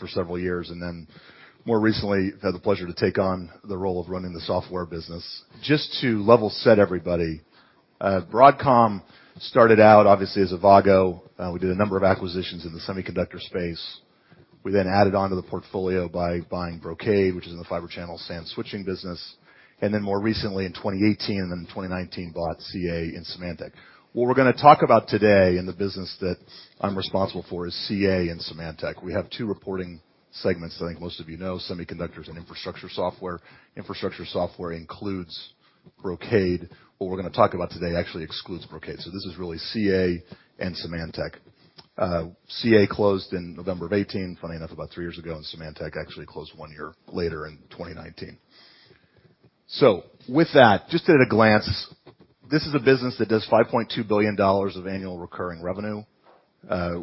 For several years, and then more recently had the pleasure to take on the role of running the software business. Just to level set everybody, Broadcom started out obviously as Avago. We did a number of acquisitions in the semiconductor space. We then added on to the portfolio by buying Brocade, which is in the Fibre Channel SAN switching business. More recently in 2018 and then in 2019, bought CA and Symantec. What we're gonna talk about today in the business that I'm responsible for is CA and Symantec. We have two reporting segments I think most of you know, Semiconductors and Infrastructure Software. Infrastructure Software includes Brocade. What we're gonna talk about today actually excludes Brocade, so this is really CA and Symantec. CA closed in November 2018, funny enough, about three years ago, and Symantec actually closed one year later in 2019. With that, just at a glance, this is a business that does $5.2 billion of annual recurring revenue.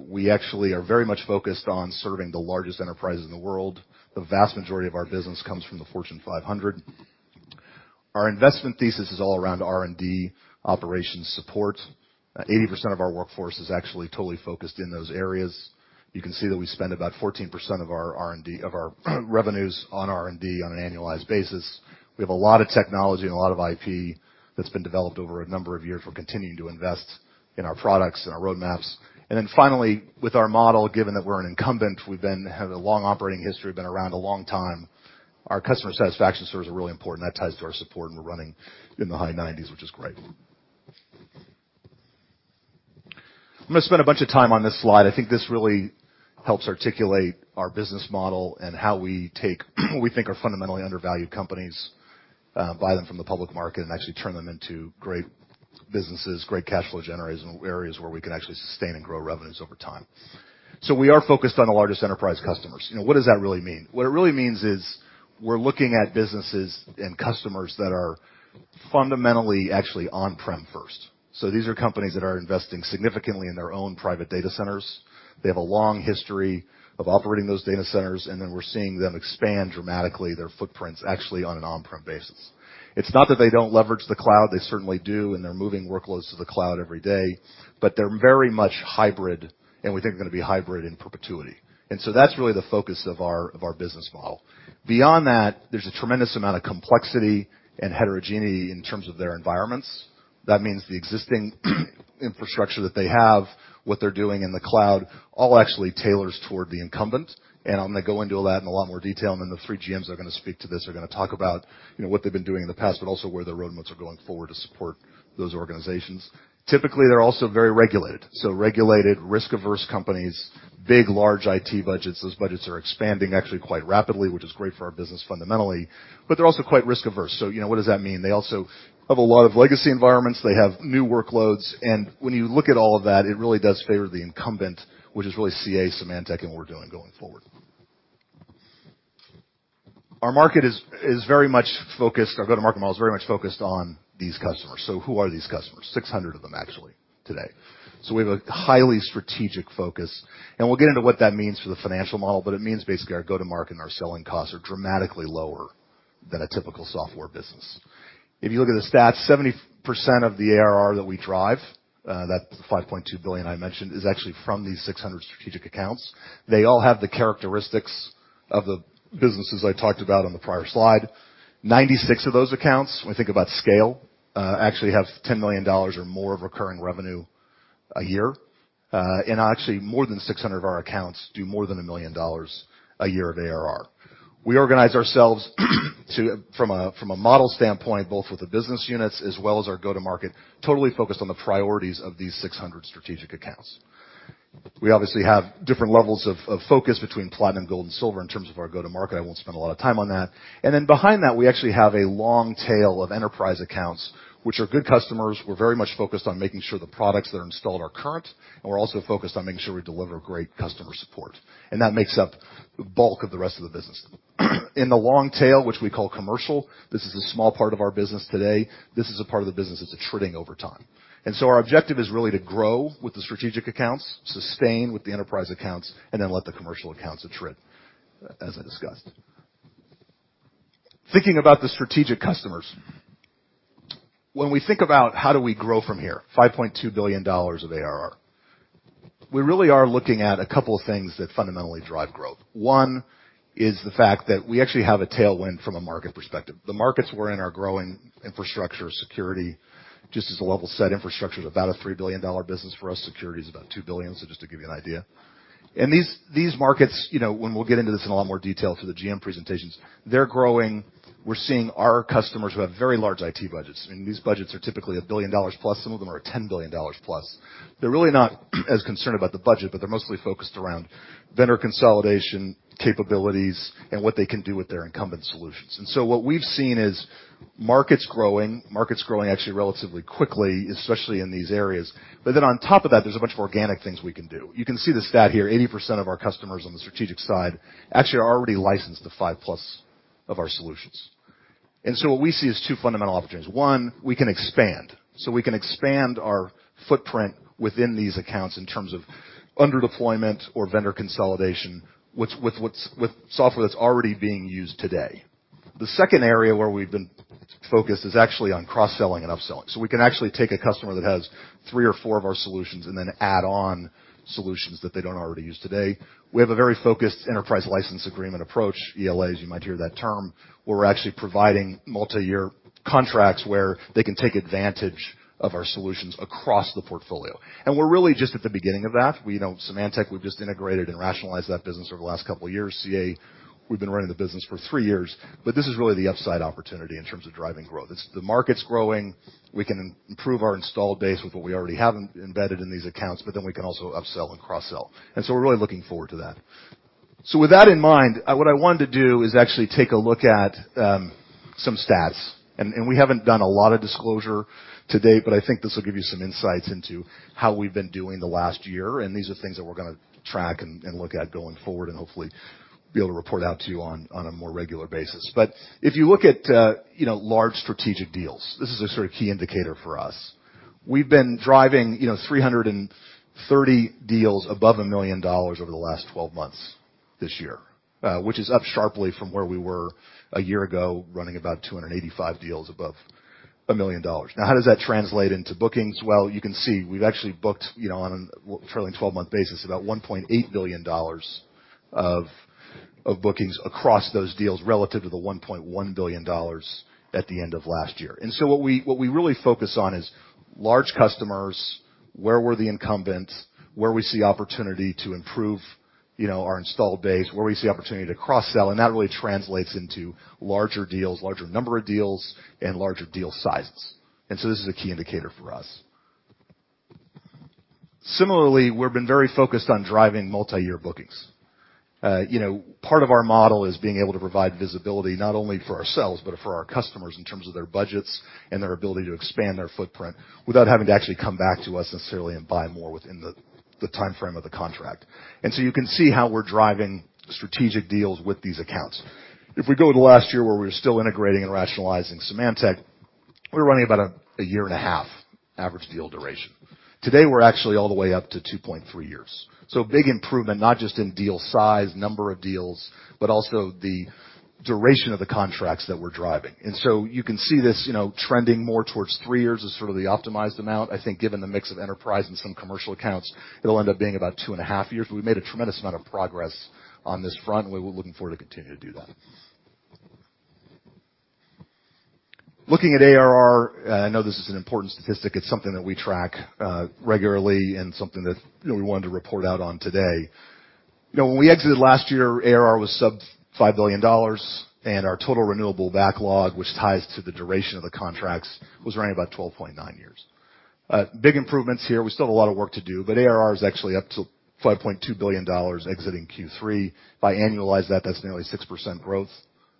We actually are very much focused on serving the largest enterprises in the world. The vast majority of our business comes from the Fortune 500. Our investment thesis is all around R&D operations support. 80% of our workforce is actually totally focused in those areas. You can see that we spend about 14% of our revenues on R&D on an annualized basis. We have a lot of technology and a lot of IP that's been developed over a number of years. We're continuing to invest in our products and our roadmaps. With our model, given that we're an incumbent, we have a long operating history. Been around a long time. Our customer satisfaction scores are really important. That ties to our support, and we're running in the high 90s%, which is great. I'm gonna spend a bunch of time on this slide. I think this really helps articulate our business model and how we take what we think are fundamentally undervalued companies, buy them from the public market and actually turn them into great businesses, great cash flow generation areas where we can actually sustain and grow revenues over time. We are focused on the largest enterprise customers. You know, what does that really mean? What it really means is we're looking at businesses and customers that are fundamentally actually on-prem first. These are companies that are investing significantly in their own private data centers. They have a long history of operating those data centers, and then we're seeing them expand dramatically their footprints actually on an on-prem basis. It's not that they don't leverage the cloud, they certainly do, and they're moving workloads to the cloud every day, but they're very much hybrid, and we think they're gonna be hybrid in perpetuity. That's really the focus of our business model. Beyond that, there's a tremendous amount of complexity and heterogeneity in terms of their environments. That means the existing infrastructure that they have, what they're doing in the cloud, all actually tailors toward the incumbent. I'm gonna go into all that in a lot more detail, and then the three GMs are gonna talk about, you know, what they've been doing in the past, but also where their roadmaps are going forward to support those organizations. Typically, they're also very regulated risk-averse companies, big large IT budgets. Those budgets are expanding actually quite rapidly, which is great for our business fundamentally, but they're also quite risk-averse. You know, what does that mean? They also have a lot of legacy environments. They have new workloads. When you look at all of that, it really does favor the incumbent, which is really CA, Symantec and what we're doing going forward. Our go-to-market model is very much focused on these customers. Who are these customers? 600 of them actually today. We have a highly strategic focus, and we'll get into what that means for the financial model, but it means basically our go-to-market and our selling costs are dramatically lower than a typical software business. If you look at the stats, 70% of the ARR that we drive, that $5.2 billion I mentioned, is actually from these 600 strategic accounts. They all have the characteristics of the businesses I talked about on the prior slide. 96 of those accounts, when we think about scale, actually have $10 million or more of recurring revenue a year. Actually more than 600 of our accounts do more than $1 million a year of ARR. We organize ourselves from a model standpoint, both with the business units as well as our go-to-market, totally focused on the priorities of these 600 strategic accounts. We obviously have different levels of focus between platinum, gold, and silver in terms of our go-to-market. I won't spend a lot of time on that. Then behind that, we actually have a long tail of enterprise accounts, which are good customers. We're very much focused on making sure the products that are installed are current, and we're also focused on making sure we deliver great customer support. That makes up the bulk of the rest of the business. In the long tail, which we call commercial, this is a small part of our business today. This is a part of the business that's attriting over time. Our objective is really to grow with the strategic accounts, sustain with the enterprise accounts, and then let the commercial accounts attrit, as I discussed. Thinking about the strategic customers. When we think about how do we grow from here, $5.2 billion of ARR, we really are looking at a couple of things that fundamentally drive growth. One is the fact that we actually have a tailwind from a market perspective. The markets we're in are growing infrastructure, security. Just as a level set, infrastructure is about a $3 billion business for us. Security is about $2 billion. So just to give you an idea. These markets, you know, when we'll get into this in a lot more detail through the GM presentations, they're growing. We're seeing our customers who have very large IT budgets, and these budgets are typically $1 billion plus. Some of them are $10 billion plus. They're really not as concerned about the budget, but they're mostly focused around vendor consolidation capabilities and what they can do with their incumbent solutions. What we've seen is markets growing actually relatively quickly, especially in these areas. On top of that, there's a bunch of organic things we can do. You can see the stat here. 80% of our customers on the strategic side actually are already licensed to five plus of our solutions. What we see is two fundamental opportunities. One, we can expand. We can expand our footprint within these accounts in terms of under deployment or vendor consolidation, which with software that's already being used today. The second area where we've been focused is actually on cross-selling and upselling. We can actually take a customer that has three or four of our solutions and then add on solutions that they don't already use today. We have a very focused enterprise license agreement approach, ELAs, you might hear that term, where we're actually providing multi-year contracts where they can take advantage of our solutions across the portfolio. We're really just at the beginning of that. We know Symantec, we've just integrated and rationalized that business over the last couple of years. CA, we've been running the business for three years, but this is really the upside opportunity in terms of driving growth. It's the market's growing. We can improve our installed base with what we already have embedded in these accounts, but then we can also upsell and cross-sell. We're really looking forward to that. With that in mind, what I wanted to do is actually take a look at some stats. We haven't done a lot of disclosure to date, but I think this will give you some insights into how we've been doing the last year. These are things that we're gonna track and look at going forward and hopefully be able to report out to you on a more regular basis. But if you look at, you know, large strategic deals, this is a sort of key indicator for us. We've been driving, you know, 330 deals above $1 million over the last 12 months this year, which is up sharply from where we were a year ago, running about 285 deals above $1 million. Now, how does that translate into bookings? Well, you can see we've actually booked, you know, on a trailing twelve-month basis, about $1.8 billion of bookings across those deals relative to the $1.1 billion at the end of last year. What we really focus on is large customers, where we're the incumbent, where we see opportunity to improve, you know, our installed base, where we see opportunity to cross-sell, and that really translates into larger deals, larger number of deals, and larger deal sizes. This is a key indicator for us. Similarly, we've been very focused on driving multi-year bookings. You know, part of our model is being able to provide visibility not only for ourselves, but for our customers in terms of their budgets and their ability to expand their footprint without having to actually come back to us necessarily and buy more within the timeframe of the contract. You can see how we're driving strategic deals with these accounts. If we go to last year where we were still integrating and rationalizing Symantec, we're running about a year and a half average deal duration. Today, we're actually all the way up to 2.3 years. Big improvement, not just in deal size, number of deals, but also the duration of the contracts that we're driving. You can see this, you know, trending more towards three years is sort of the optimized amount. I think given the mix of enterprise and some commercial accounts, it'll end up being about 2.5 years. We made a tremendous amount of progress on this front. We're looking forward to continue to do that. Looking at ARR, I know this is an important statistic. It's something that we track regularly and something that, you know, we wanted to report out on today. You know, when we exited last year, ARR was sub $5 billion, and our total renewable backlog, which ties to the duration of the contracts, was running about 12.9 years. Big improvements here. We still have a lot of work to do, but ARR is actually up to $5.2 billion exiting Q3. If I annualize that's nearly 6% growth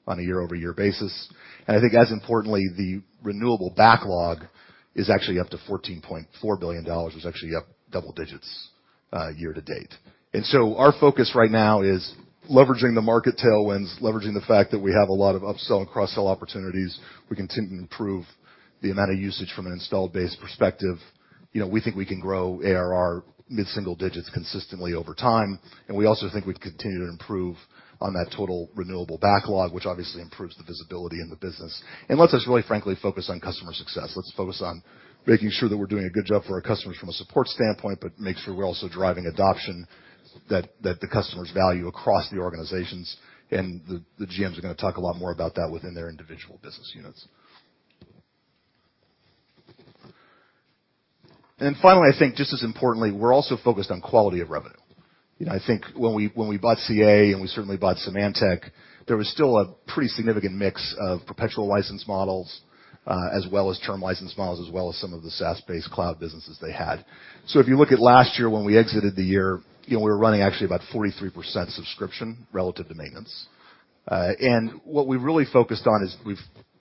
on a year-over-year basis. I think as importantly, the renewable backlog is actually up to $14.4 billion, was actually up double digits year to date. Our focus right now is leveraging the market tailwinds, leveraging the fact that we have a lot of upsell and cross-sell opportunities. We continue to improve the amount of usage from an installed base perspective. You know, we think we can grow ARR mid-single digits consistently over time. We also think we'd continue to improve on that total renewable backlog, which obviously improves the visibility in the business, lets us really, frankly, focus on customer success. Let's focus on making sure that we're doing a good job for our customers from a support standpoint, but make sure we're also driving adoption that the customers value across the organizations. The GMs are gonna talk a lot more about that within their individual business units. Finally, I think just as importantly, we're also focused on quality of revenue. You know, I think when we bought CA, and we certainly bought Symantec, there was still a pretty significant mix of perpetual license models, as well as term license models, as well as some of the SaaS-based cloud businesses they had. If you look at last year when we exited the year, you know, we were running actually about 43% subscription relative to maintenance. What we really focused on is we've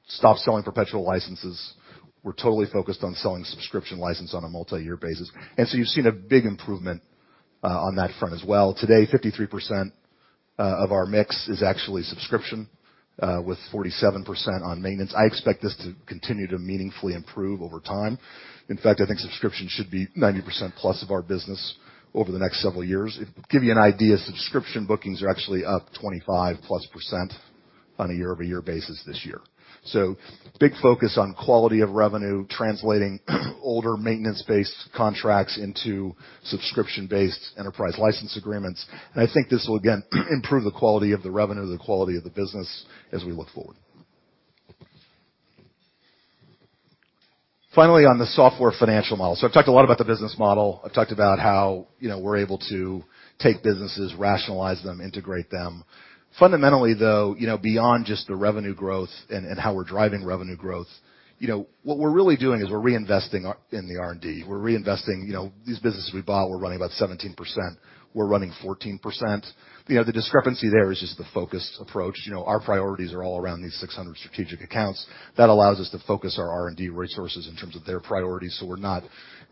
stopped selling perpetual licenses. We're totally focused on selling subscription license on a multi-year basis. You've seen a big improvement on that front as well. Today, 53% of our mix is actually subscription with 47% on maintenance. I expect this to continue to meaningfully improve over time. In fact, I think subscription should be 90%+ of our business over the next several years. To give you an idea, subscription bookings are actually up 25%+ on a year-over-year basis this year. Big focus on quality of revenue, translating older maintenance-based contracts into subscription-based enterprise license agreements. I think this will again improve the quality of the revenue, the quality of the business as we look forward. Finally, on the software financial model. I've talked a lot about the business model. I've talked about how, you know, we're able to take businesses, rationalize them, integrate them. Fundamentally, though, you know, beyond just the revenue growth and how we're driving revenue growth, you know, what we're really doing is we're reinvesting in the R&D. We're reinvesting, you know, these businesses we bought were running about 17%. We're running 14%. You know, the discrepancy there is just the focused approach. You know, our priorities are all around these 600 strategic accounts. That allows us to focus our R&D resources in terms of their priorities, so we're not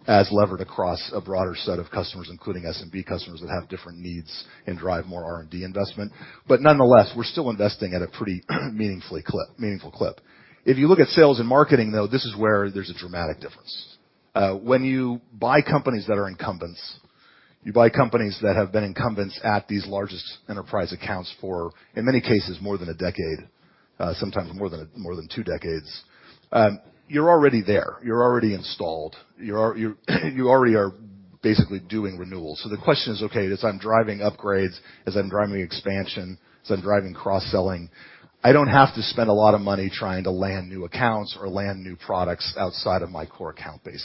as levered across a broader set of customers, including SMB customers that have different needs and drive more R&D investment. Nonetheless, we're still investing at a pretty meaningful clip. If you look at sales and marketing, though, this is where there's a dramatic difference. When you buy companies that have been incumbents at these largest enterprise accounts for, in many cases, more than a decade, sometimes more than two decades. You're already there. You're already installed. You already are basically doing renewals. The question is, okay, as I'm driving upgrades, as I'm driving expansion, as I'm driving cross-selling, I don't have to spend a lot of money trying to land new accounts or land new products outside of my core account base.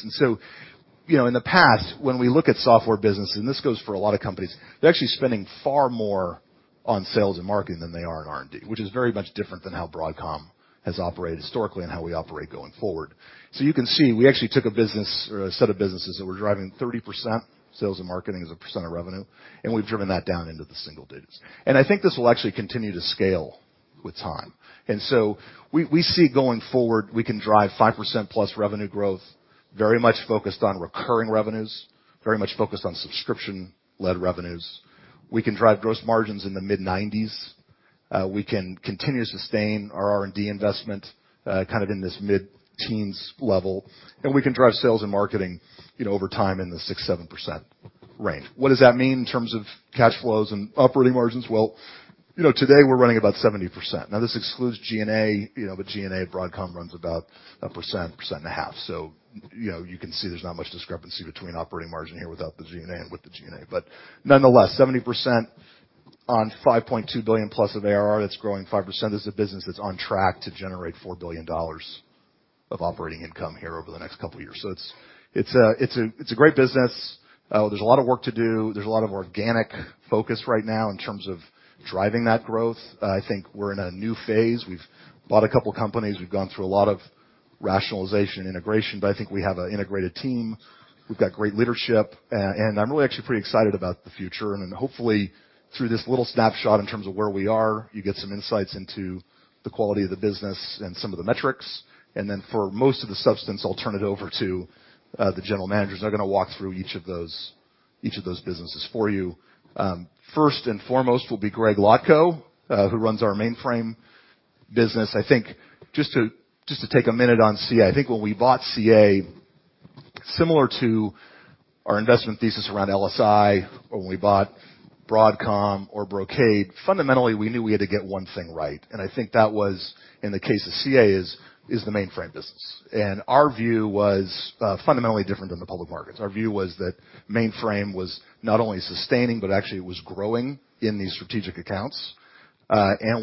You know, in the past, when we look at software business, and this goes for a lot of companies, they're actually spending far more on sales and marketing than they are on R&D, which is very much different than how Broadcom has operated historically and how we operate going forward. You can see, we actually took a business or a set of businesses that were driving 30% sales and marketing as a percent of revenue, and we've driven that down into the single digits. I think this will actually continue to scale with time. We see going forward, we can drive 5%+ revenue growth, very much focused on recurring revenues, very much focused on subscription-led revenues. We can drive gross margins in the mid-90s. We can continue to sustain our R&D investment, kind of in this mid-teens level, and we can drive sales and marketing, you know, over time in the 6% to 7% range. What does that mean in terms of cash flows and operating margins? Well, you know, today we're running about 70%. Now, this excludes G&A. You know, the G&A at Broadcom runs about 1% to 1.5%. You know, you can see there's not much discrepancy between operating margin here without the G&A and with the G&A. Nonetheless, 70% on $5.2 billion+ of ARR that's growing 5% is a business that's on track to generate $4 billion of operating income here over the next couple of years. It's a great business. There's a lot of work to do. There's a lot of organic focus right now in terms of driving that growth. I think we're in a new phase. We've bought a couple of companies. We've gone through a lot of rationalization and integration, but I think we have an integrated team. We've got great leadership. And I'm really actually pretty excited about the future. Hopefully, through this little snapshot in terms of where we are, you get some insights into the quality of the business and some of the metrics. For most of the substance, I'll turn it over to the general managers. They're gonna walk through each of those businesses for you. First and foremost will be Greg Lotko, who runs our mainframe business. I think just to take a minute on CA, I think when we bought CA, similar to our investment thesis around LSI or when we bought Broadcom or Brocade, fundamentally, we knew we had to get one thing right, and I think that was, in the case of CA, is the mainframe business. Our view was fundamentally different than the public markets. Our view was that mainframe was not only sustaining, but actually it was growing in these strategic accounts.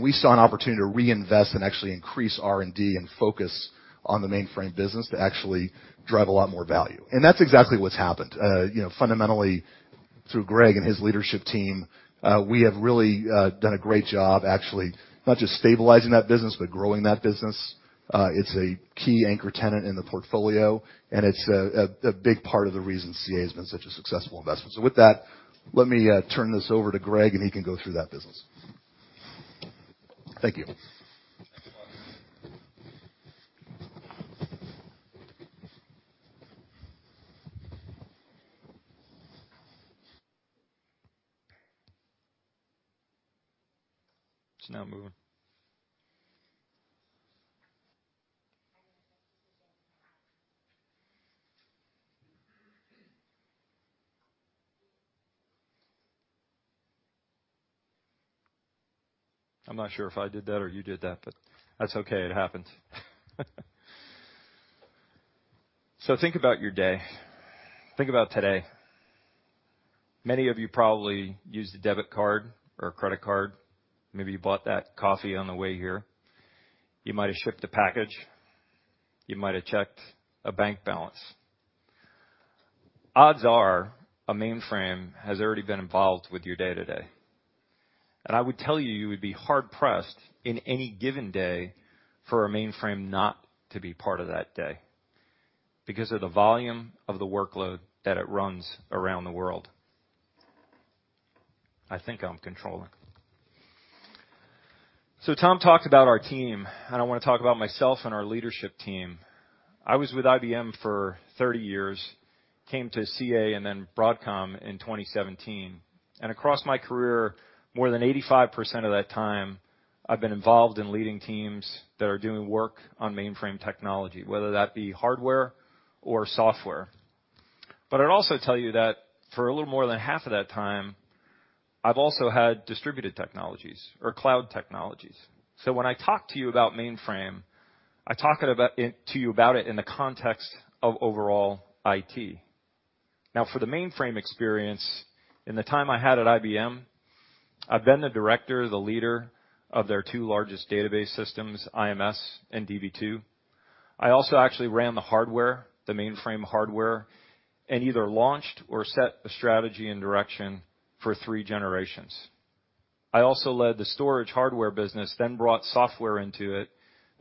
we saw an opportunity to reinvest and actually increase R&D and focus on the mainframe business to actually drive a lot more value. That's exactly what's happened. You know, fundamentally, through Greg and his leadership team, we have really done a great job, actually, not just stabilizing that business, but growing that business. It's a key anchor tenant in the portfolio, and it's a big part of the reason CA has been such a successful investment. With that, let me turn this over to Greg, and he can go through that business. Thank you. Thanks a lot. It's not moving. I'm not sure if I did that or you did that, but that's okay. It happens. Think about your day. Think about today. Many of you probably used a debit card or a credit card. Maybe you bought that coffee on the way here. You might have shipped a package. You might have checked a bank balance. Odds are a mainframe has already been involved with your day-to-day. I would tell you would be hard-pressed in any given day for a mainframe not to be part of that day because of the volume of the workload that it runs around the world. I think I'm controlling. Tom talked about our team, and I want to talk about myself and our leadership team. I was with IBM for 30 years, came to CA and then Broadcom in 2017, and across my career, more than 85% of that time, I've been involved in leading teams that are doing work on mainframe technology, whether that be hardware or software. I'd also tell you that for a little more than half of that time, I've also had distributed technologies or cloud technologies. When I talk to you about mainframe, I talk about it, to you about it in the context of overall IT. Now, for the mainframe experience, in the time I had at IBM, I've been the director, the leader of their two largest database systems, IMS and DB2. I also actually ran the hardware, the mainframe hardware, and either launched or set a strategy and direction for three generations. I also led the storage hardware business, then brought software into it.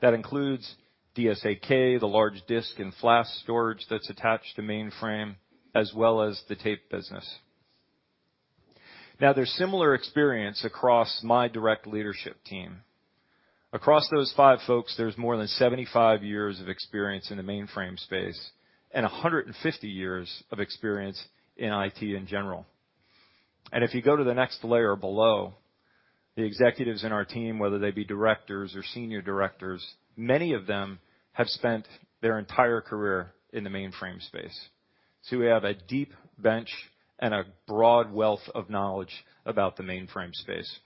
That includes DS8K, the large disk and flash storage that's attached to mainframe, as well as the tape business. Now, there's similar experience across my direct leadership team. Across those five folks, there's more than 75 years of experience in the mainframe space and 150 years of experience in IT in general. If you go to the next layer below, the executives in our team, whether they be directors or senior directors, many of them have spent their entire career in the mainframe space. We have a deep bench and a broad wealth of knowledge about the mainframe space.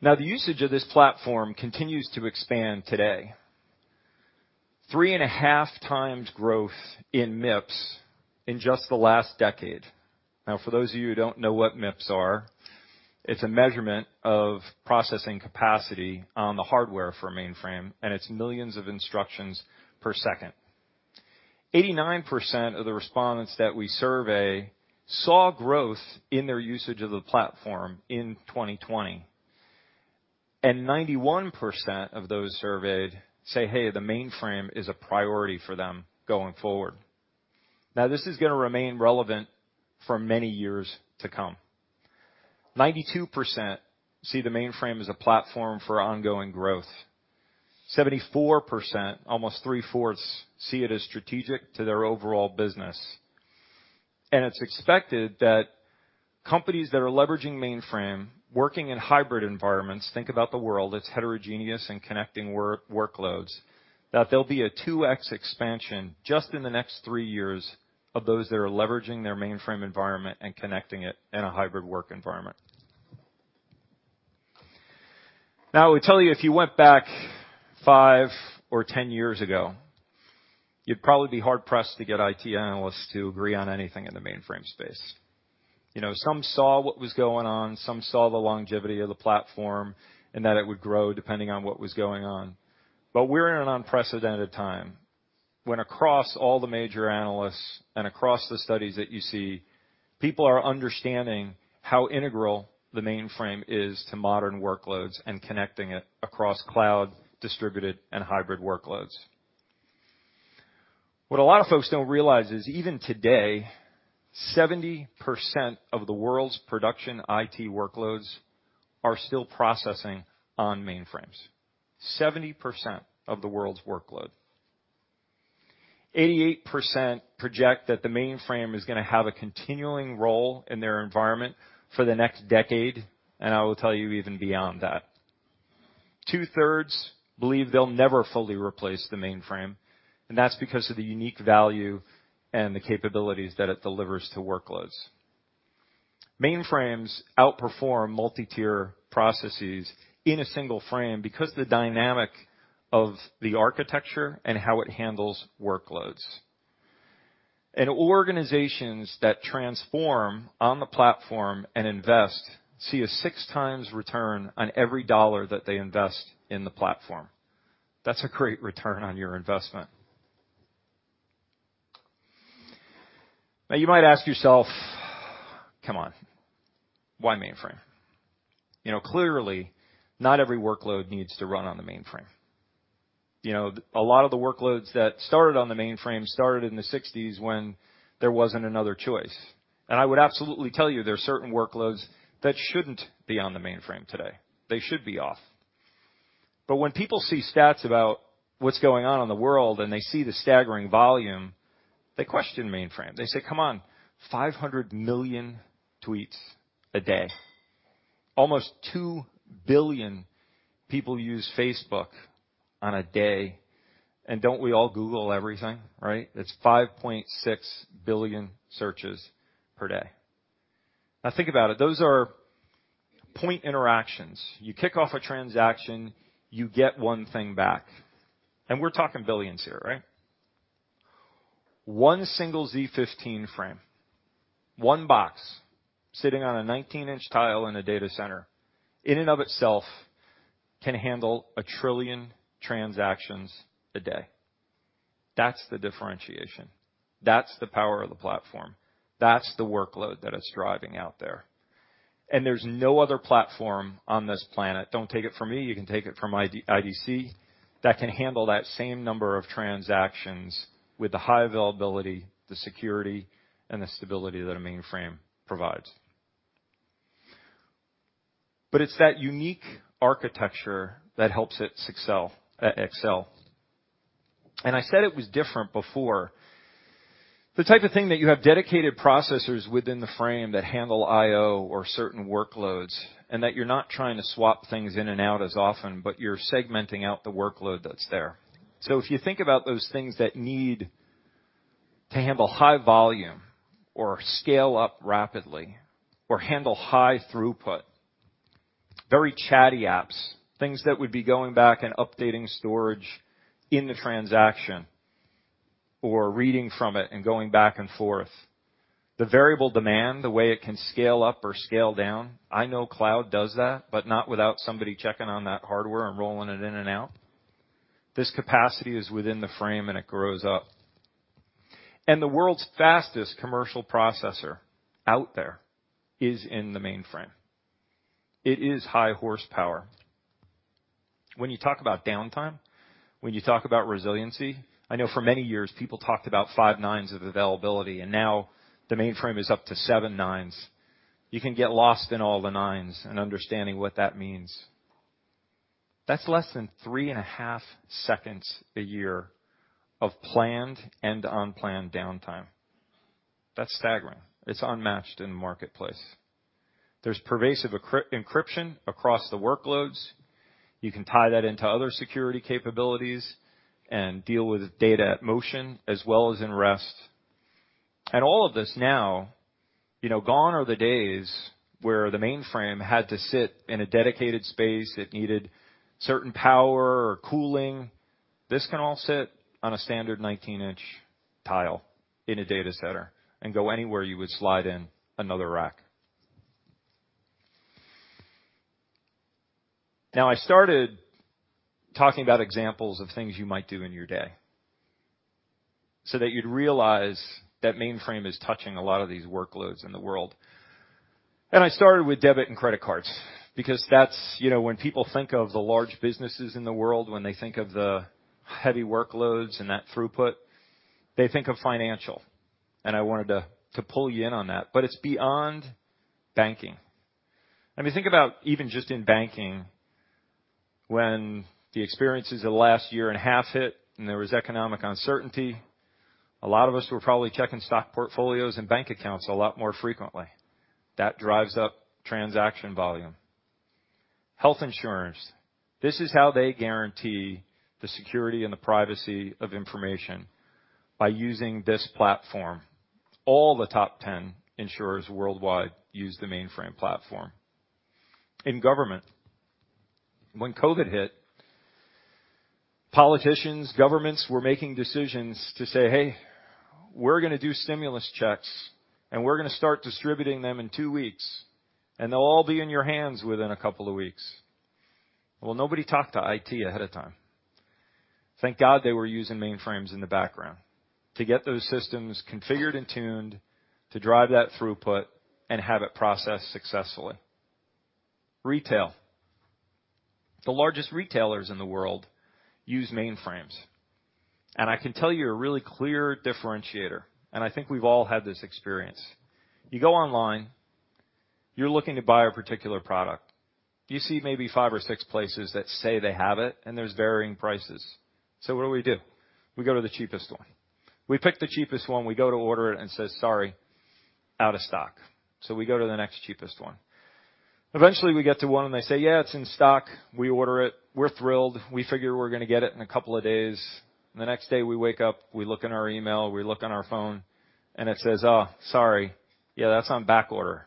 Now, the usage of this platform continues to expand today. 3.5 times growth in MIPS in just the last decade. Now, for those of you who don't know what MIPS are, it's a measurement of processing capacity on the hardware for a mainframe, and it's millions of instructions per second. 89% of the respondents that we survey saw growth in their usage of the platform in 2020, and 91% of those surveyed say, "Hey, the mainframe is a priority for them going forward." Now, this is going to remain relevant for many years to come. 92% see the mainframe as a platform for ongoing growth. 74%, almost three-fourths, see it as strategic to their overall business. It's expected that companies that are leveraging mainframe, working in hybrid environments, think about the world as heterogeneous and connecting workloads, that there'll be a two times expansion just in the next three years of those that are leveraging their mainframe environment and connecting it in a hybrid work environment. Now, we tell you if you went back five or 10 years ago, you'd probably be hard-pressed to get IT analysts to agree on anything in the mainframe space. You know, some saw what was going on, some saw the longevity of the platform, and that it would grow depending on what was going on. We're in an unprecedented time when across all the major analysts and across the studies that you see, people are understanding how integral the mainframe is to modern workloads and connecting it across cloud, distributed, and hybrid workloads. What a lot of folks don't realize is even today, 70% of the world's production IT workloads are still processing on mainframes. 70% of the world's workload. 88% project that the mainframe is going to have a continuing role in their environment for the next decade, and I will tell you even beyond that. Two-thirds believe they'll never fully replace the mainframe, and that's because of the unique value and the capabilities that it delivers to workloads. Mainframes outperform multi-tier processes in a single frame because of the dynamic of the architecture and how it handles workloads. Organizations that transform on the platform and invest see a 6 times return on every dollar that they invest in the platform. That's a great return on your investment. Now you might ask yourself, "Come on, why mainframe?" You know, clearly not every workload needs to run on the mainframe. You know, a lot of the workloads that started on the mainframe started in the sixties when there wasn't another choice. I would absolutely tell you there are certain workloads that shouldn't be on the mainframe today. They should be off. When people see stats about what's going on in the world and they see the staggering volume, they question mainframe. They say, "Come on, 500 million tweets a day. Almost two billion people use Facebook on a day, and don't we all Google everything, right? It's 5.6 billion searches per day." Now think about it. Those are point interactions. You kick off a transaction, you get one thing back, and we're talking billions here, right? One single z15 frame, one box sitting on a 19-inch tile in a data center in and of itself can handle a trillion transactions a day. That's the differentiation. That's the power of the platform. That's the workload that it's driving out there. There's no other platform on this planet, don't take it from me, you can take it from IDC, that can handle that same number of transactions with the high availability, the security, and the stability that a mainframe provides. It's that unique architecture that helps it excel. I said it was different before. The type of thing that you have dedicated processors within the frame that handle I/O or certain workloads, and that you're not trying to swap things in and out as often, but you're segmenting out the workload that's there. If you think about those things that need to handle high volume or scale up rapidly or handle high throughput, very chatty apps, things that would be going back and updating storage in the transaction or reading from it and going back and forth. The variable demand, the way it can scale up or scale down. I know cloud does that, but not without somebody checking on that hardware and rolling it in and out. This capacity is within the frame, and it grows up. The world's fastest commercial processor out there is in the mainframe. It is high horsepower. When you talk about downtime, when you talk about resiliency, I know for many years people talked about five nines of availability, and now the mainframe is up to seven nines. You can get lost in all the nines and understanding what that means. That's less than 3.5 seconds a year of planned and unplanned downtime. That's staggering. It's unmatched in the marketplace. There's pervasive encryption across the workloads. You can tie that into other security capabilities and deal with data at motion as well as in rest. All of this now, you know, gone are the days where the mainframe had to sit in a dedicated space that needed certain power or cooling. This can all sit on a standard 19-inch tile in a data center and go anywhere you would slide in another rack. Now I started talking about examples of things you might do in your day so that you'd realize that mainframe is touching a lot of these workloads in the world. I started with debit and credit cards because that's, you know, when people think of the large businesses in the world, when they think of the heavy workloads and that throughput, they think of financial. I wanted to pull you in on that. It's beyond banking. I mean, think about even just in banking, when the experiences of the last year and a half hit and there was economic uncertainty, a lot of us were probably checking stock portfolios and bank accounts a lot more frequently. That drives up transaction volume. Health insurance, this is how they guarantee the security and the privacy of information by using this platform. All the top ten insurers worldwide use the mainframe platform. In government, when COVID hit, politicians, governments were making decisions to say, "Hey, we're gonna do stimulus checks, and we're gonna start distributing them in two weeks, and they'll all be in your hands within a couple of weeks." Well, nobody talked to IT ahead of time. Thank God they were using mainframes in the background to get those systems configured and tuned, to drive that throughput and have it processed successfully. Retail. The largest retailers in the world use mainframes, and I can tell you a really clear differentiator, and I think we've all had this experience. You go online, you're looking to buy a particular product. You see maybe five or six places that say they have it, and there's varying prices. So what do we do? We go to the cheapest one. We pick the cheapest one, we go to order it, and it says, "Sorry. Out of stock." We go to the next cheapest one. Eventually, we get to one and they say, "Yeah, it's in stock." We order it. We're thrilled. We figure we're gonna get it in a couple of days. The next day we wake up, we look in our email, we look on our phone, and it says, "Oh, sorry. Yeah, that's on backorder.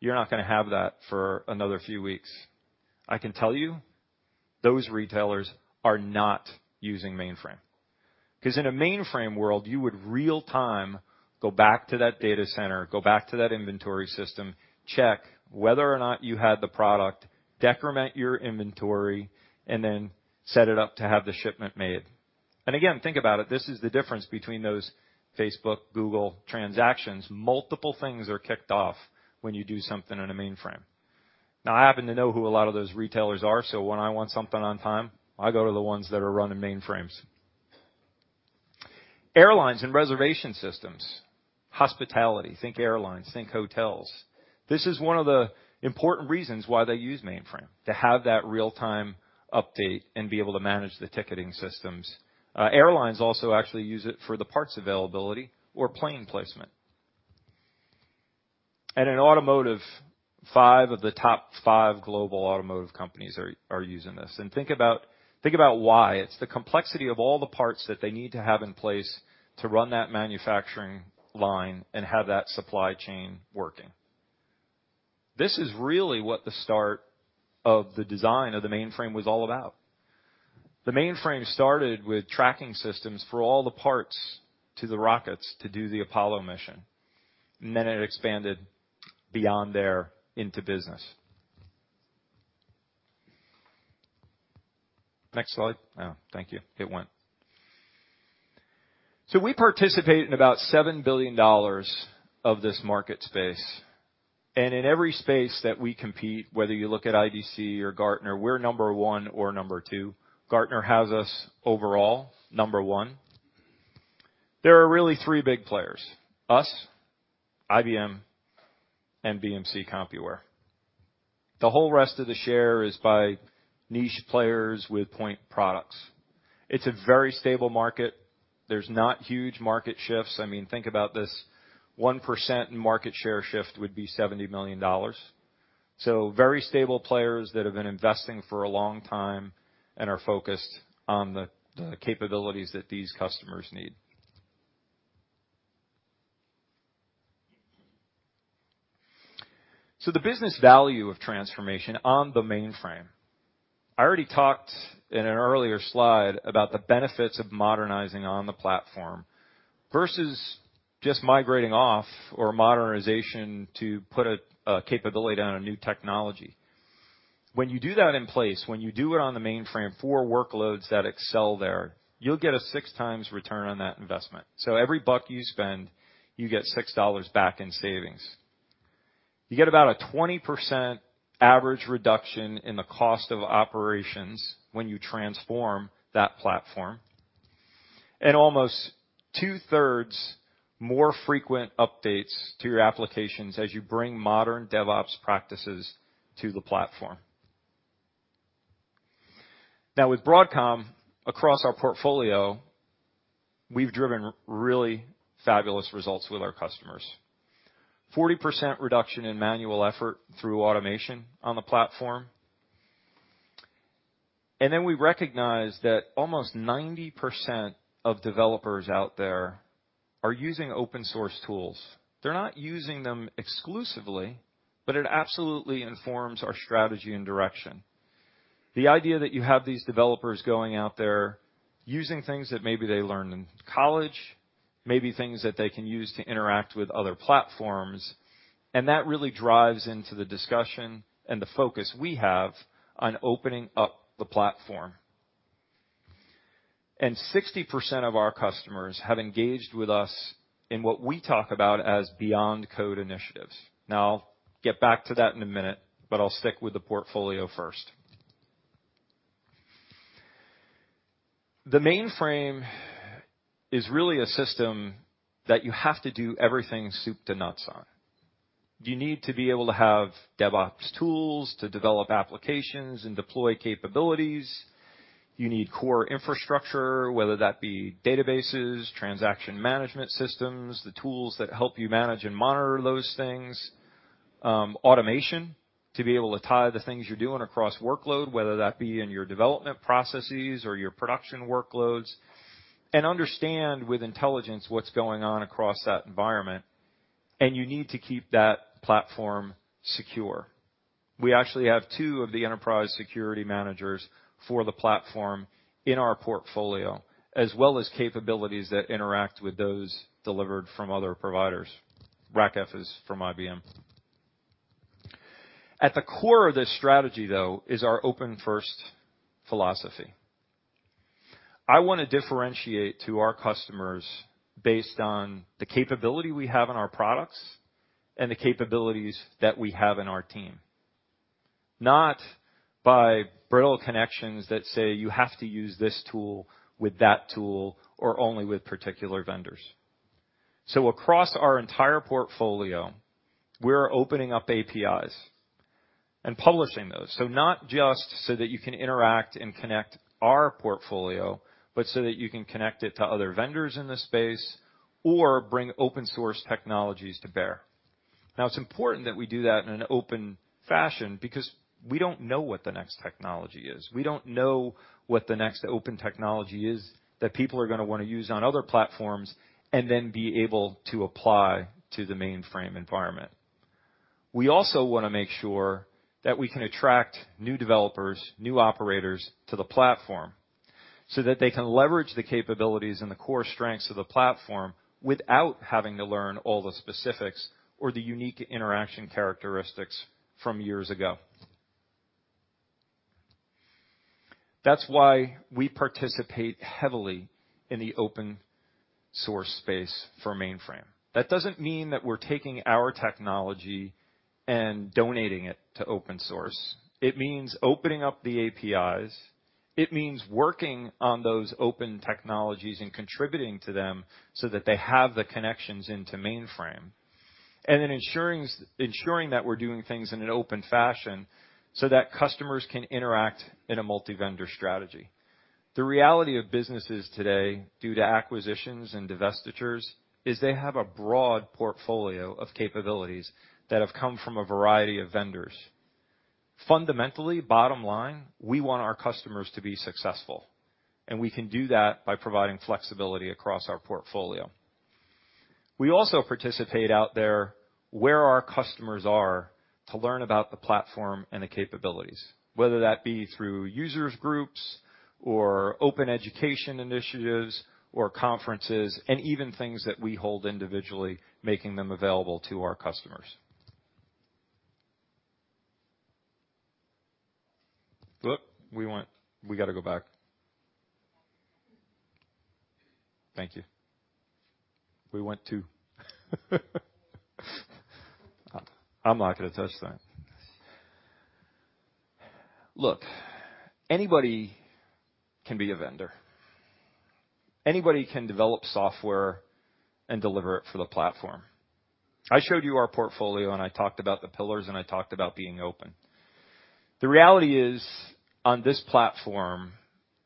You're not gonna have that for another few weeks." I can tell you, those retailers are not using mainframe. 'Cause in a mainframe world, you would real time go back to that data center, go back to that inventory system, check whether or not you had the product, decrement your inventory, and then set it up to have the shipment made. Again, think about it. This is the difference between those Facebook, Google transactions. Multiple things are kicked off when you do something in a mainframe. Now, I happen to know who a lot of those retailers are, so when I want something on time, I go to the ones that are running mainframes. Airlines and reservation systems. Hospitality. Think airlines, think hotels. This is one of the important reasons why they use mainframe, to have that real-time update and be able to manage the ticketing systems. Airlines also actually use it for the parts availability or plane placement. In automotive, five of the top five global automotive companies are using this. Think about why. It's the complexity of all the parts that they need to have in place to run that manufacturing line and have that supply chain working. This is really what the start of the design of the mainframe was all about. The mainframe started with tracking systems for all the parts to the rockets to do the Apollo mission, and then it expanded beyond there into business. Next slide. Oh, thank you. We participate in about $7 billion of this market space. In every space that we compete, whether you look at IDC or Gartner, we're number one or number two. Gartner has us overall number one. There are really three big players: us, IBM, and BMC/Compuware. The whole rest of the share is by niche players with point products. It's a very stable market. There's not huge market shifts. I mean, think about this, 1% in market share shift would be $70 million. Very stable players that have been investing for a long time and are focused on the capabilities that these customers need. The business value of transformation on the mainframe. I already talked in an earlier slide about the benefits of modernizing on the platform versus just migrating off or modernization to put a capability down a new technology. When you do that in place on the mainframe for workloads that excel there, you'll get a 6 times return on that investment. Every $1 you spend, you get $6 back in savings. You get about a 20% average reduction in the cost of operations when you transform that platform. Almost two-thirds more frequent updates to your applications as you bring modern DevOps practices to the platform. Now with Broadcom, across our portfolio, we've driven really fabulous results with our customers. 40% reduction in manual effort through automation on the platform. We recognize that almost 90% of developers out there are using open source tools. They're not using them exclusively, but it absolutely informs our strategy and direction. The idea that you have these developers going out there using things that maybe they learned in college, maybe things that they can use to interact with other platforms, and that really drives into the discussion and the focus we have on opening up the platform. 60% of our customers have engaged with us in what we talk about as beyond code initiatives. Now I'll get back to that in a minute, but I'll stick with the portfolio first. The mainframe is really a system that you have to do everything soup to nuts on. You need to be able to have DevOps tools to develop applications and deploy capabilities. You need core infrastructure, whether that be databases, transaction management systems, the tools that help you manage and monitor those things, automation, to be able to tie the things you're doing across workload, whether that be in your development processes or your production workloads, and understand with intelligence what's going on across that environment, and you need to keep that platform secure. We actually have two of the enterprise security managers for the platform in our portfolio, as well as capabilities that interact with those delivered from other providers. RACF is from IBM. At the core of this strategy, though, is our open first philosophy. I want to differentiate to our customers based on the capability we have in our products and the capabilities that we have in our team, not by brittle connections that say, "You have to use this tool with that tool or only with particular vendors." Across our entire portfolio, we're opening up APIs and publishing those. Not just so that you can interact and connect our portfolio, but so that you can connect it to other vendors in the space or bring open source technologies to bear. Now, it's important that we do that in an open fashion because we don't know what the next technology is. We don't know what the next open technology is that people are going to want to use on other platforms and then be able to apply to the mainframe environment. We also want to make sure that we can attract new developers, new operators to the platform so that they can leverage the capabilities and the core strengths of the platform without having to learn all the specifics or the unique interaction characteristics from years ago. That's why we participate heavily in the open source space for mainframe. That doesn't mean that we're taking our technology and donating it to open source. It means opening up the APIs. It means working on those open technologies and contributing to them so that they have the connections into mainframe, and then ensuring that we're doing things in an open fashion so that customers can interact in a multi-vendor strategy. The reality of businesses today, due to acquisitions and divestitures, is they have a broad portfolio of capabilities that have come from a variety of vendors. Fundamentally, bottom line, we want our customers to be successful, and we can do that by providing flexibility across our portfolio. We also participate out there where our customers are to learn about the platform and the capabilities, whether that be through users groups or open education initiatives or conferences, and even things that we hold individually, making them available to our customers. Look, anybody can be a vendor. Anybody can develop software and deliver it for the platform. I showed you our portfolio, and I talked about the pillars, and I talked about being open. The reality is, on this platform,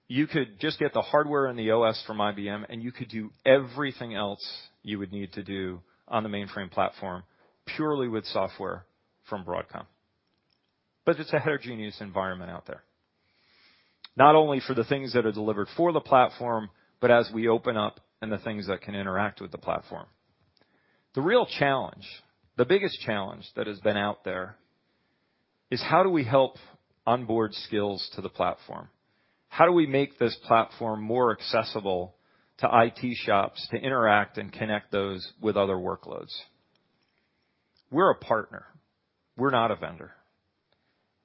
you could just get the hardware and the OS from IBM, and you could do everything else you would need to do on the mainframe platform purely with software from Broadcom. It's a heterogeneous environment out there, not only for the things that are delivered for the platform, but as we open up and the things that can interact with the platform. The real challenge, the biggest challenge that has been out there is how do we help onboard skills to the platform? How do we make this platform more accessible to IT shops to interact and connect those with other workloads? We're a partner. We're not a vendor.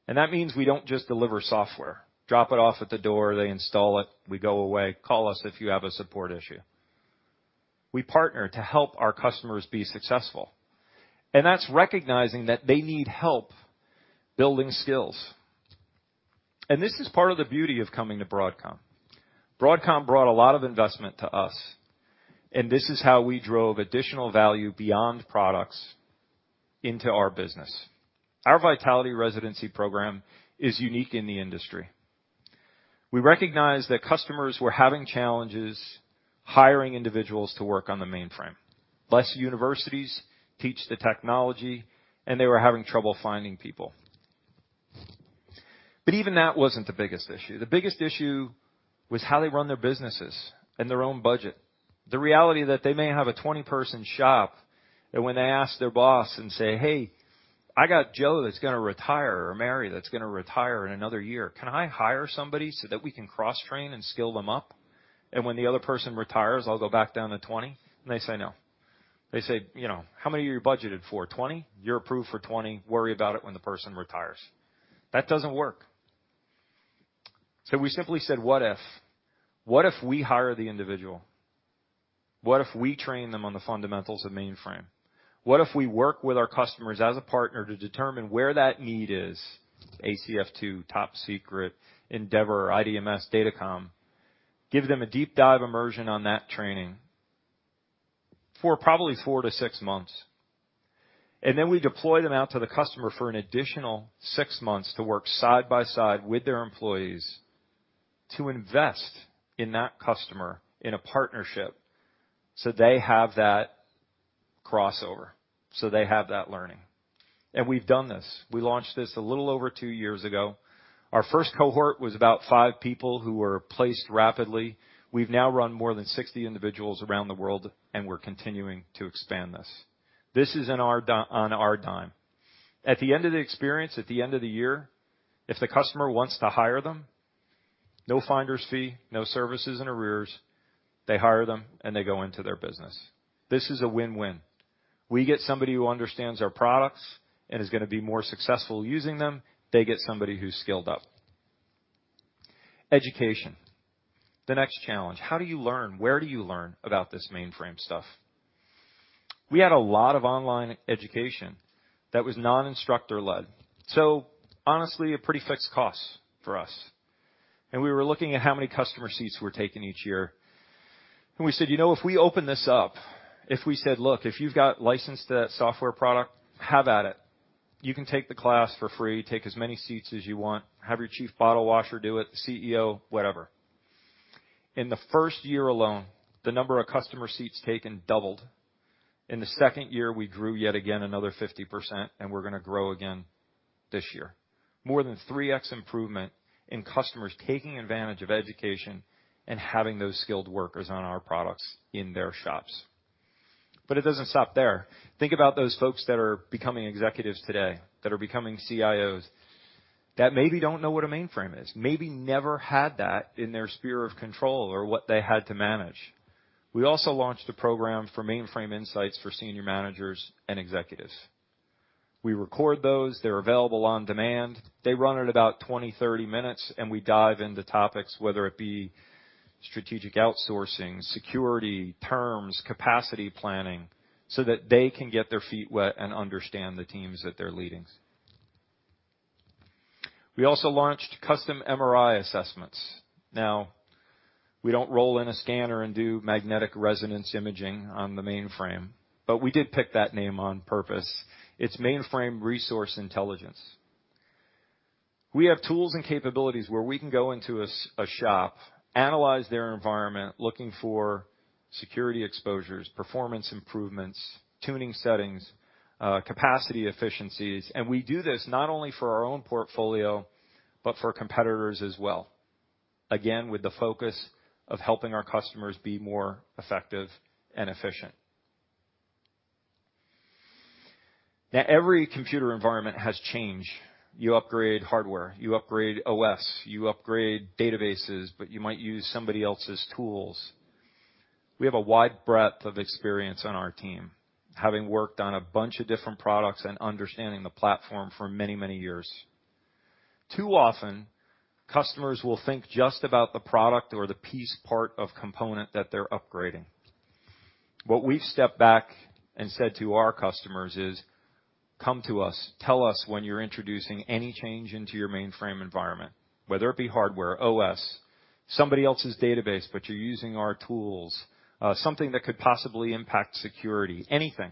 That means we don't just deliver software, drop it off at the door, they install it, we go away, call us if you have a support issue. We partner to help our customers be successful, and that's recognizing that they need help building skills. This is part of the beauty of coming to Broadcom. Broadcom brought a lot of investment to us, and this is how we drove additional value beyond products into our business. Our Vitality Residency Program is unique in the industry. We recognize that customers were having challenges hiring individuals to work on the mainframe. Fewer universities teach the technology, and they were having trouble finding people. Even that wasn't the biggest issue. The biggest issue was how they run their businesses and their own budget. The reality that they may have a 20-person shop, and when they ask their boss and say, "Hey, I got Joe that's gonna retire, or Mary that's gonna retire in another year. Can I hire somebody so that we can cross-train and skill them up? And when the other person retires, I'll go back down to 20." And they say, "No." They say, you know, "How many are you budgeted for? 20? You're approved for 20. Worry about it when the person retires." That doesn't work. We simply said, "What if? What if we hire the individual? What if we train them on the fundamentals of mainframe? What if we work with our customers as a partner to determine where that need is, ACF2, Top Secret, Endevor, IDMS, Datacom, give them a deep dive immersion on that training for probably four to six months, and then we deploy them out to the customer for an additional six months to work side by side with their employees to invest in that customer in a partnership so they have that crossover, so they have that learning? We've done this. We launched this a little over two years ago. Our first cohort was about five people who were placed rapidly. We've now run more than 60 individuals around the world, and we're continuing to expand this. This is on our dime. At the end of the experience, at the end of the year, if the customer wants to hire them, no finder's fee, no services in arrears. They hire them, and they go into their business. This is a win-win. We get somebody who understands our products and is gonna be more successful using them. They get somebody who's skilled up. Education. The next challenge. How do you learn? Where do you learn about this mainframe stuff? We had a lot of online education that was non-instructor-led, so honestly, a pretty fixed cost for us. We were looking at how many customer seats were taken each year. We said, "You know, if we open this up, if we said, 'Look, if you've got license to that software product, have at it. You can take the class for free, take as many seats as you want, have your chief bottle washer do it, CEO, whatever." In the first year alone, the number of customer seats taken doubled. In the second year, we grew yet again another 50%, and we're gonna grow again this year. More than three times improvement in customers taking advantage of education and having those skilled workers on our products in their shops. It doesn't stop there. Think about those folks that are becoming executives today, that are becoming CIOs, that maybe don't know what a mainframe is, maybe never had that in their sphere of control or what they had to manage. We also launched a program for mainframe insights for senior managers and executives. We record those. They're available on demand. They run at about 20, 30 minutes, and we dive into topics, whether it be strategic outsourcing, security, terms, capacity planning, so that they can get their feet wet and understand the teams that they're leading. We also launched custom MRI assessments. Now, we don't roll in a scanner and do magnetic resonance imaging on the mainframe, but we did pick that name on purpose. It's mainframe resource intelligence. We have tools and capabilities where we can go into a shop, analyze their environment, looking for security exposures, performance improvements, tuning settings, capacity efficiencies, and we do this not only for our own portfolio, but for competitors as well. Again, with the focus of helping our customers be more effective and efficient. Now, every computer environment has change. You upgrade hardware, you upgrade OS, you upgrade databases, but you might use somebody else's tools. We have a wide breadth of experience on our team, having worked on a bunch of different products and understanding the platform for many, many years. Too often, customers will think just about the product or the piece part of component that they're upgrading. What we've stepped back and said to our customers is, "Come to us. Tell us when you're introducing any change into your mainframe environment, whether it be hardware, OS, somebody else's database, but you're using our tools, something that could possibly impact security, anything,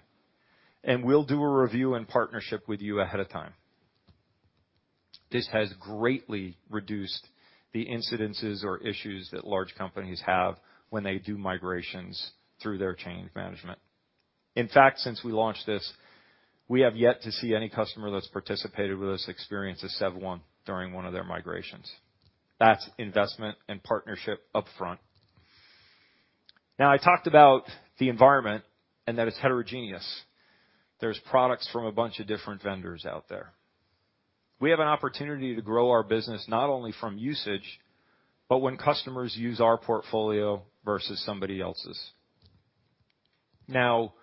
and we'll do a review in partnership with you ahead of time." This has greatly reduced the incidences or issues that large companies have when they do migrations through their change management. In fact, since we launched this, we have yet to see any customer that's participated with us experience a SEV 1 during one of their migrations. That's investment and partnership up front. Now, I talked about the environment and that it's heterogeneous. There's products from a bunch of different vendors out there. We have an opportunity to grow our business not only from usage, but when customers use our portfolio versus somebody else's. Now,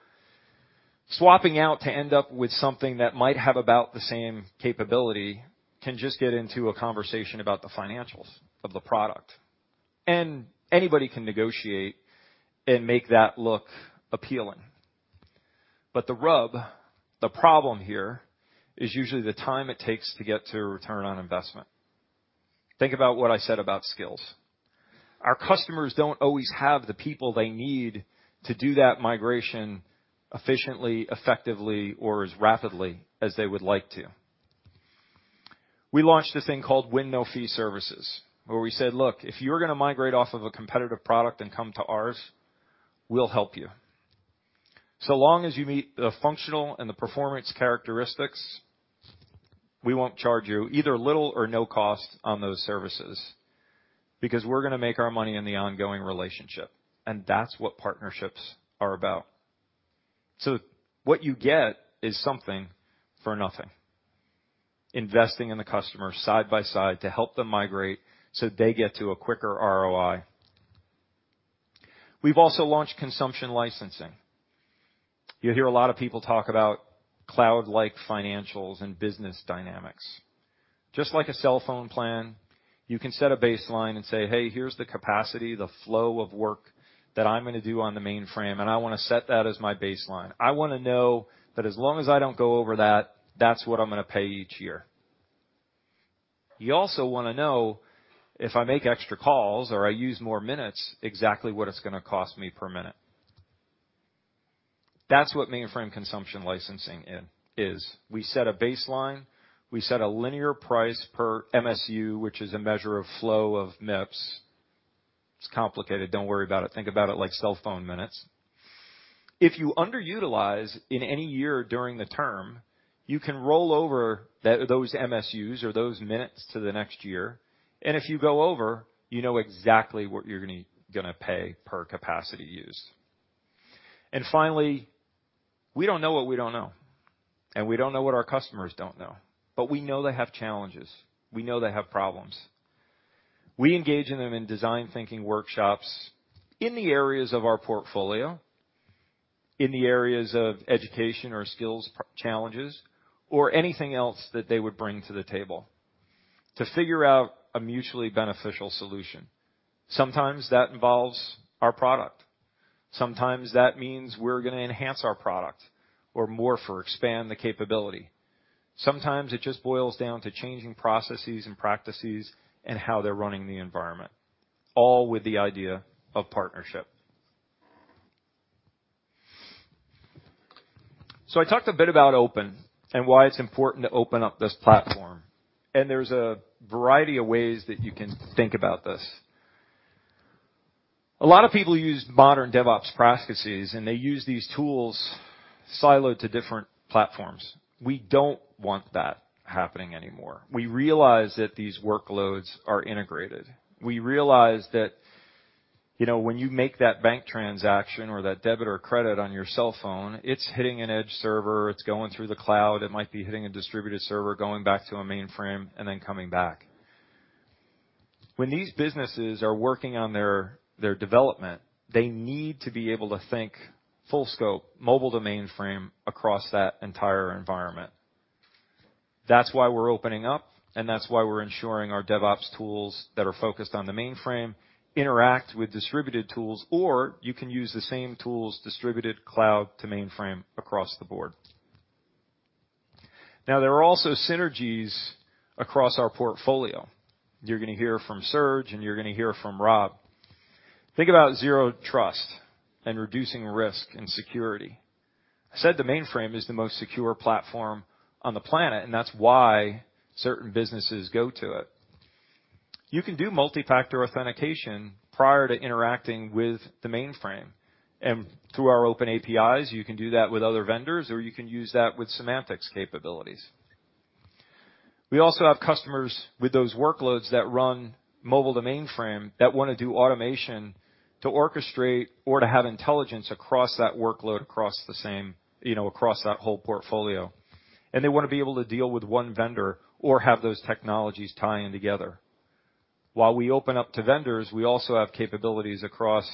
swapping out to end up with something that might have about the same capability can just get into a conversation about the financials of the product, and anybody can negotiate and make that look appealing. But the rub, the problem here, is usually the time it takes to get to return on investment. Think about what I said about skills. Our customers don't always have the people they need to do that migration efficiently, effectively or as rapidly as they would like to. We launched a thing called Win No Fee Services, where we said, "Look, if you're gonna migrate off of a competitive product and come to ours, we'll help you. So long as you meet the functional and the performance characteristics, we won't charge you either little or no cost on those services because we're gonna make our money in the ongoing relationship." That's what partnerships are about. What you get is something for nothing. Investing in the customer side by side to help them migrate so they get to a quicker ROI. We've also launched consumption licensing. You hear a lot of people talk about cloud-like financials and business dynamics. Just like a cell phone plan, you can set a baseline and say, "Hey, here's the capacity, the flow of work that I'm gonna do on the mainframe, and I want to set that as my baseline. I wanna know that as long as I don't go over that's what I'm gonna pay each year." You also want to know if I make extra calls or I use more minutes, exactly what it's going to cost me per minute. That's what mainframe consumption licensing is. We set a baseline. We set a linear price per MSU, which is a measure of flow of MIPS. It's complicated. Don't worry about it. Think about it like cell phone minutes. If you underutilize in any year during the term, you can roll over those MSUs or those minutes to the next year. If you go over, you know exactly what you're gonna pay per capacity use. Finally, we don't know what we don't know, and we don't know what our customers don't know. We know they have challenges. We know they have problems. We engage them in design thinking workshops in the areas of our portfolio, in the areas of education or skills challenges, or anything else that they would bring to the table to figure out a mutually beneficial solution. Sometimes that involves our product. Sometimes that means we're going to enhance our product or morph or expand the capability. Sometimes it just boils down to changing processes and practices and how they're running the environment, all with the idea of partnership. I talked a bit about open and why it's important to open up this platform, and there's a variety of ways that you can think about this. A lot of people use modern DevOps practices, and they use these tools siloed to different platforms. We don't want that happening anymore. We realize that these workloads are integrated. We realize that, you know, when you make that bank transaction or that debit or credit on your cell phone, it's hitting an edge server, it's going through the cloud. It might be hitting a distributed server, going back to a mainframe and then coming back. When these businesses are working on their development, they need to be able to think full scope, mobile to mainframe across that entire environment. That's why we're opening up, and that's why we're ensuring our DevOps tools that are focused on the mainframe interact with distributed tools, or you can use the same tools distributed cloud to mainframe across the board. Now, there are also synergies across our portfolio. You're going to hear from Serge, and you're going to hear from Rob. Think about Zero Trust and reducing risk and security. I said the mainframe is the most secure platform on the planet, and that's why certain businesses go to it. You can do multi-factor authentication prior to interacting with the mainframe. Through our open APIs, you can do that with other vendors, or you can use that with Symantec's capabilities. We also have customers with those workloads that run mobile to mainframe that want to do automation to orchestrate or to have intelligence across that workload, across the same, you know, across that whole portfolio. They want to be able to deal with one vendor or have those technologies tie in together. While we open up to vendors, we also have capabilities across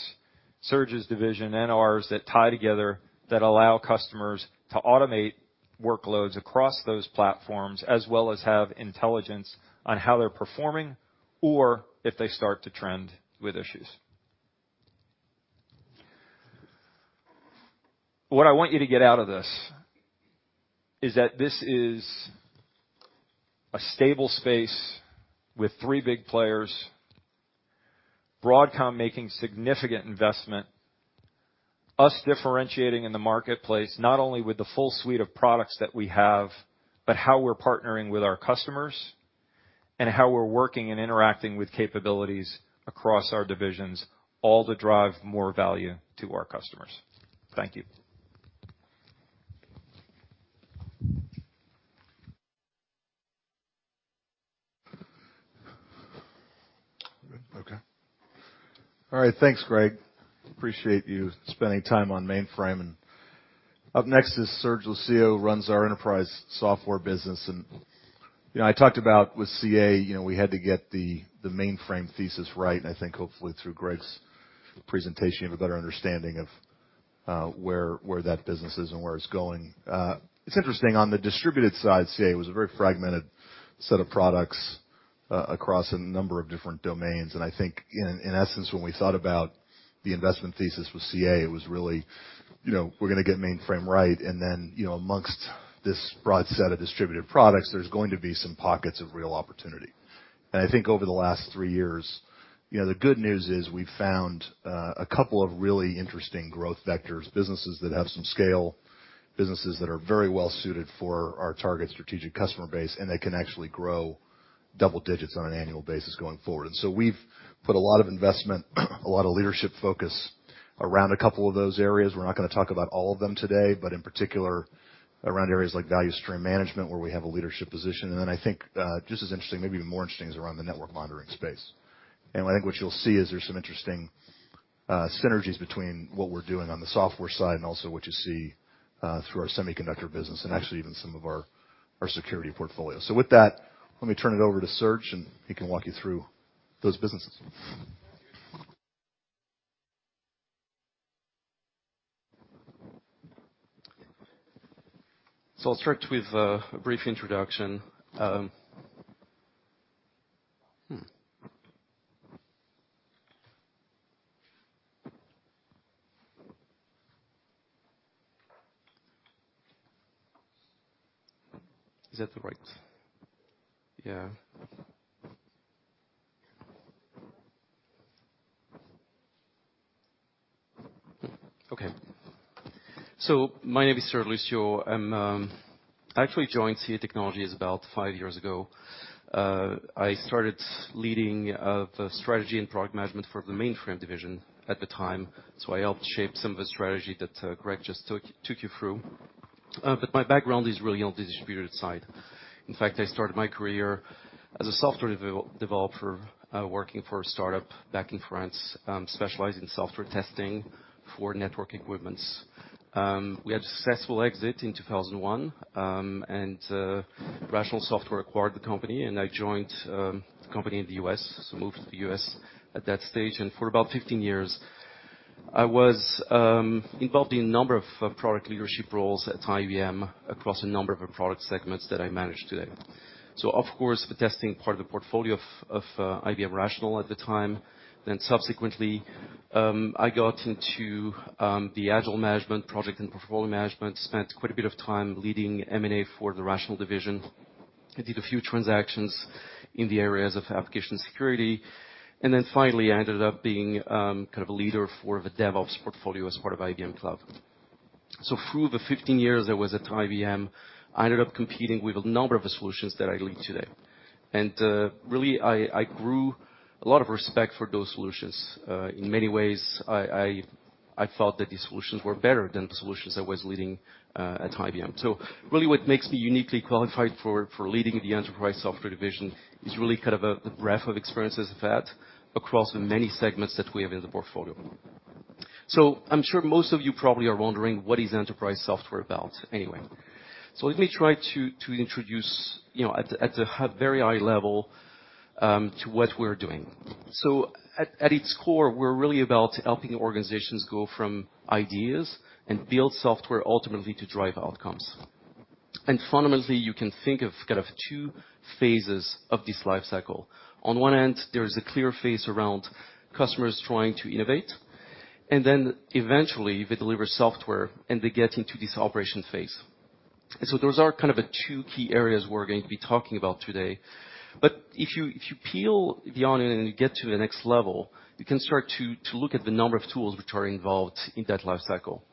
Serge's division and ours that tie together that allow customers to automate workloads across those platforms, as well as have intelligence on how they're performing or if they start to trend with issues. What I want you to get out of this is that this is a stable space with three big players. Broadcom making significant investment, us differentiating in the marketplace, not only with the full suite of products that we have, but how we're partnering with our customers and how we're working and interacting with capabilities across our divisions, all to drive more value to our customers. Thank you. Okay. All right. Thanks, Greg. Appreciate you spending time on mainframe. Up next is Serge Lucio, who runs our enterprise software business, and You know, I talked about with CA, you know, we had to get the mainframe thesis right. I think hopefully through Greg's presentation, you have a better understanding of where that business is and where it's going. It's interesting, on the distributed side, CA was a very fragmented set of products across a number of different domains. I think in essence, when we thought about the investment thesis with CA, it was really, you know, we're gonna get mainframe right, and then, you know, amongst this broad set of distributed products, there's going to be some pockets of real opportunity. I think over the last three years, you know, the good news is we found a couple of really interesting growth vectors, businesses that have some scale, businesses that are very well suited for our target strategic customer base, and they can actually grow double digits on an annual basis going forward. We've put a lot of investment, a lot of leadership focus around a couple of those areas. We're not gonna talk about all of them today, but in particular around areas like value stream management, where we have a leadership position. I think just as interesting, maybe even more interesting, is around the network monitoring space. I think what you'll see is there's some interesting synergies between what we're doing on the software side and also what you see through our semiconductor business and actually even some of our security portfolio. With that, let me turn it over to Serge, and he can walk you through those businesses. I'll start with a brief introduction. Is that all right? Yeah. Okay. My name is Serge Lucio. I actually joined CA Technologies about five years ago. I started leading the strategy and product management for the mainframe division at the time, so I helped shape some of the strategy that Greg just took you through. But my background is really on the distributed side. In fact, I started my career as a software developer, working for a start-up back in France, specialized in software testing for network equipments. We had a successful exit in 2001, and Rational Software acquired the company, and I joined the company in the US, so I moved to the US at that stage. For about 15 years, I was involved in a number of product leadership roles at IBM across a number of product segments that I manage today. Of course, the testing part of the portfolio of IBM Rational at the time. Subsequently, I got into the agile management project and portfolio management. Spent quite a bit of time leading M&A for the Rational division. I did a few transactions in the areas of application security. Finally, I ended up being kind of a leader for the DevOps portfolio as part of IBM Cloud. Through the 15 years I was at IBM, I ended up competing with a number of the solutions that I lead today. Really, I grew a lot of respect for those solutions. In many ways, I thought that these solutions were better than the solutions I was leading at IBM. Really what makes me uniquely qualified for leading the enterprise software division is really kind of the breadth of experiences I've had across the many segments that we have in the portfolio. I'm sure most of you probably are wondering, what is enterprise software about anyway? Let me try to introduce you know at a very high level to what we're doing. At its core, we're really about helping organizations go from ideas and build software ultimately to drive outcomes. Fundamentally, you can think of kind of two phases of this life cycle. On one end, there is a clear phase around customers trying to innovate, and then eventually they deliver software, and they get into this operation phase. Those are kind of the two key areas we're going to be talking about today. If you peel beyond and you get to the next level, you can start to look at the number of tools which are involved in that life cycle.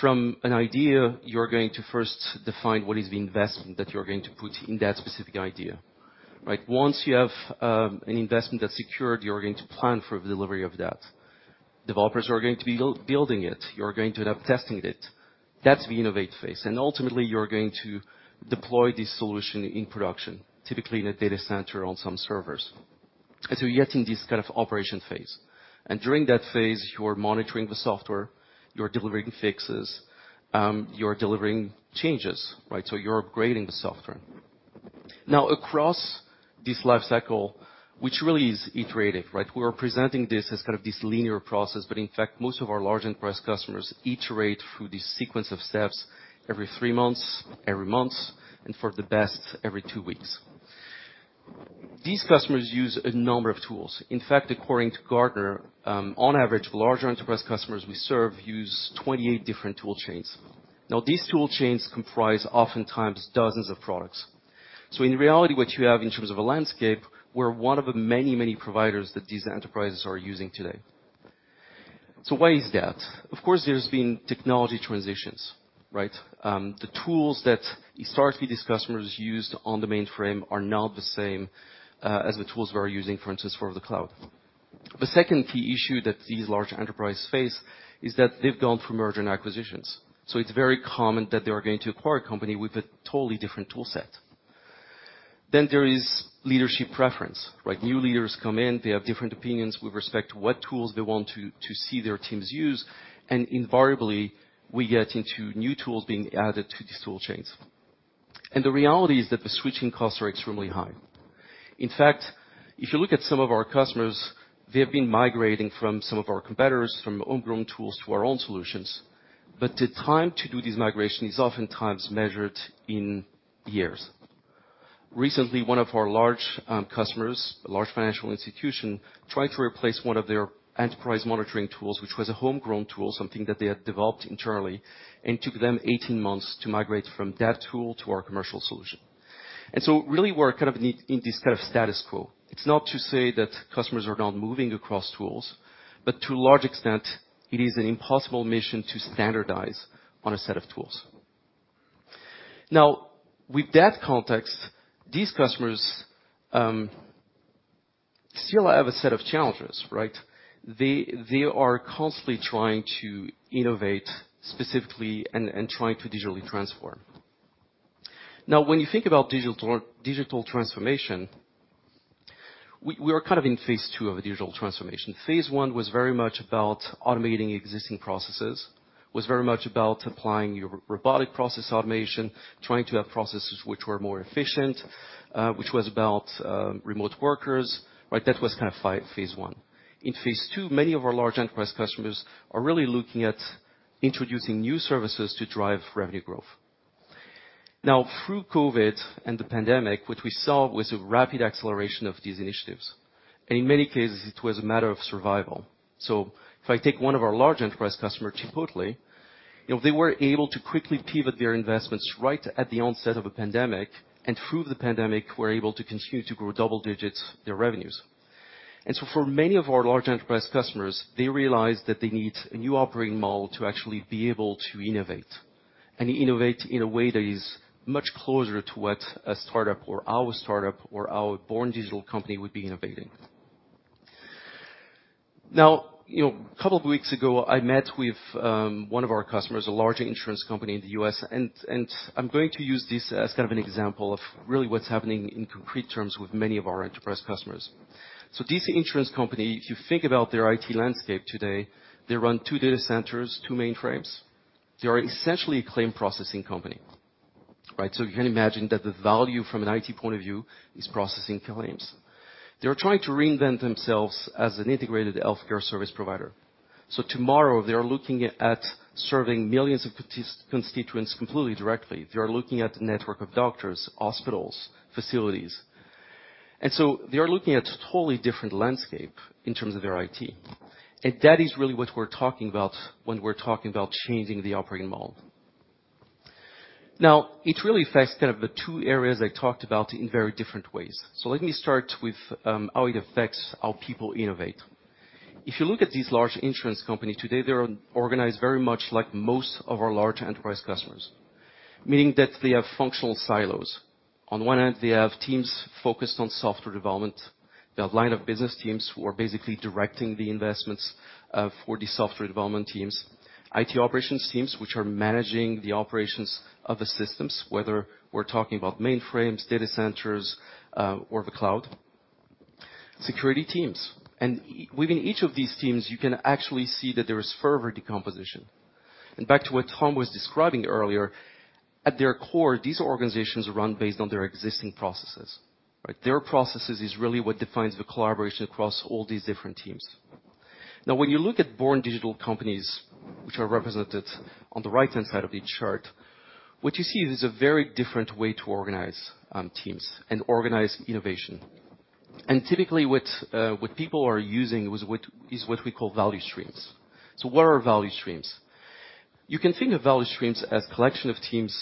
From an idea, you're going to first define what is the investment that you're going to put in that specific idea, right? Once you have an investment that's secured, you're going to plan for the delivery of that. Developers are going to be building it. You're going to end up testing it. That's the innovate phase. Ultimately, you're going to deploy this solution in production, typically in a data center on some servers. You get in this kind of operation phase. During that phase, you are monitoring the software, you're delivering fixes, you're delivering changes, right? You're upgrading the software. Now, across this life cycle, which really is iterative, right? We are presenting this as kind of this linear process, but in fact, most of our large enterprise customers iterate through this sequence of steps every three months, every month, and for the best, every two weeks. These customers use a number of tools. In fact, according to Gartner, on average, larger enterprise customers we serve use 28 different tool chains. Now, these tool chains comprise oftentimes dozens of products. In reality, what you have in terms of a landscape, we're one of the many, many providers that these enterprises are using today. Why is that? Of course, there's been technology transitions, right? The tools that historically these customers used on the mainframe are not the same as the tools they are using, for instance, for the cloud. The second key issue that these large enterprises face is that they've gone through mergers and acquisitions. It's very common that they are going to acquire a company with a totally different tool set. Then there is leadership preference, right? New leaders come in, they have different opinions with respect to what tools they want to see their teams use, and invariably, we get into new tools being added to these tool chains. The reality is that the switching costs are extremely high. In fact, if you look at some of our customers, they have been migrating from some of our competitors, from homegrown tools to our own solutions. The time to do this migration is oftentimes measured in years. Recently, one of our large customers, a large financial institution, tried to replace one of their enterprise monitoring tools, which was a homegrown tool, something that they had developed internally, and took them 18 months to migrate from that tool to our commercial solution. Really, we're kind of in this kind of status quo. It's not to say that customers are not moving across tools, but to a large extent, it is an impossible mission to standardize on a set of tools. Now, with that context, these customers still have a set of challenges, right? They are constantly trying to innovate specifically and trying to digitally transform. Now, when you think about digital transformation, we are kind of in phase two of a digital transformation. Phase one was very much about automating existing processes, was very much about applying your robotic process automation, trying to have processes which were more efficient, which was about remote workers, right? That was kind of phase one. In phase two, many of our large enterprise customers are really looking at introducing new services to drive revenue growth. Now, through COVID and the pandemic, what we saw was a rapid acceleration of these initiatives. In many cases, it was a matter of survival. If I take one of our large enterprise customers, Chipotle, you know, they were able to quickly pivot their investments right at the onset of a pandemic, and through the pandemic, we're able to continue to grow double digits their revenues. For many of our large enterprise customers, they realized that they need a new operating model to actually be able to innovate. Innovate in a way that is much closer to what a startup or our startup or our born digital company would be innovating. Now, you know, a couple of weeks ago, I met with one of our customers, a large insurance company in the U.S., and I'm going to use this as kind of an example of really what's happening in concrete terms with many of our enterprise customers. This insurance company, if you think about their IT landscape today, they run two data centers, two mainframes. They are essentially a claim processing company. Right? You can imagine that the value from an IT point of view is processing claims. They're trying to reinvent themselves as an integrated healthcare service provider. Tomorrow, they are looking at serving millions of constituents completely directly. They are looking at a network of doctors, hospitals, facilities. They are looking at a totally different landscape in terms of their IT. That is really what we're talking about when we're talking about changing the operating model. Now, it really affects kind of the two areas I talked about in very different ways. Let me start with how it affects how people innovate. If you look at this large insurance company today, they're organized very much like most of our large enterprise customers, meaning that they have functional silos. On one end, they have teams focused on software development. They have line of business teams who are basically directing the investments for the software development teams. IT operations teams, which are managing the operations of the systems, whether we're talking about mainframes, data centers, or the cloud. Security teams. Within each of these teams, you can actually see that there is further decomposition. Back to what Tom was describing earlier, at their core, these organizations run based on their existing processes, right? Their processes is really what defines the collaboration across all these different teams. Now, when you look at born digital companies, which are represented on the right-hand side of the chart, what you see is a very different way to organize teams and organize innovation. Typically, what people are using is what we call value streams. What are value streams? You can think of value streams as collection of teams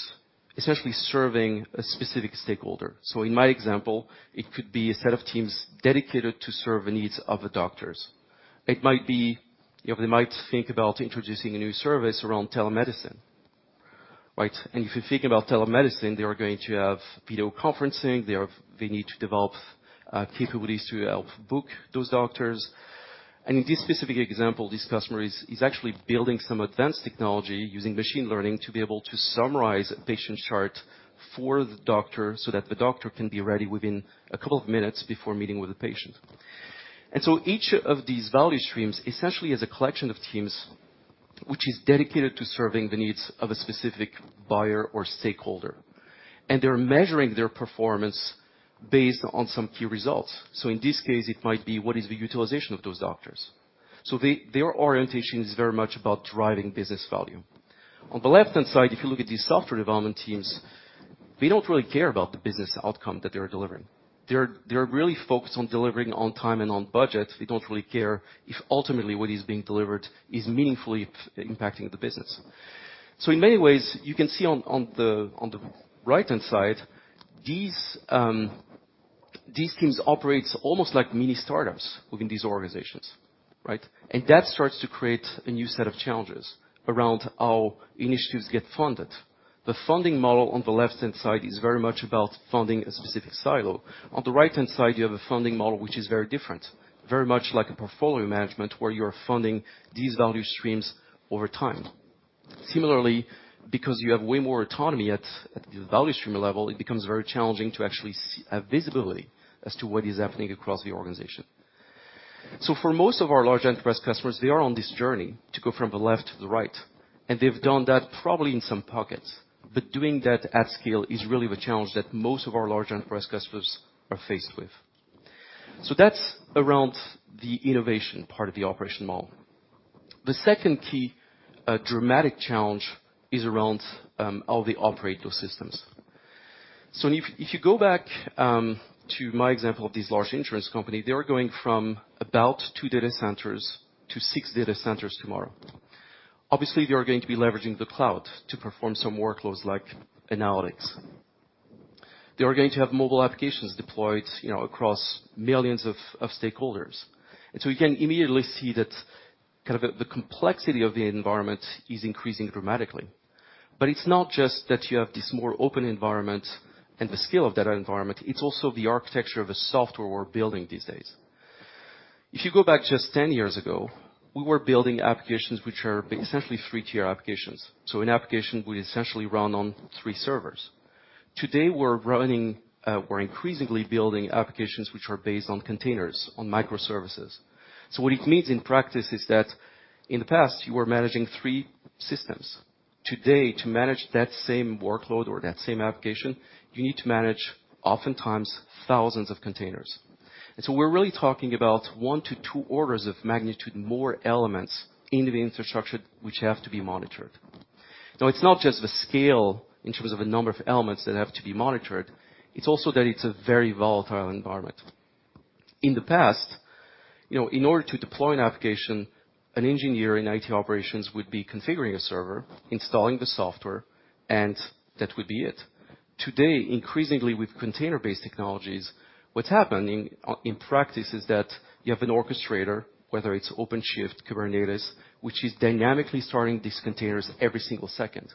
essentially serving a specific stakeholder. In my example, it could be a set of teams dedicated to serve the needs of the doctors. It might be, you know, they might think about introducing a new service around telemedicine. Right? If you think about telemedicine, they are going to have video conferencing, they need to develop capabilities to help book those doctors. In this specific example, this customer is actually building some advanced technology using machine learning to be able to summarize a patient's chart for the doctor so that the doctor can be ready within a couple of minutes before meeting with the patient. Each of these value streams essentially is a collection of teams which is dedicated to serving the needs of a specific buyer or stakeholder. They're measuring their performance based on some key results. In this case, it might be what is the utilization of those doctors. Their orientation is very much about driving business value. On the left-hand side, if you look at these software development teams, they don't really care about the business outcome that they are delivering. They're really focused on delivering on time and on budget. They don't really care if ultimately what is being delivered is meaningfully impacting the business. In many ways, you can see on the right-hand side, these teams operates almost like mini startups within these organizations, right? That starts to create a new set of challenges around how initiatives get funded. The funding model on the left-hand side is very much about funding a specific silo. On the right-hand side, you have a funding model, which is very different. Very much like a portfolio management, where you're funding these value streams over time. Similarly, because you have way more autonomy at the value stream level, it becomes very challenging to actually have visibility as to what is happening across the organization. For most of our large enterprise customers, they are on this journey to go from the left to the right, and they've done that probably in some pockets. Doing that at scale is really the challenge that most of our large enterprise customers are faced with. That's around the innovation part of the operating model. The second key dramatic challenge is around how they operate those systems. If you go back to my example of this large insurance company, they are going from about two data centers to six data centers tomorrow. Obviously, they are going to be leveraging the cloud to perform some workloads like analytics. They are going to have mobile applications deployed, you know, across millions of stakeholders. You can immediately see that kind of the complexity of the environment is increasing dramatically. It's not just that you have this more open environment and the scale of that environment, it's also the architecture of the software we're building these days. If you go back just 10 years ago, we were building applications which are essentially three-tier applications. An application would essentially run on three servers. Today, we're increasingly building applications which are based on containers, on microservices. What it means in practice is that in the past, you were managing three systems. Today, to manage that same workload or that same application, you need to manage oftentimes thousands of containers. We're really talking about one to two orders of magnitude more elements in the infrastructure which have to be monitored. Now, it's not just the scale in terms of the number of elements that have to be monitored, it's also that it's a very volatile environment. In the past, you know, in order to deploy an application, an engineer in IT operations would be configuring a server, installing the software, and that would be it. Today, increasingly with container-based technologies, what's happening in practice is that you have an orchestrator, whether it's OpenShift, Kubernetes, which is dynamically starting these containers every single second.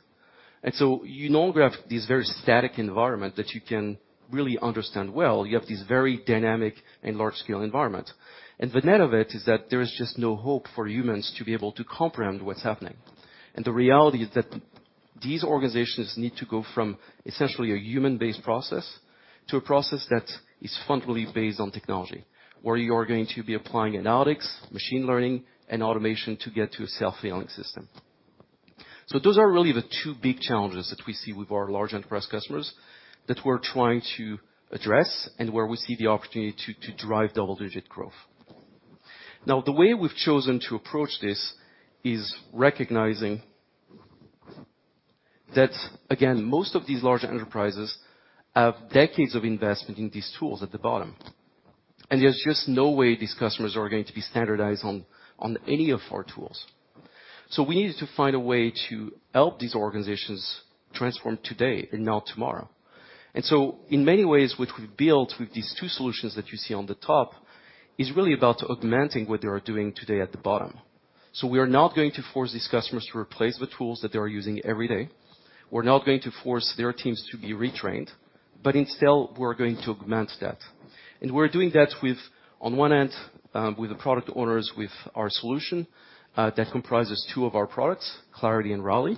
You no longer have this very static environment that you can really understand well. You have this very dynamic and large-scale environment. The net of it is that there is just no hope for humans to be able to comprehend what's happening. The reality is that these organizations need to go from essentially a human-based process to a process that is fundamentally based on technology, where you are going to be applying analytics, machine learning and automation to get to a self-healing system. Those are really the two big challenges that we see with our large enterprise customers that we're trying to address and where we see the opportunity to drive double-digit growth. Now, the way we've chosen to approach this is recognizing that, again, most of these large enterprises have decades of investment in these tools at the bottom, and there's just no way these customers are going to be standardized on any of our tools. We needed to find a way to help these organizations transform today and now tomorrow. In many ways, what we've built with these two solutions that you see on the top is really about augmenting what they are doing today at the bottom. We are not going to force these customers to replace the tools that they are using every day. We're not going to force their teams to be retrained, but instead we're going to augment that. We're doing that with, on one end, with the product owners, with our solution, that comprises two of our products, Clarity and Rally.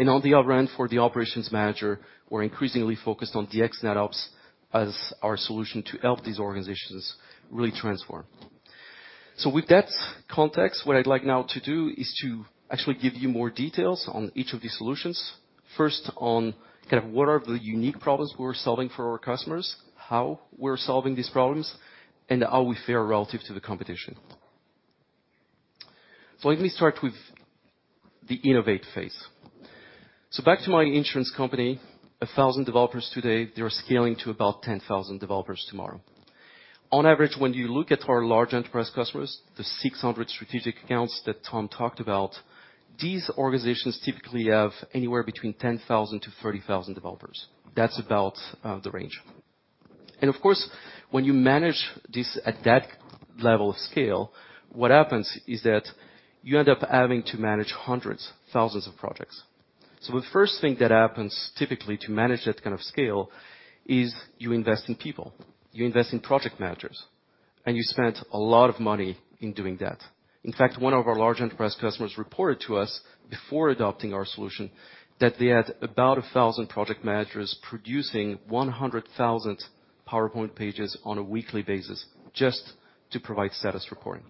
On the other end, for the operations manager, we're increasingly focused on DX NetOps as our solution to help these organizations really transform. With that context, what I'd like now to do is to actually give you more details on each of these solutions. First, on kind of what are the unique problems we're solving for our customers, how we're solving these problems, and how we fare relative to the competition. Let me start with the innovate phase. Back to my insurance company. 1,000 developers today, they are scaling to about 10,000 developers tomorrow. On average, when you look at our large enterprise customers, the 600 strategic accounts that Tom talked about, these organizations typically have anywhere between 10,000 developers to 30,000 developers. That's about the range. Of course, when you manage this at that level of scale, what happens is that you end up having to manage hundreds, thousands of projects. The first thing that happens typically to manage that kind of scale is you invest in people, you invest in project managers, and you spend a lot of money in doing that. In fact, one of our large enterprise customers reported to us before adopting our solution that they had about 1,000 project managers producing 100,000 PowerPoint pages on a weekly basis just to provide status reporting.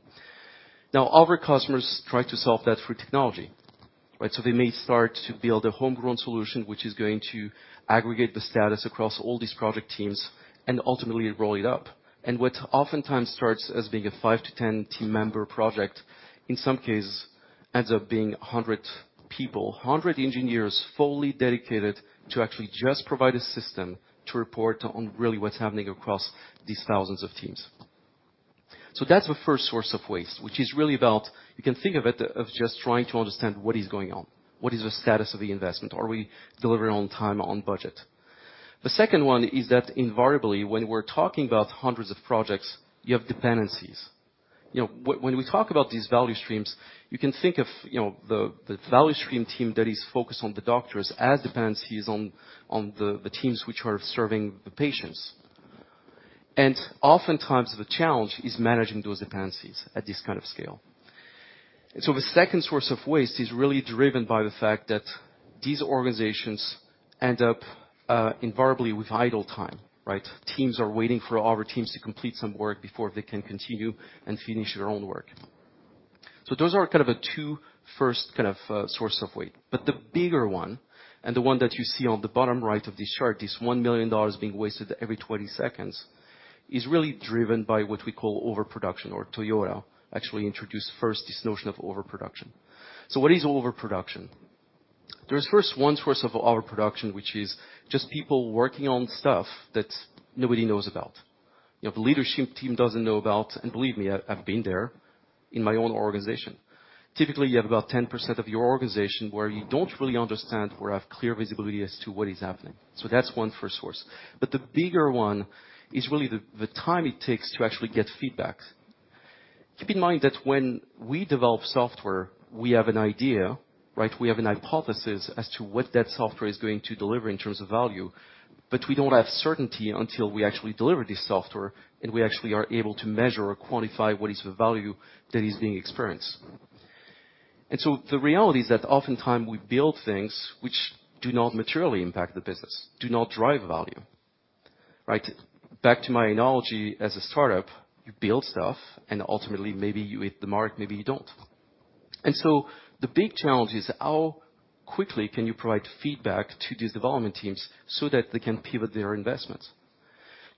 Now, other customers try to solve that through technology, right? They may start to build a homegrown solution which is going to aggregate the status across all these project teams and ultimately roll it up. What oftentimes starts as being a five team member project to 10 team member project, in some cases ends up being 100 people, 100 engineers, fully dedicated to actually just provide a system to report on really what's happening across these thousands of teams. That's the first source of waste, which is really about. You can think of it, of just trying to understand what is going on, what is the status of the investment? Are we delivering on time, on budget? The second one is that invariably when we're talking about hundreds of projects, you have dependencies. You know, when we talk about these value streams, you can think of, you know, the value stream team that is focused on the doctors as dependencies on, the teams which are serving the patients. Oftentimes the challenge is managing those dependencies at this kind of scale. The second source of waste is really driven by the fact that these organizations end up, invariably with idle time, right? Teams are waiting for other teams to complete some work before they can continue and finish their own work. Those are two first kinds of sources of waste. The bigger one, and the one that you see on the bottom right of this chart, $1 million being wasted every 20 seconds, is really driven by what we call overproduction. Toyota actually introduced first this notion of overproduction. What is overproduction? There's one source of overproduction, which is just people working on stuff that nobody knows about. Your leadership team doesn't know about, and believe me, I've been there in my own organization. Typically, you have about 10% of your organization where you don't really understand or have clear visibility as to what is happening. That's one source. The bigger one is really the time it takes to actually get feedback. Keep in mind that when we develop software, we have an idea, right? We have a hypothesis as to what that software is going to deliver in terms of value, but we don't have certainty until we actually deliver this software, and we actually are able to measure or quantify what is the value that is being experienced. The reality is that oftentimes we build things which do not materially impact the business, do not drive value. Right? Back to my analogy as a startup, you build stuff and ultimately maybe you hit the mark, maybe you don't. The big challenge is how quickly can you provide feedback to these development teams so that they can pivot their investments.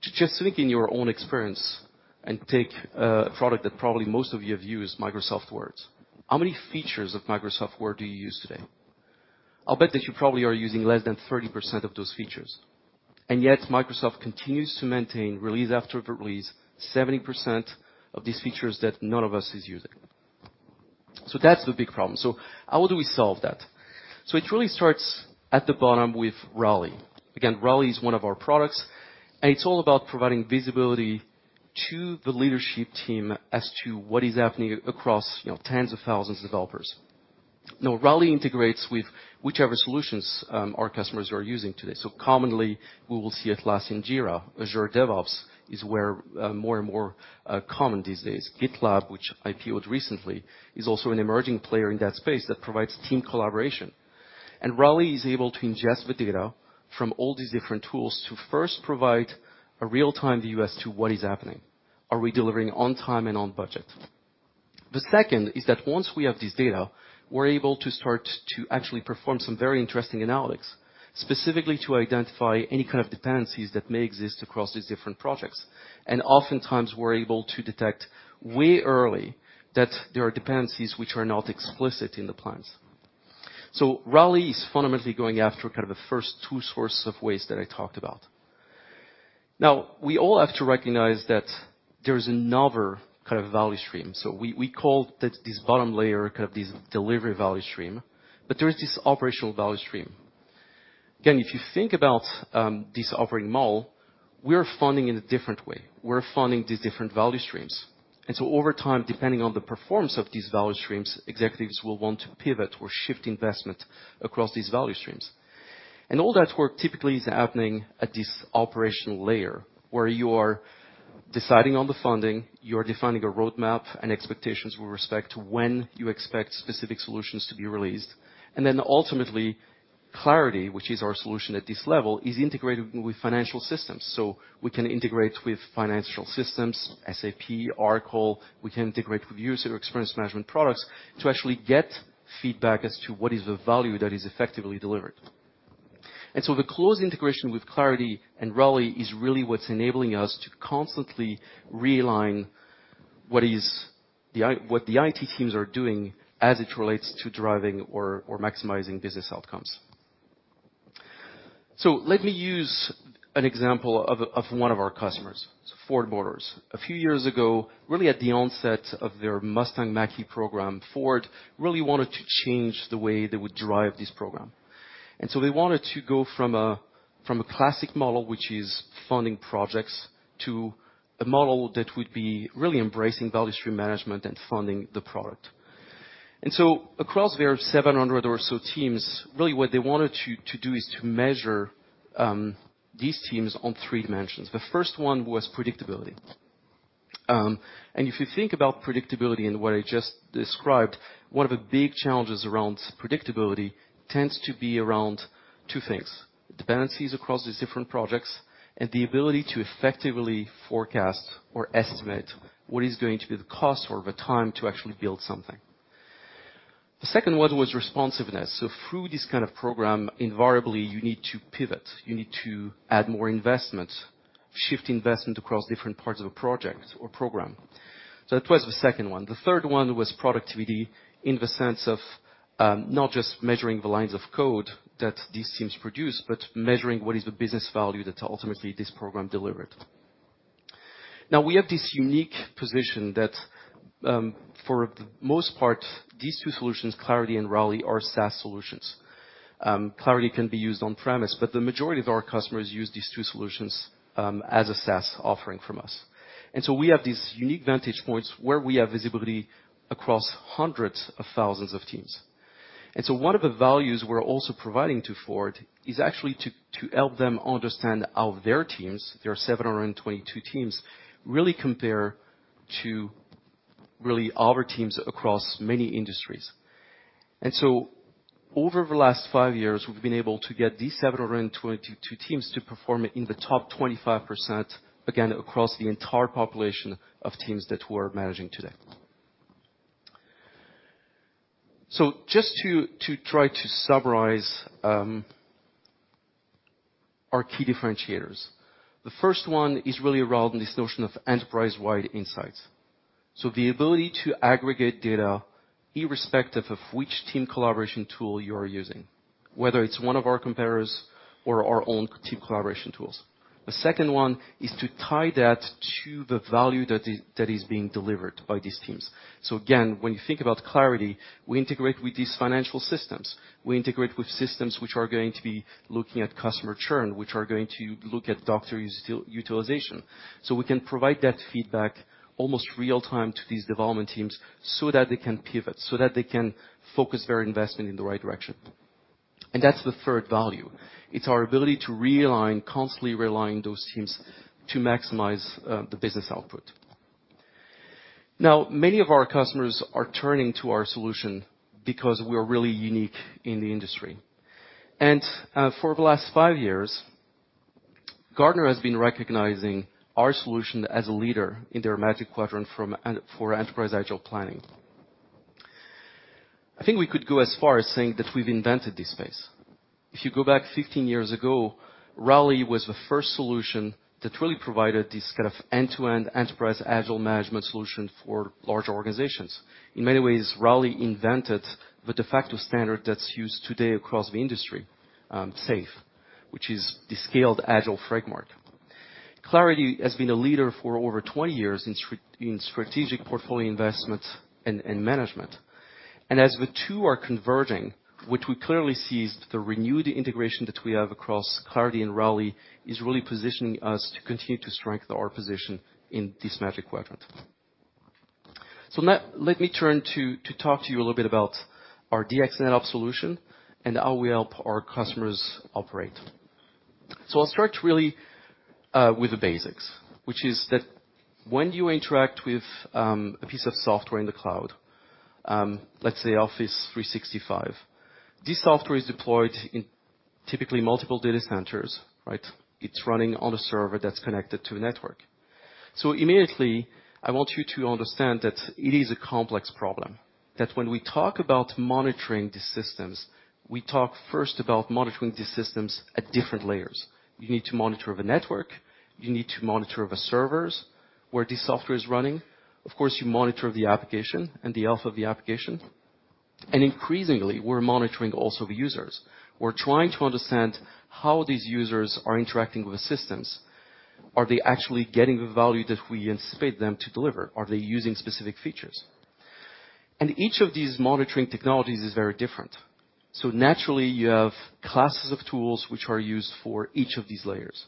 To just think in your own experience and take a product that probably most of you have used, Microsoft Word. How many features of Microsoft Word do you use today? I'll bet that you probably are using less than 30% of those features. Yet, Microsoft continues to maintain release after release 70% of these features that none of us is using. That's the big problem. How do we solve that? It really starts at the bottom with Rally. Again, Rally is one of our products, and it's all about providing visibility to the leadership team as to what is happening across, you know, tens of thousands of developers. Now, Rally integrates with whichever solutions our customers are using today. Commonly, we will see Atlassian Jira. Azure DevOps is more and more common these days. GitLab, which IPOed recently, is also an emerging player in that space that provides team collaboration. Rally is able to ingest the data from all these different tools to first provide a real-time view as to what is happening. Are we delivering on time and on budget? The second is that once we have this data, we're able to start to actually perform some very interesting analytics, specifically to identify any kind of dependencies that may exist across these different projects. Oftentimes, we're able to detect way early that there are dependencies which are not explicit in the plans. Rally is fundamentally going after kind of the first two sources of waste that I talked about. Now, we all have to recognize that there is another kind of value stream. We call that this bottom layer, kind of this delivery value stream, but there is this operational value stream. Again, if you think about this operating model, we're funding in a different way. We're funding these different value streams. Over time, depending on the performance of these value streams, executives will want to pivot or shift investment across these value streams. All that work typically is happening at this operational layer, where you are deciding on the funding, you're defining a roadmap and expectations with respect to when you expect specific solutions to be released. Ultimately, Clarity, which is our solution at this level, is integrated with financial systems. We can integrate with financial systems, SAP, Oracle. We can integrate with user experience management products to actually get feedback as to what is the value that is effectively delivered. The close integration with Clarity and Rally is really what's enabling us to constantly realign what the IT teams are doing as it relates to driving or maximizing business outcomes. Let me use an example of one of our customers, Ford Motors. A few years ago, really at the onset of their Mustang Mach-E program, Ford really wanted to change the way they would drive this program. They wanted to go from a classic model, which is funding projects, to a model that would be really embracing value stream management and funding the product. Across their 700 or so teams, really what they wanted to do is to measure these teams on three dimensions. The first one was predictability. If you think about predictability and what I just described, one of the big challenges around predictability tends to be around two things, dependencies across these different projects and the ability to effectively forecast or estimate what is going to be the cost or the time to actually build something. The second one was responsiveness. Through this kind of program, invariably, you need to pivot. You need to add more investment, shift investment across different parts of a project or program. That was the second one. The third one was productivity in the sense of, not just measuring the lines of code that these teams produce, but measuring what is the business value that ultimately this program delivered. Now, we have this unique position that, for the most part, these two solutions, Clarity and Rally, are SaaS solutions. Clarity can be used on-premise, but the majority of our customers use these two solutions as a SaaS offering from us. We have these unique vantage points where we have visibility across hundreds of thousands of teams. One of the values we're also providing to Ford is actually to help them understand how their teams, their 722 teams, really compare to really our teams across many industries. Over the last five years, we've been able to get these 722 teams to perform in the top 25%, again, across the entire population of teams that we're managing today. Just to try to summarize our key differentiators. The first one is really around this notion of enterprise-wide insights. The ability to aggregate data irrespective of which team collaboration tool you are using, whether it's one of our competitors or our own team collaboration tools. The second one is to tie that to the value that is being delivered by these teams. When you think about Clarity, we integrate with these financial systems. We integrate with systems which are going to be looking at customer churn, which are going to look at Docker utilization. We can provide that feedback almost real-time to these development teams so that they can pivot, so that they can focus their investment in the right direction. That's the third value. It's our ability to realign, constantly realigning those teams to maximize the business output. Now, many of our customers are turning to our solution because we're really unique in the industry. For the last 5 years, Gartner has been recognizing our solution as a leader in their Magic Quadrant for enterprise agile planning. I think we could go as far as saying that we've invented this space. If you go back 15 years ago, Rally was the first solution that really provided this kind of end-to-end enterprise agile management solution for large organizations. In many ways, Rally invented the de facto standard that's used today across the industry, SAFe, which is the Scaled Agile Framework. Clarity has been a leader for over 20 years in strategic portfolio investment and management. As the two are converging, what we clearly see is the renewed integration that we have across Clarity and Rally is really positioning us to continue to strengthen our position in this Magic Quadrant. Now let me turn to talk to you a little bit about our DX NetOps solution and how we help our customers operate. I'll start really with the basics, which is that when you interact with a piece of software in the cloud, let's say Office 365, this software is deployed in typically multiple data centers, right? It's running on a server that's connected to a network. Immediately, I want you to understand that it is a complex problem, that when we talk about monitoring the systems, we talk first about monitoring the systems at different layers. You need to monitor the network. You need to monitor the servers where the software is running. Of course, you monitor the application and the health of the application. Increasingly, we're monitoring also the users. We're trying to understand how these users are interacting with the systems. Are they actually getting the value that we anticipate them to deliver? Are they using specific features? Each of these monitoring technologies is very different. Naturally, you have classes of tools which are used for each of these layers.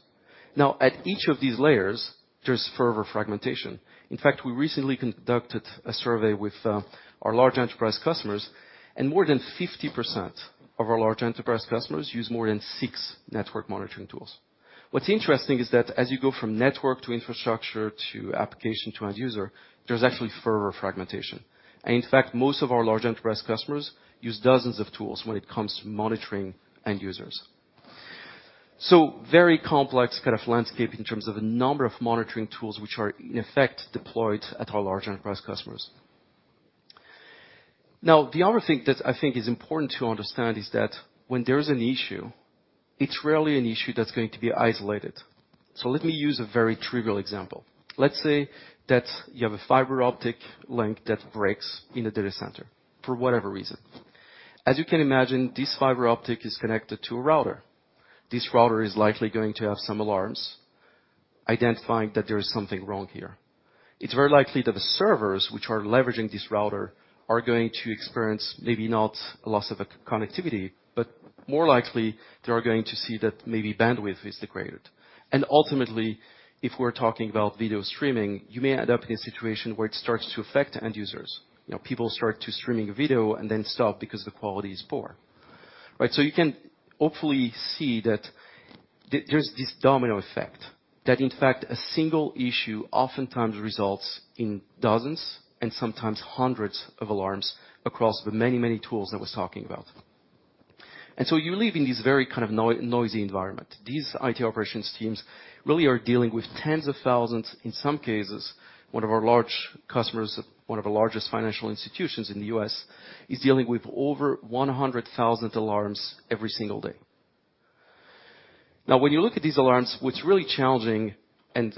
Now, at each of these layers, there's further fragmentation. In fact, we recently conducted a survey with our large enterprise customers, and more than 50% of our large enterprise customers use more than six network monitoring tools. What's interesting is that as you go from network to infrastructure to application to end user, there's actually further fragmentation. In fact, most of our large enterprise customers use dozens of tools when it comes to monitoring end users. Very complex kind of landscape in terms of the number of monitoring tools which are in effect deployed at our large enterprise customers. Now, the other thing that I think is important to understand is that when there's an issue, it's rarely an issue that's going to be isolated. Let me use a very trivial example. Let's say that you have a fiber optic link that breaks in a data center for whatever reason. As you can imagine, this fiber optic is connected to a router. This router is likely going to have some alarms identifying that there is something wrong here. It's very likely that the servers which are leveraging this router are going to experience maybe not a loss of connectivity, but more likely they are going to see that maybe bandwidth is degraded. Ultimately, if we're talking about video streaming, you may end up in a situation where it starts to affect end users. You know, people start streaming video and then stop because the quality is poor, right? You can hopefully see that there's this domino effect that in fact a single issue oftentimes results in dozens and sometimes hundreds of alarms across the many, many tools I was talking about. You live in this very kind of noisy environment. These IT operations teams really are dealing with tens of thousands, in some cases, one of our large customers, one of the largest financial institutions in the U.S., is dealing with over 100,000 alarms every single day. Now when you look at these alarms, what's really challenging and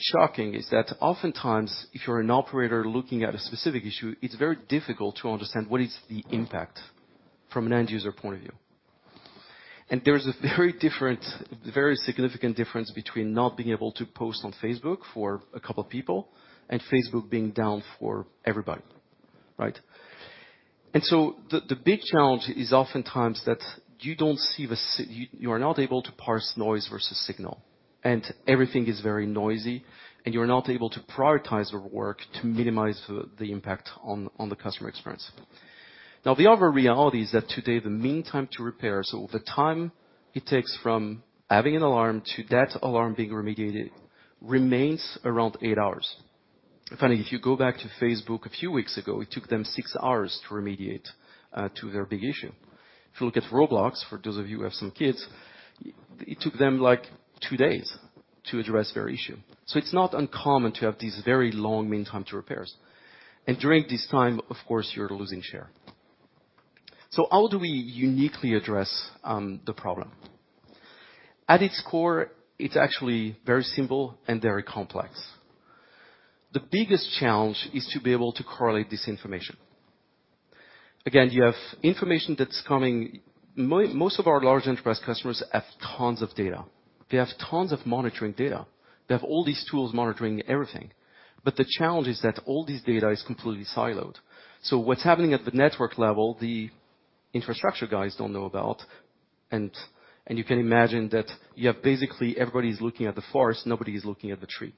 shocking is that oftentimes if you're an operator looking at a specific issue, it's very difficult to understand what is the impact from an end user point of view. There is a very different, very significant difference between not being able to post on Facebook for a couple of people and Facebook being down for everybody, right? The big challenge is oftentimes that you don't see the signal, you are not able to parse noise versus signal, and everything is very noisy, and you're not able to prioritize the work to minimize the impact on the customer experience. Now the other reality is that today, the mean time to repair, so the time it takes from having an alarm to that alarm being remediated remains around eight hours. Finally, if you go back to Facebook a few weeks ago, it took them six hours to remediate to their big issue. If you look at Roblox, for those of you who have some kids, it took them like two days to address their issue. It's not uncommon to have these very long mean time to repair. During this time, of course, you're losing share. How do we uniquely address the problem? At its core, it's actually very simple and very complex. The biggest challenge is to be able to correlate this information. Again, you have information that's coming. Most of our large enterprise customers have tons of data. They have tons of monitoring data. They have all these tools monitoring everything. But the challenge is that all this data is completely siloed. What's happening at the network level, the infrastructure guys don't know about, and you can imagine that you have basically everybody's looking at the forest, nobody's looking at the tree.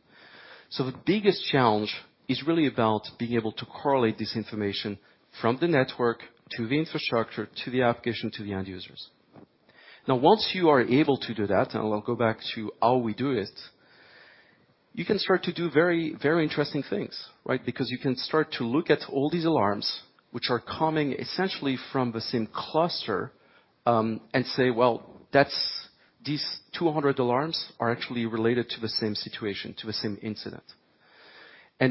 The biggest challenge is really about being able to correlate this information from the network to the infrastructure, to the application, to the end users. Now, once you are able to do that, and I'll go back to how we do it, you can start to do very, very interesting things, right? Because you can start to look at all these alarms which are coming essentially from the same cluster, and say, "Well, that's these 200 alarms are actually related to the same situation, to the same incident."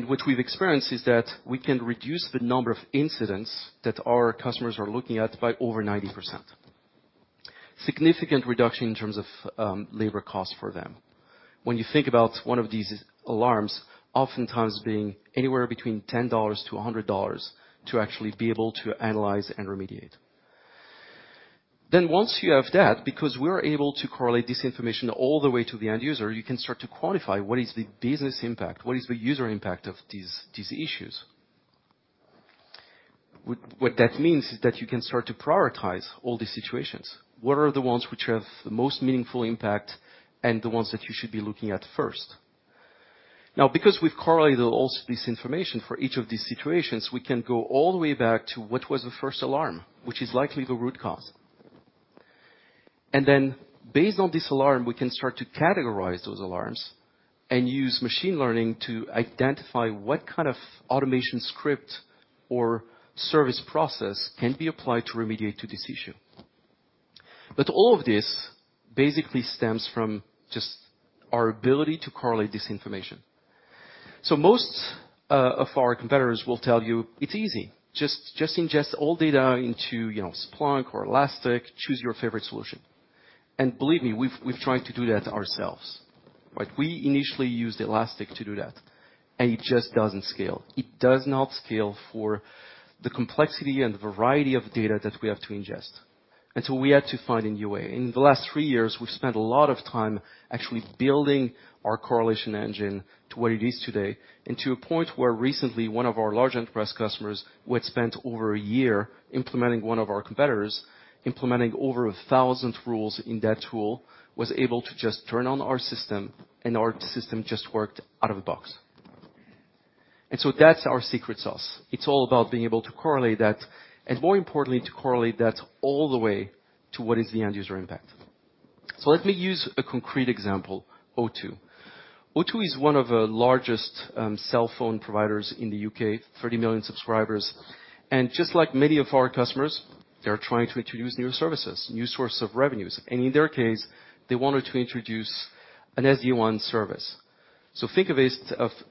What we've experienced is that we can reduce the number of incidents that our customers are looking at by over 90%. Significant reduction in terms of labor costs for them. When you think about one of these alarms oftentimes being anywhere between $10 to $100 to actually be able to analyze and remediate. Once you have that, because we're able to correlate this information all the way to the end user, you can start to quantify what is the business impact, what is the user impact of these issues. What that means is that you can start to prioritize all these situations. What are the ones which have the most meaningful impact, and the ones that you should be looking at first. Now, because we've correlated all this information for each of these situations, we can go all the way back to what was the first alarm, which is likely the root cause. Based on this alarm, we can start to categorize those alarms and use machine learning to identify what kind of automation script or service process can be applied to remediate to this issue. All of this basically stems from just our ability to correlate this information. Most of our competitors will tell you it's easy. Just ingest all data into, you know, Splunk or Elastic, choose your favorite solution. Believe me, we've tried to do that ourselves. We initially used Elastic to do that, and it just doesn't scale. It does not scale for the complexity and variety of data that we have to ingest. We had to find a new way. In the last three years, we've spent a lot of time actually building our correlation engine to what it is today, and to a point where recently one of our large enterprise customers, which spent over a year implementing one of our competitors, implementing over 1,000 rules in that tool, was able to just turn on our system, and our system just worked out of the box. That's our secret sauce. It's all about being able to correlate that, and more importantly, to correlate that all the way to what is the end user impact. Let me use a concrete example, O2. O2 is one of the largest cell phone providers in the U.K., 30 million subscribers. Just like many of our customers, they're trying to introduce new services, new source of revenues. In their case, they wanted to introduce an SD-WAN service. Think of it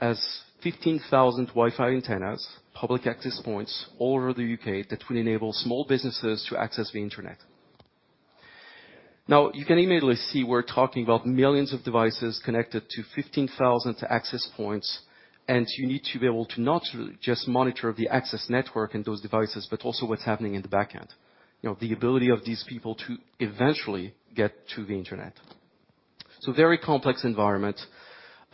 as 15,000 Wi-Fi antennas, public access points all over the U.K. that will enable small businesses to access the internet. Now, you can immediately see we're talking about millions of devices connected to 15,000 access points, and you need to be able to not just monitor the access network and those devices, but also what's happening in the back end. You know, the ability of these people to eventually get to the internet. Very complex environment,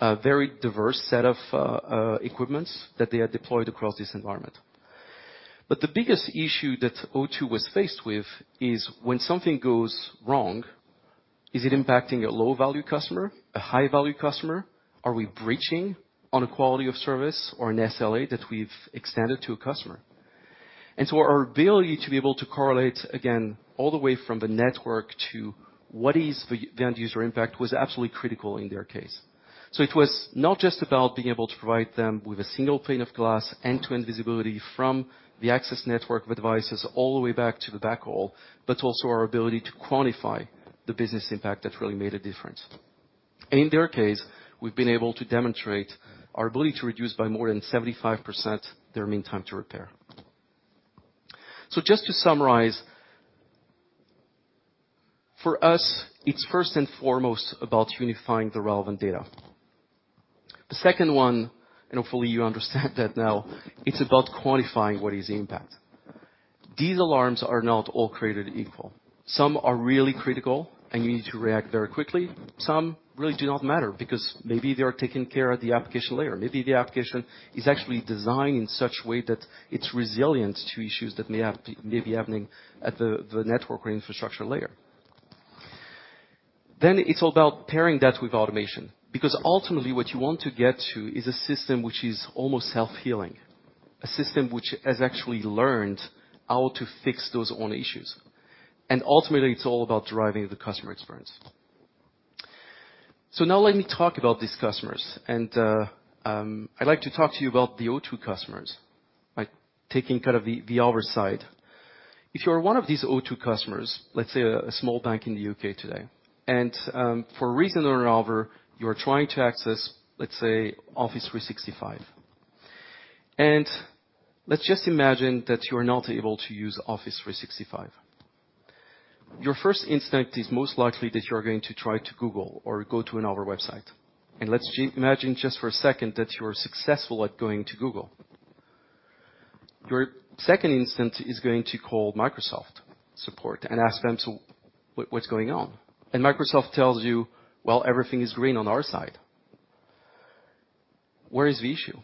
a very diverse set of equipment that they had deployed across this environment. But the biggest issue that O2 was faced with is when something goes wrong, is it impacting a low-value customer, a high-value customer? Are we breaching on a quality of service or an SLA that we've extended to a customer? Our ability to be able to correlate, again, all the way from the network to what is the end user impact, was absolutely critical in their case. It was not just about being able to provide them with a single pane of glass, end-to-end visibility from the access network of devices all the way back to the backhaul, but also our ability to quantify the business impact that really made a difference. In their case, we've been able to demonstrate our ability to reduce by more than 75% their mean time to repair. Just to summarize, for us, it's first and foremost about unifying the relevant data. The second one, and hopefully you understand that now, it's about quantifying what is the impact. These alarms are not all created equal. Some are really critical, and you need to react very quickly. Some really do not matter because maybe they are taking care of the application layer. Maybe the application is actually designed in such a way that it's resilient to issues that may be happening at the network or infrastructure layer. It's about pairing that with automation. Because ultimately what you want to get to is a system which is almost self-healing, a system which has actually learned how to fix those own issues. Ultimately, it's all about driving the customer experience. Now let me talk about these customers and I'd like to talk to you about the O2 customers by taking kind of the other side. If you are one of these O2 customers, let's say a small bank in the U.K. today, and for a reason or another, you are trying to access, let's say, Office 365. Let's just imagine that you're not able to use Office 365. Your first instinct is most likely that you are going to try to Google or go to another website. Let's imagine just for a second that you are successful at going to Google. Your second instinct is going to call Microsoft Support and ask them what's going on. Microsoft tells you, "Well, everything is green on our side." Where is the issue?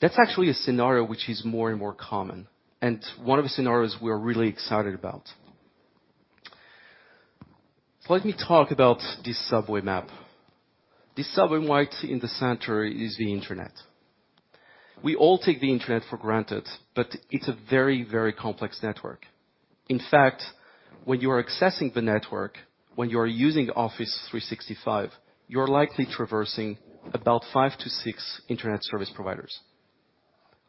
That's actually a scenario which is more and more common, and one of the scenarios we are really excited about. Let me talk about this subway map. This subway map in the center is the Internet. We all take the Internet for granted, but it's a very, very complex network. In fact, when you are accessing the network, when you are using Office 365, you're likely traversing about five to six internet service providers.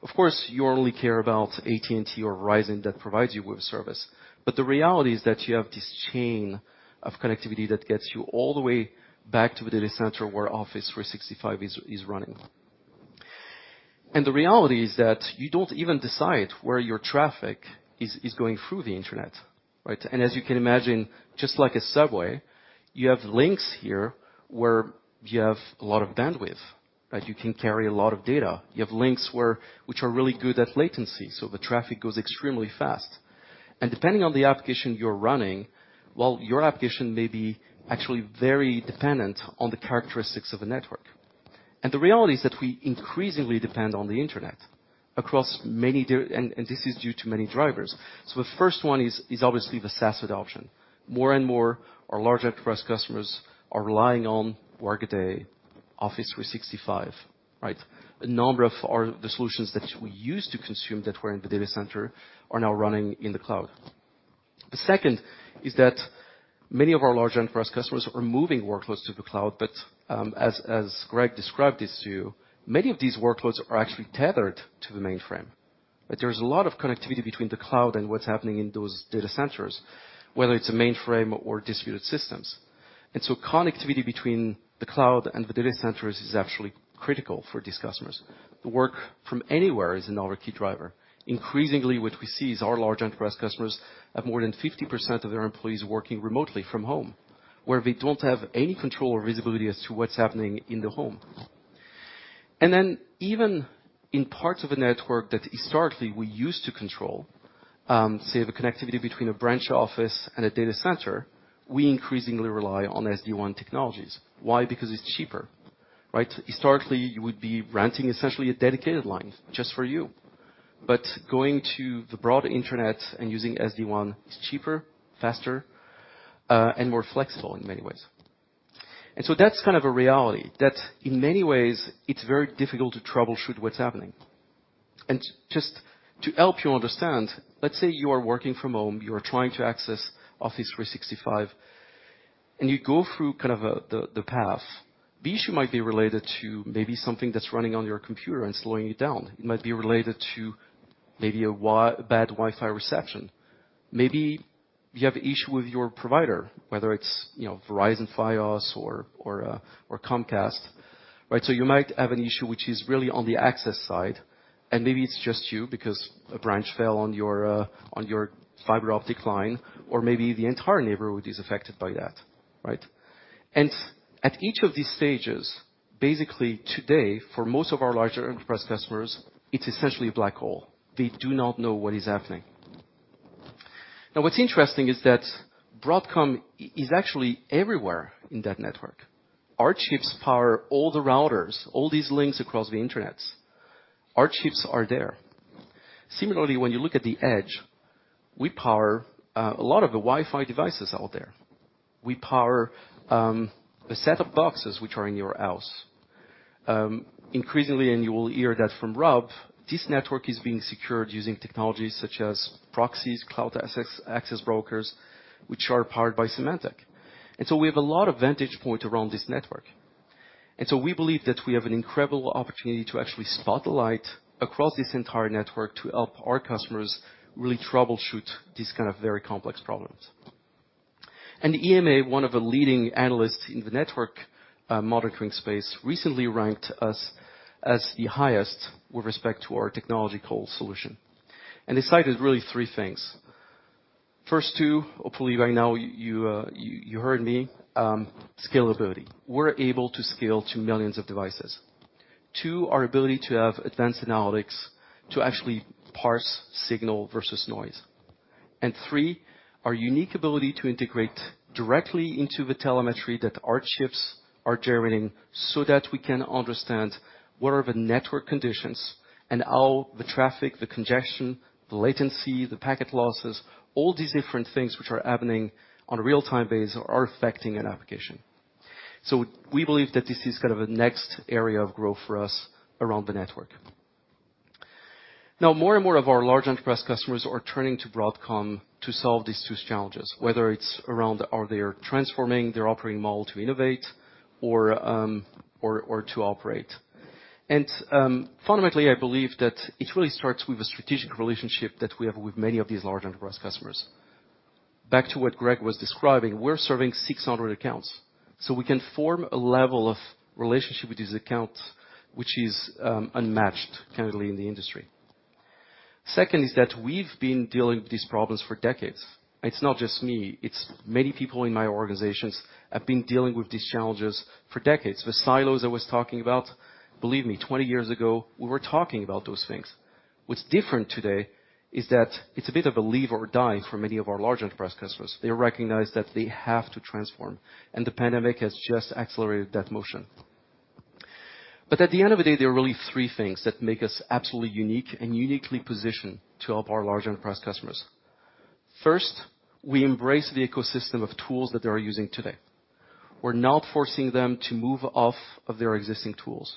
Of course, you only care about AT&T or Verizon that provides you with service, but the reality is that you have this chain of connectivity that gets you all the way back to the data center where Office 365 is running. The reality is that you don't even decide where your traffic is going through the internet, right? As you can imagine, just like a subway, you have links here where you have a lot of bandwidth, that you can carry a lot of data. You have links which are really good at latency, so the traffic goes extremely fast. Depending on the application you're running, well, your application may be actually very dependent on the characteristics of the network. The reality is that we increasingly depend on the Internet, and this is due to many drivers. The first one is obviously the SaaS adoption. More and more our large enterprise customers are relying on Workday, Office 365, right? A number of the solutions that we use to consume that were in the data center are now running in the cloud. The second is that many of our large enterprise customers are moving workloads to the cloud, but as Greg described this to you, many of these workloads are actually tethered to the mainframe. There's a lot of connectivity between the cloud and what's happening in those data centers, whether it's a mainframe or distributed systems. Connectivity between the cloud and the data centers is actually critical for these customers. The work from anywhere is another key driver. Increasingly, what we see is our large enterprise customers have more than 50% of their employees working remotely from home, where they don't have any control or visibility as to what's happening in the home. Even in parts of a network that historically we used to control, say the connectivity between a branch office and a data center, we increasingly rely on SD-WAN technologies. Why? Because it's cheaper, right? Historically, you would be renting essentially a dedicated line just for you. Going to the broad Internet and using SD-WAN is cheaper, faster, and more flexible in many ways. That's kind of a reality that in many ways it's very difficult to troubleshoot what's happening. Just to help you understand, let's say you are working from home, you are trying to access Office 365, and you go through the path. The issue might be related to maybe something that's running on your computer and slowing you down. It might be related to maybe bad Wi-Fi reception. Maybe you have issue with your provider, whether it's, you know, Verizon Fios or Comcast, right? You might have an issue which is really on the access side, and maybe it's just you because a branch fell on your fiber-optic line, or maybe the entire neighborhood is affected by that, right? At each of these stages, basically today, for most of our larger enterprise customers, it's essentially a black hole. They do not know what is happening. Now, what's interesting is that Broadcom is actually everywhere in that network. Our chips power all the routers, all these links across the internet. Our chips are there. Similarly, when you look at the edge, we power a lot of the Wi-Fi devices out there. We power a set of boxes which are in your house. Increasingly, and you will hear that from Rob, this network is being secured using technologies such as proxies, cloud access security brokers, which are powered by Symantec. We have a lot of vantage point around this network. We believe that we have an incredible opportunity to actually spotlight across this entire network to help our customers really troubleshoot these kind of very complex problems. EMA, one of the leading analysts in the network monitoring space, recently ranked us as the highest with respect to our technological solution. They cited really three things. First two, hopefully right now you heard me, scalability. We're able to scale to millions of devices. Two, our ability to have advanced analytics to actually parse signal versus noise. Three, our unique ability to integrate directly into the telemetry that our chips are generating so that we can understand what are the network conditions and how the traffic, the congestion, the latency, the packet losses, all these different things which are happening on a real-time basis are affecting an application. We believe that this is kind of a next area of growth for us around the network. Now more and more of our large enterprise customers are turning to Broadcom to solve these two challenges, whether it's around are they transforming their operating model to innovate or to operate. Fundamentally, I believe that it really starts with a strategic relationship that we have with many of these large enterprise customers. Back to what Greg was describing, we're serving 600 accounts, so we can form a level of relationship with these accounts which is unmatched candidly in the industry. Second is that we've been dealing with these problems for decades. It's not just me, it's many people in my organizations have been dealing with these challenges for decades. The silos I was talking about, believe me, 20 years ago, we were talking about those things. What's different today is that it's a bit of a live or die for many of our large enterprise customers. They recognize that they have to transform, and the pandemic has just accelerated that motion. At the end of the day, there are really three things that make us absolutely unique and uniquely positioned to help our large enterprise customers. First, we embrace the ecosystem of tools that they are using today. We're not forcing them to move off of their existing tools.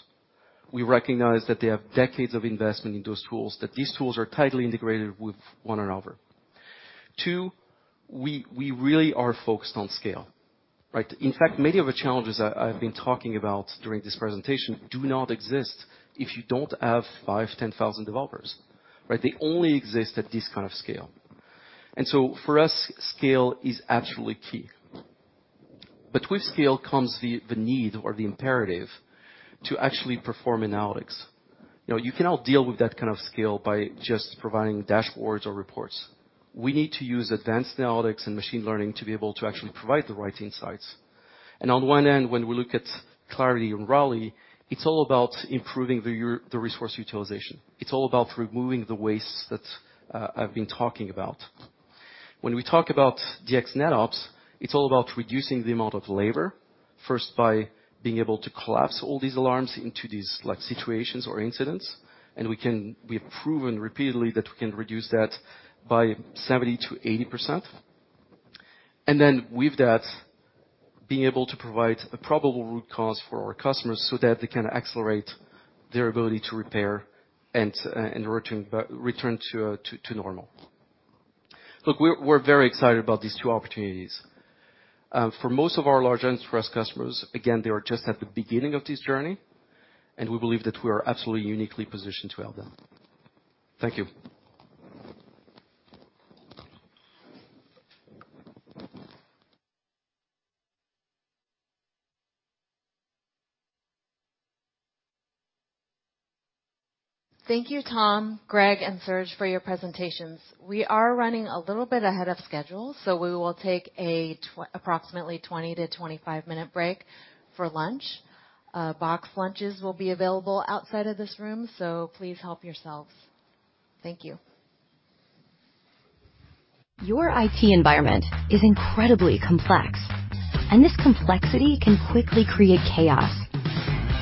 We recognize that they have decades of investment in those tools, that these tools are tightly integrated with one another. Two, we really are focused on scale, right? In fact, many of the challenges I've been talking about during this presentation do not exist if you don't have five, 10,000 developers, right? They only exist at this kind of scale. For us, scale is absolutely key. But with scale comes the need or the imperative to actually perform analytics. You know, you cannot deal with that kind of scale by just providing dashboards or reports. We need to use advanced analytics and machine learning to be able to actually provide the right insights. On one end, when we look at Clarity and Rally, it's all about improving the resource utilization. It's all about removing the waste that I've been talking about. When we talk about DX NetOps, it's all about reducing the amount of labor, first by being able to collapse all these alarms into these like situations or incidents, and we can. We have proven repeatedly that we can reduce that by 70% to 80%. with that, being able to provide a probable root cause for our customers so that they can accelerate their ability to repair and return to normal. Look, we're very excited about these two opportunities. For most of our large enterprise customers, again, they are just at the beginning of this journey, and we believe that we are absolutely uniquely positioned to help them. Thank you. Thank you, Tom, Greg, and Serge for your presentations. We are running a little bit ahead of schedule, so we will take approximately 20 to 25-minute break for lunch. Box lunches will be available outside of this room, so please help yourselves. Thank you. Your IT environment is incredibly complex, and this complexity can quickly create chaos.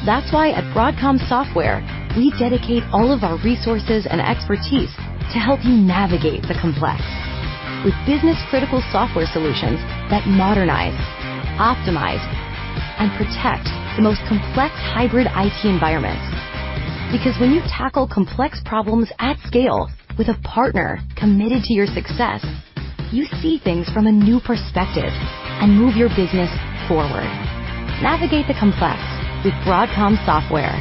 That's why at Broadcom Software, we dedicate all of our resources and expertise to help you navigate the complex with business-critical software solutions that modernize, optimize, and protect the most complex hybrid IT environments. Because when you tackle complex problems at scale with a partner committed to your success, you see things from a new perspective and move your business forward. Navigate the complex with Broadcom Software.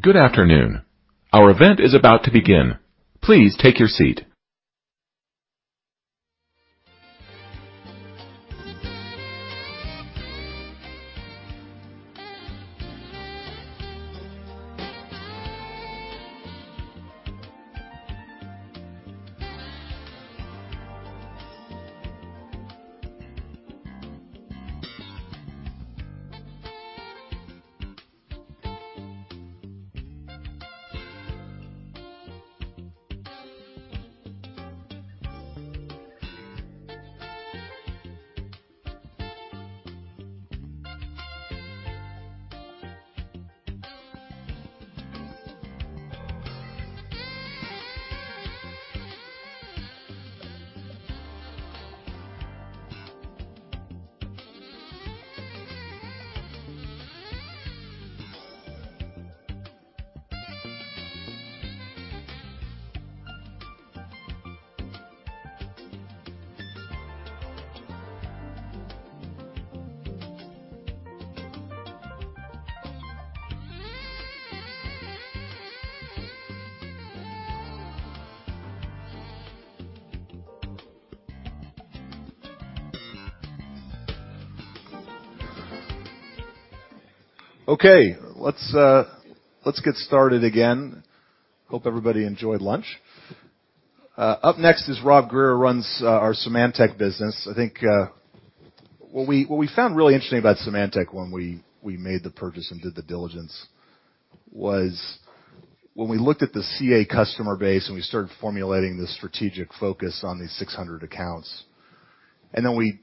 Good afternoon. Our event is about to begin. Please take your seat. Okay, let's get started again. Hope everybody enjoyed lunch. Up next is Rob Greer, runs our Symantec business. I think what we found really interesting about Symantec when we made the purchase and did the diligence was when we looked at the CA customer base, and we started formulating the strategic focus on these 600 accounts, and then we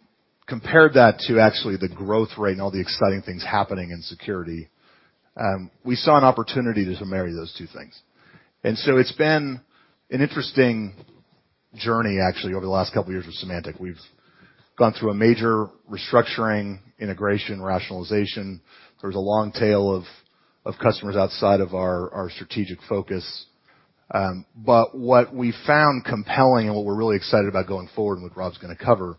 compared that to actually the growth rate and all the exciting things happening in security, we saw an opportunity to marry those two things. It's been an interesting journey actually over the last couple of years with Symantec. We've gone through a major restructuring, integration, rationalization. There was a long tail of customers outside of our strategic focus. What we found compelling and what we're really excited about going forward and what Rob's gonna cover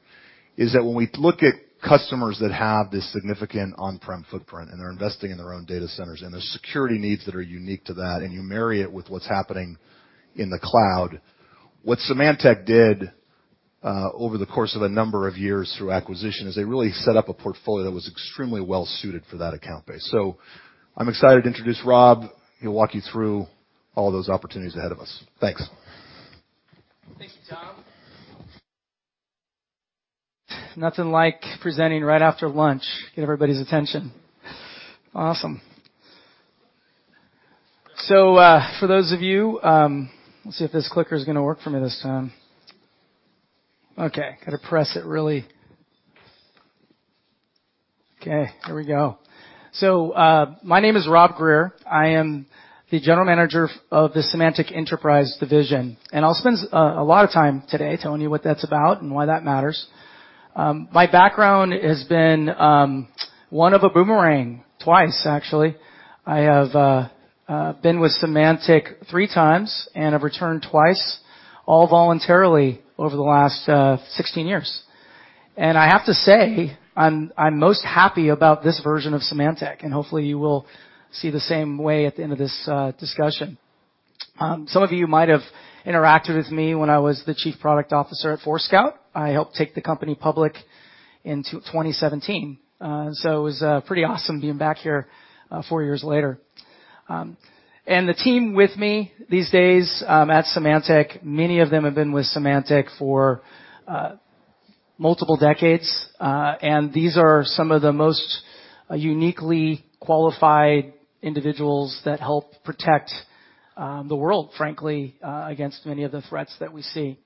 is that when we look at customers that have this significant on-prem footprint and are investing in their own data centers, and there's security needs that are unique to that, and you marry it with what's happening in the cloud. What Symantec did over the course of a number of years through acquisition is they really set up a portfolio that was extremely well suited for that account base. I'm excited to introduce Rob. He'll walk you through all those opportunities ahead of us. Thanks. Thank you, Tom. Nothing like presenting right after lunch, get everybody's attention. Awesome. Let's see if this clicker is gonna work for me this time. Okay, gotta press it really. Okay, here we go. My name is Rob Greer. I am the General Manager of the Symantec Enterprise Division, and I'll spend a lot of time today telling you what that's about and why that matters. My background has been one of a boomerang, twice, actually. I have been with Symantec three times and have returned twice, all voluntarily over the last 16 years. I have to say, I'm most happy about this version of Symantec, and hopefully, you will see the same way at the end of this discussion. Some of you might have interacted with me when I was the Chief Product Officer at Forescout. I helped take the company public in 2017. It was pretty awesome being back here four years later. The team with me these days at Symantec, many of them have been with Symantec for multiple decades, and these are some of the most uniquely qualified individuals that help protect the world, frankly, against many of the threats that we see.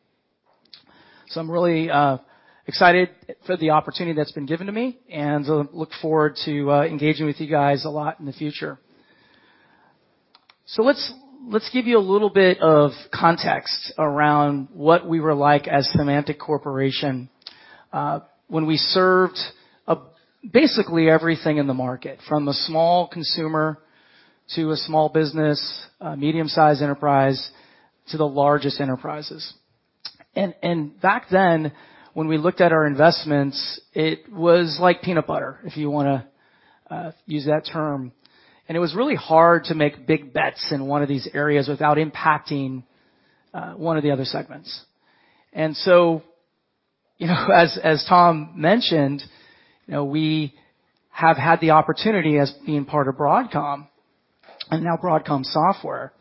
I'm really excited for the opportunity that's been given to me, and look forward to engaging with you guys a lot in the future. Let's give you a little bit of context around what we were like as Symantec Corporation, basically everything in the market, from a small consumer to a small business, a medium-sized enterprise, to the largest enterprises. Back then, when we looked at our investments, it was like peanut butter, if you wanna use that term. It was really hard to make big bets in one of these areas without impacting one of the other segments. You know, as Tom mentioned, you know, we have had the opportunity as being part of Broadcom, and now Broadcom Software,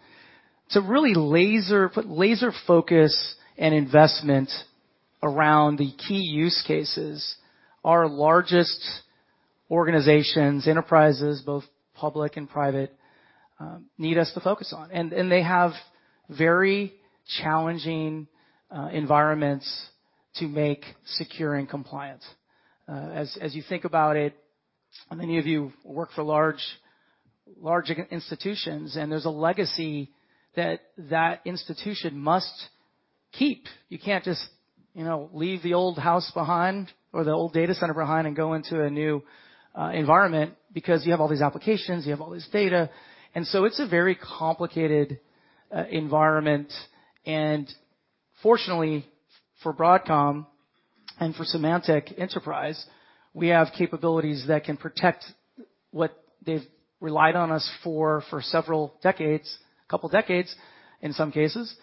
to really laser, put laser focus and investment around the key use cases. Our largest organizations, enterprises, both public and private, need us to focus on. They have very challenging environments to make secure and compliant. As you think about it, many of you work for large institutions, and there's a legacy that institution must keep. You can't just, you know, leave the old house behind or the old data center behind and go into a new environment because you have all these applications, you have all this data. It's a very complicated environment. Fortunately for Broadcom and for Symantec Enterprise, we have capabilities that can protect what they've relied on us for several decades, a couple decades, in some cases,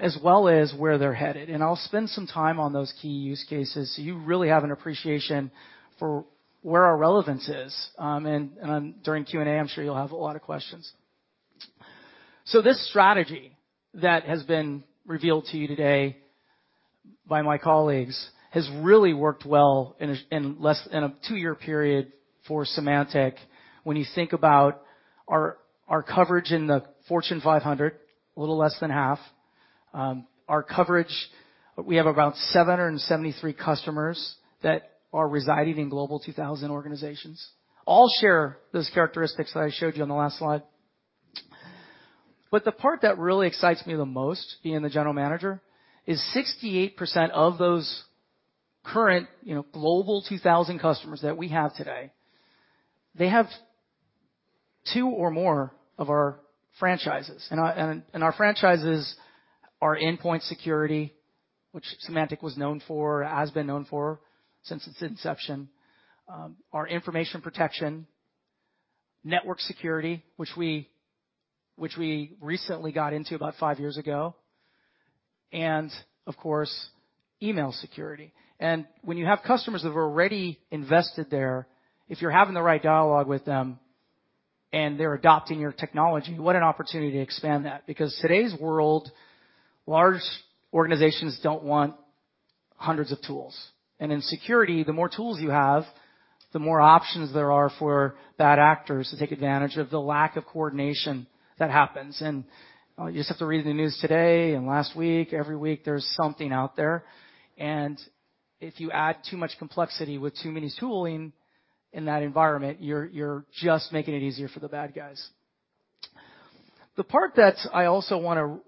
as well as where they're headed. I'll spend some time on those key use cases, so you really have an appreciation for where our relevance is. During Q&A, I'm sure you'll have a lot of questions. This strategy that has been revealed to you today by my colleagues has really worked well in less than a two-year period for Symantec. When you think about our coverage in the Fortune 500, a little less than half our coverage, we have about 773 customers that are residing in Forbes Global 2000 organizations, all share those characteristics that I showed you on the last slide. The part that really excites me the most, being the general manager, is 68% of those current, you know, Forbes Global 2000 customers that we have today, they have two or more of our franchises. Our franchises are endpoint security, which Symantec was known for, has been known for since its inception, our information protection, network security, which we recently got into about five years ago, and of course, email security. When you have customers that have already invested there, if you're having the right dialogue with them and they're adopting your technology, what an opportunity to expand that. Because in today's world, large organizations don't want hundreds of tools. In security, the more tools you have, the more options there are for bad actors to take advantage of the lack of coordination that happens. You just have to read the news today and last week, every week, there's something out there. If you add too much complexity with too many tools in that environment, you're just making it easier for the bad guys. The part that I also wanna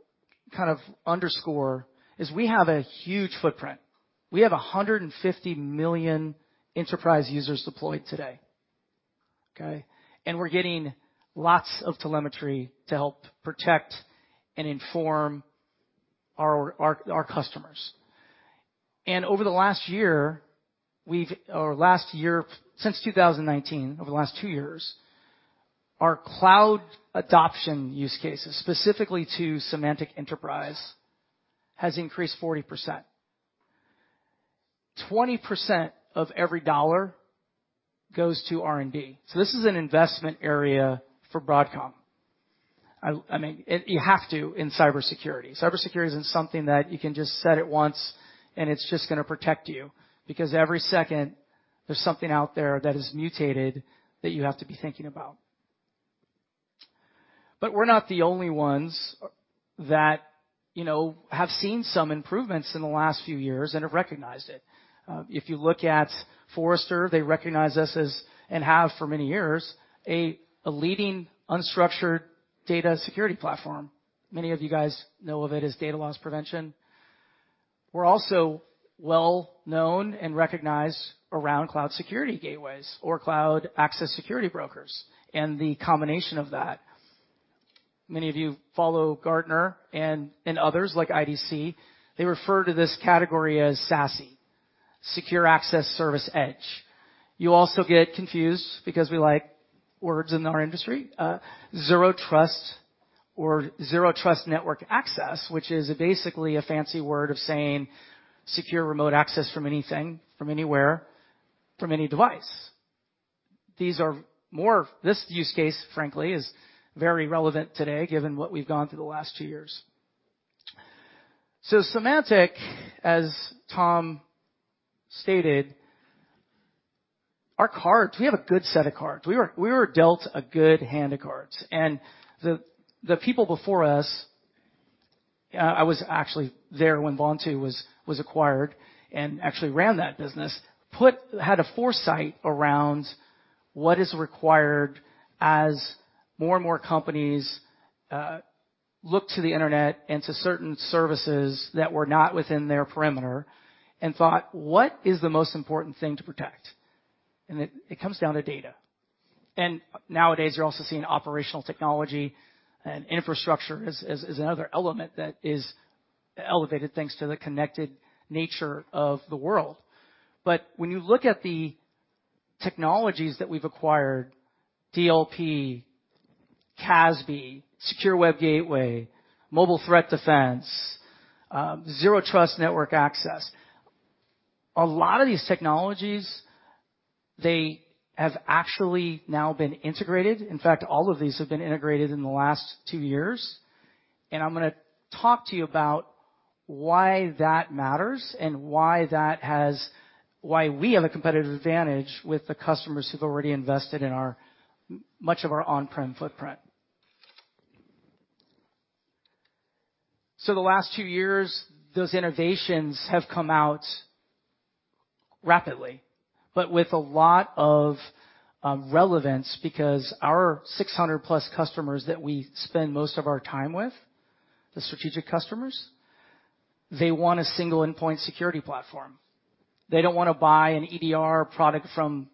kind of underscore is we have a huge footprint. We have 150 million enterprise users deployed today. Okay? We're getting lots of telemetry to help protect and inform our customers. Over the last year, since 2019, over the last two years, our cloud adoption use cases, specifically to Symantec Enterprise, has increased 40%. 20% of every dollar goes to R&D. This is an investment area for Broadcom. I mean, and you have to in cybersecurity. Cybersecurity isn't something that you can just set it once, and it's just gonna protect you because every second there's something out there that is mutated that you have to be thinking about. We're not the only ones that, you know, have seen some improvements in the last few years and have recognized it. If you look at Forrester, they recognize us as, and have for many years, a leading unstructured data security platform. Many of you guys know of it as data loss prevention. We're also well known and recognized around cloud security gateways or cloud access security brokers and the combination of that. Many of you follow Gartner and others like IDC. They refer to this category as SASE, Secure Access Service Edge. You also get confused because we like words in our industry, Zero Trust or zero trust network access, which is basically a fancy word of saying secure remote access from anything, from anywhere, from any device. These are more. This use case, frankly, is very relevant today, given what we've gone through the last two years. Symantec, as Tom stated, our cards, we have a good set of cards. We were dealt a good hand of cards. The people before us, I was actually there when Vontu was acquired and actually ran that business. Had a foresight around what is required as more and more companies look to the Internet and to certain services that were not within their perimeter and thought, "What is the most important thing to protect?" It comes down to data. Nowadays, you're also seeing operational technology and infrastructure as another element that is elevated thanks to the connected nature of the world. When you look at the technologies that we've acquired, DLP, CASB, Secure Web Gateway, Mobile Threat Defense, Zero Trust Network Access, a lot of these technologies, they have actually now been integrated. In fact, all of these have been integrated in the last two years. I'm gonna talk to you about why that matters and why we have a competitive advantage with the customers who've already invested in our much of our on-prem footprint. The last two years, those innovations have come out rapidly, but with a lot of relevance because our 600 plus customers that we spend most of our time with, the strategic customers, they want a single endpoint security platform. They don't wanna buy an EDR product from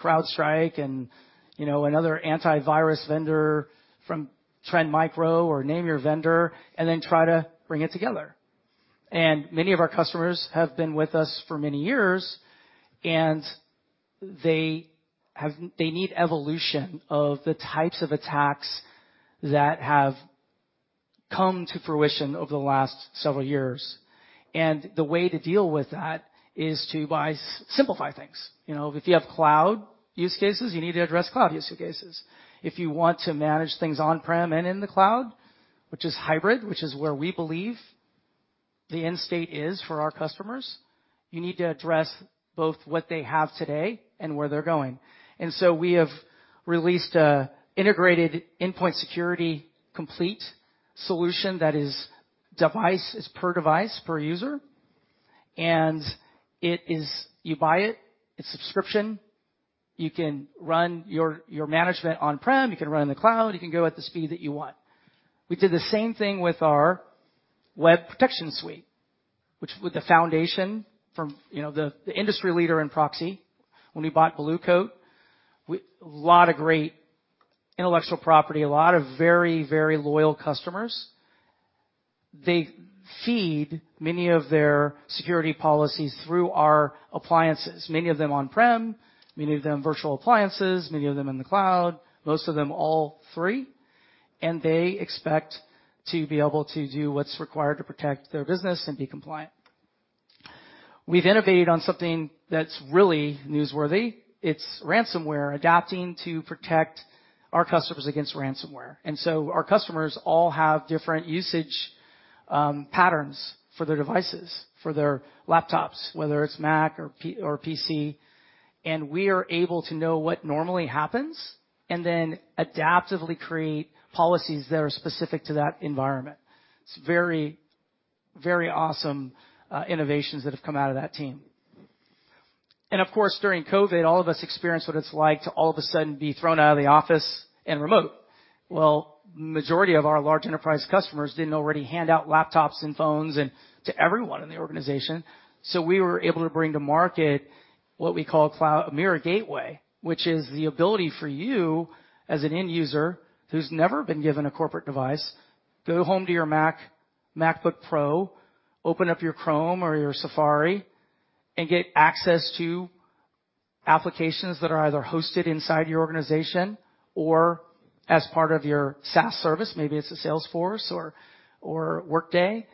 CrowdStrike and, you know, another antivirus vendor from Trend Micro or name your vendor and then try to bring it together. Many of our customers have been with us for many years, and they need evolution of the types of attacks that have come to fruition over the last several years. The way to deal with that is to simplify things. You know if you have cloud use cases, you need to address cloud use cases. If you want to manage things on-prem and in the cloud, which is hybrid, which is where we believe the end state is for our customers, you need to address both what they have today and where they're going. We have released an integrated endpoint security complete solution that is device. It's per device, per user. It is. You buy it's subscription, you can run your management on-prem, you can run in the cloud, you can go at the speed that you want. We did the same thing with our web protection suite, which with the foundation from, you know, the industry leader in proxy when we bought Blue Coat. Lot of great intellectual property, a lot of very loyal customers. They feed many of their security policies through our appliances. Many of them on-prem, many of them virtual appliances, many of them in the cloud, most of them all three. They expect to be able to do what's required to protect their business and be compliant. We've innovated on something that's really newsworthy. It's ransomware, adapting to protect our customers against ransomware. Our customers all have different usage patterns for their devices, for their laptops, whether it's Mac or PC, and we are able to know what normally happens and then adaptively create policies that are specific to that environment. It's very, very awesome innovations that have come out of that team. Of course, during COVID, all of us experienced what it's like to all of a sudden be thrown out of the office and remote. Well, majority of our large enterprise customers didn't already hand out laptops and phones and to everyone in the organization. We were able to bring to market what we call Mirror Gateway, which is the ability for you as an end user who's never been given a corporate device, go home to your MacBook Pro, open up your Chrome or your Safari, and get access to applications that are either hosted inside your organization or as part of your SaaS service, maybe it's a Salesforce or Workday,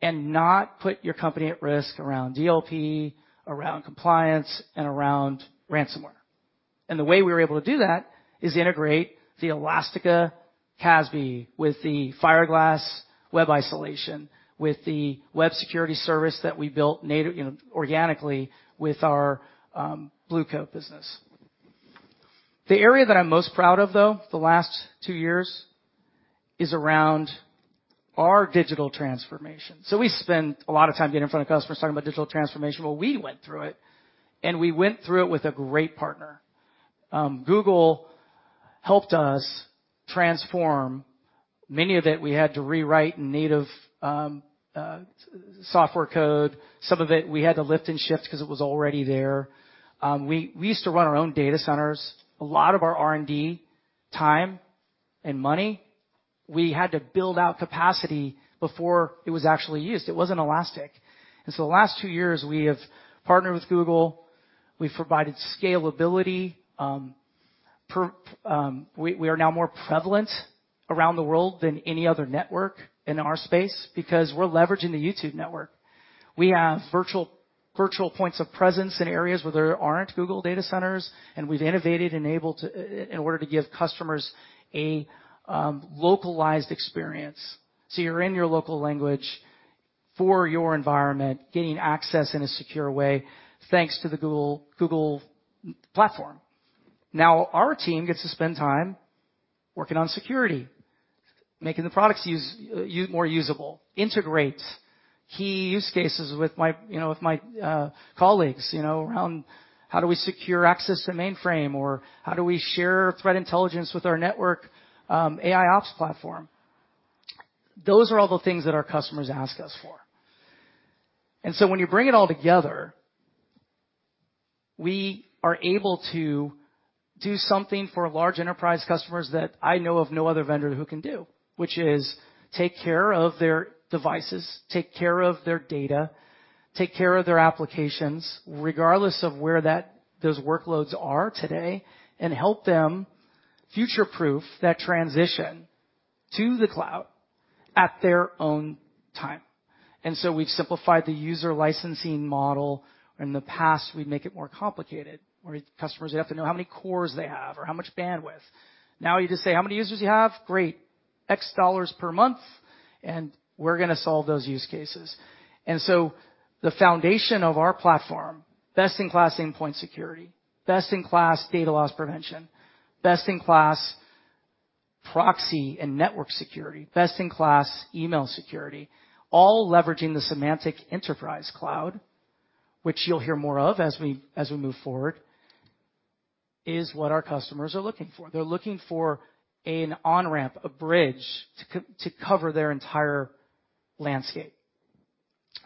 and not put your company at risk around DLP, around compliance, and around ransomware. The way we were able to do that is integrate the Elastica CASB with the Fireglass web isolation, with the Web Security Service that we built native, you know, organically with our Blue Coat business. The area that I'm most proud of though, the last two years, is around our digital transformation. We spend a lot of time getting in front of customers talking about digital transformation. Well, we went through it, and we went through it with a great partner. Google helped us transform. Many of it we had to rewrite native software code. Some of it we had to lift and shift because it was already there. We used to run our own data centers. A lot of our R&D time and money, we had to build out capacity before it was actually used. It wasn't elastic. The last two years we have partnered with Google. We've provided scalability. We are now more prevalent around the world than any other network in our space because we're leveraging the YouTube network. We have virtual points of presence in areas where there aren't Google data centers, and we've innovated and able to in order to give customers a localized experience. You're in your local language for your environment, getting access in a secure way, thanks to the Google platform. Our team gets to spend time working on security, making the products more usable, integrate key use cases with my colleagues, you know, around how do we secure access to mainframe, or how do we share threat intelligence with our network, AIOps platform. Those are all the things that our customers ask us for. When you bring it all together, we are able to do something for large enterprise customers that I know of no other vendor who can do, which is take care of their devices, take care of their data, take care of their applications, regardless of where those workloads are today, and help them future-proof that transition to the cloud at their own time. We've simplified the user licensing model. In the past, we'd make it more complicated, where customers would have to know how many cores they have or how much bandwidth. Now you just say, "How many users do you have? Great. $X per month, and we're gonna solve those use cases." The foundation of our platform, best-in-class endpoint security, best-in-class data loss prevention, best-in-class proxy and network security, best-in-class email security, all leveraging the Symantec Enterprise Cloud, which you'll hear more of as we move forward, is what our customers are looking for. They're looking for an on-ramp, a bridge to cover their entire landscape.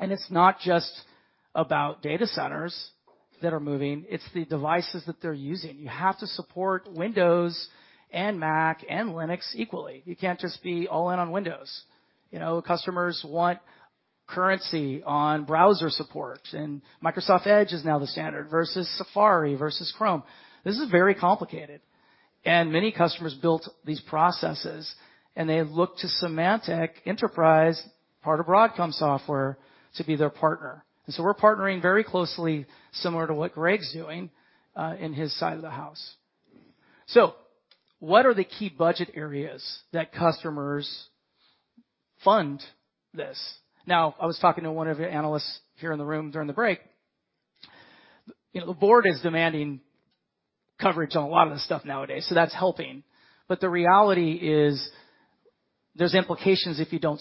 It's not just about data centers that are moving, it's the devices that they're using. You have to support Windows and Mac and Linux equally. You can't just be all in on Windows. You know, customers want currency on browser support, and Microsoft Edge is now the standard versus Safari versus Chrome. This is very complicated, and many customers built these processes, and they look to Symantec Enterprise, part of Broadcom Software, to be their partner. We're partnering very closely, similar to what Greg's doing in his side of the house. What are the key budget areas that customers fund this? Now, I was talking to one of your analysts here in the room during the break. You know, the board is demanding coverage on a lot of this stuff nowadays, so that's helping. But the reality is, there's implications if you don't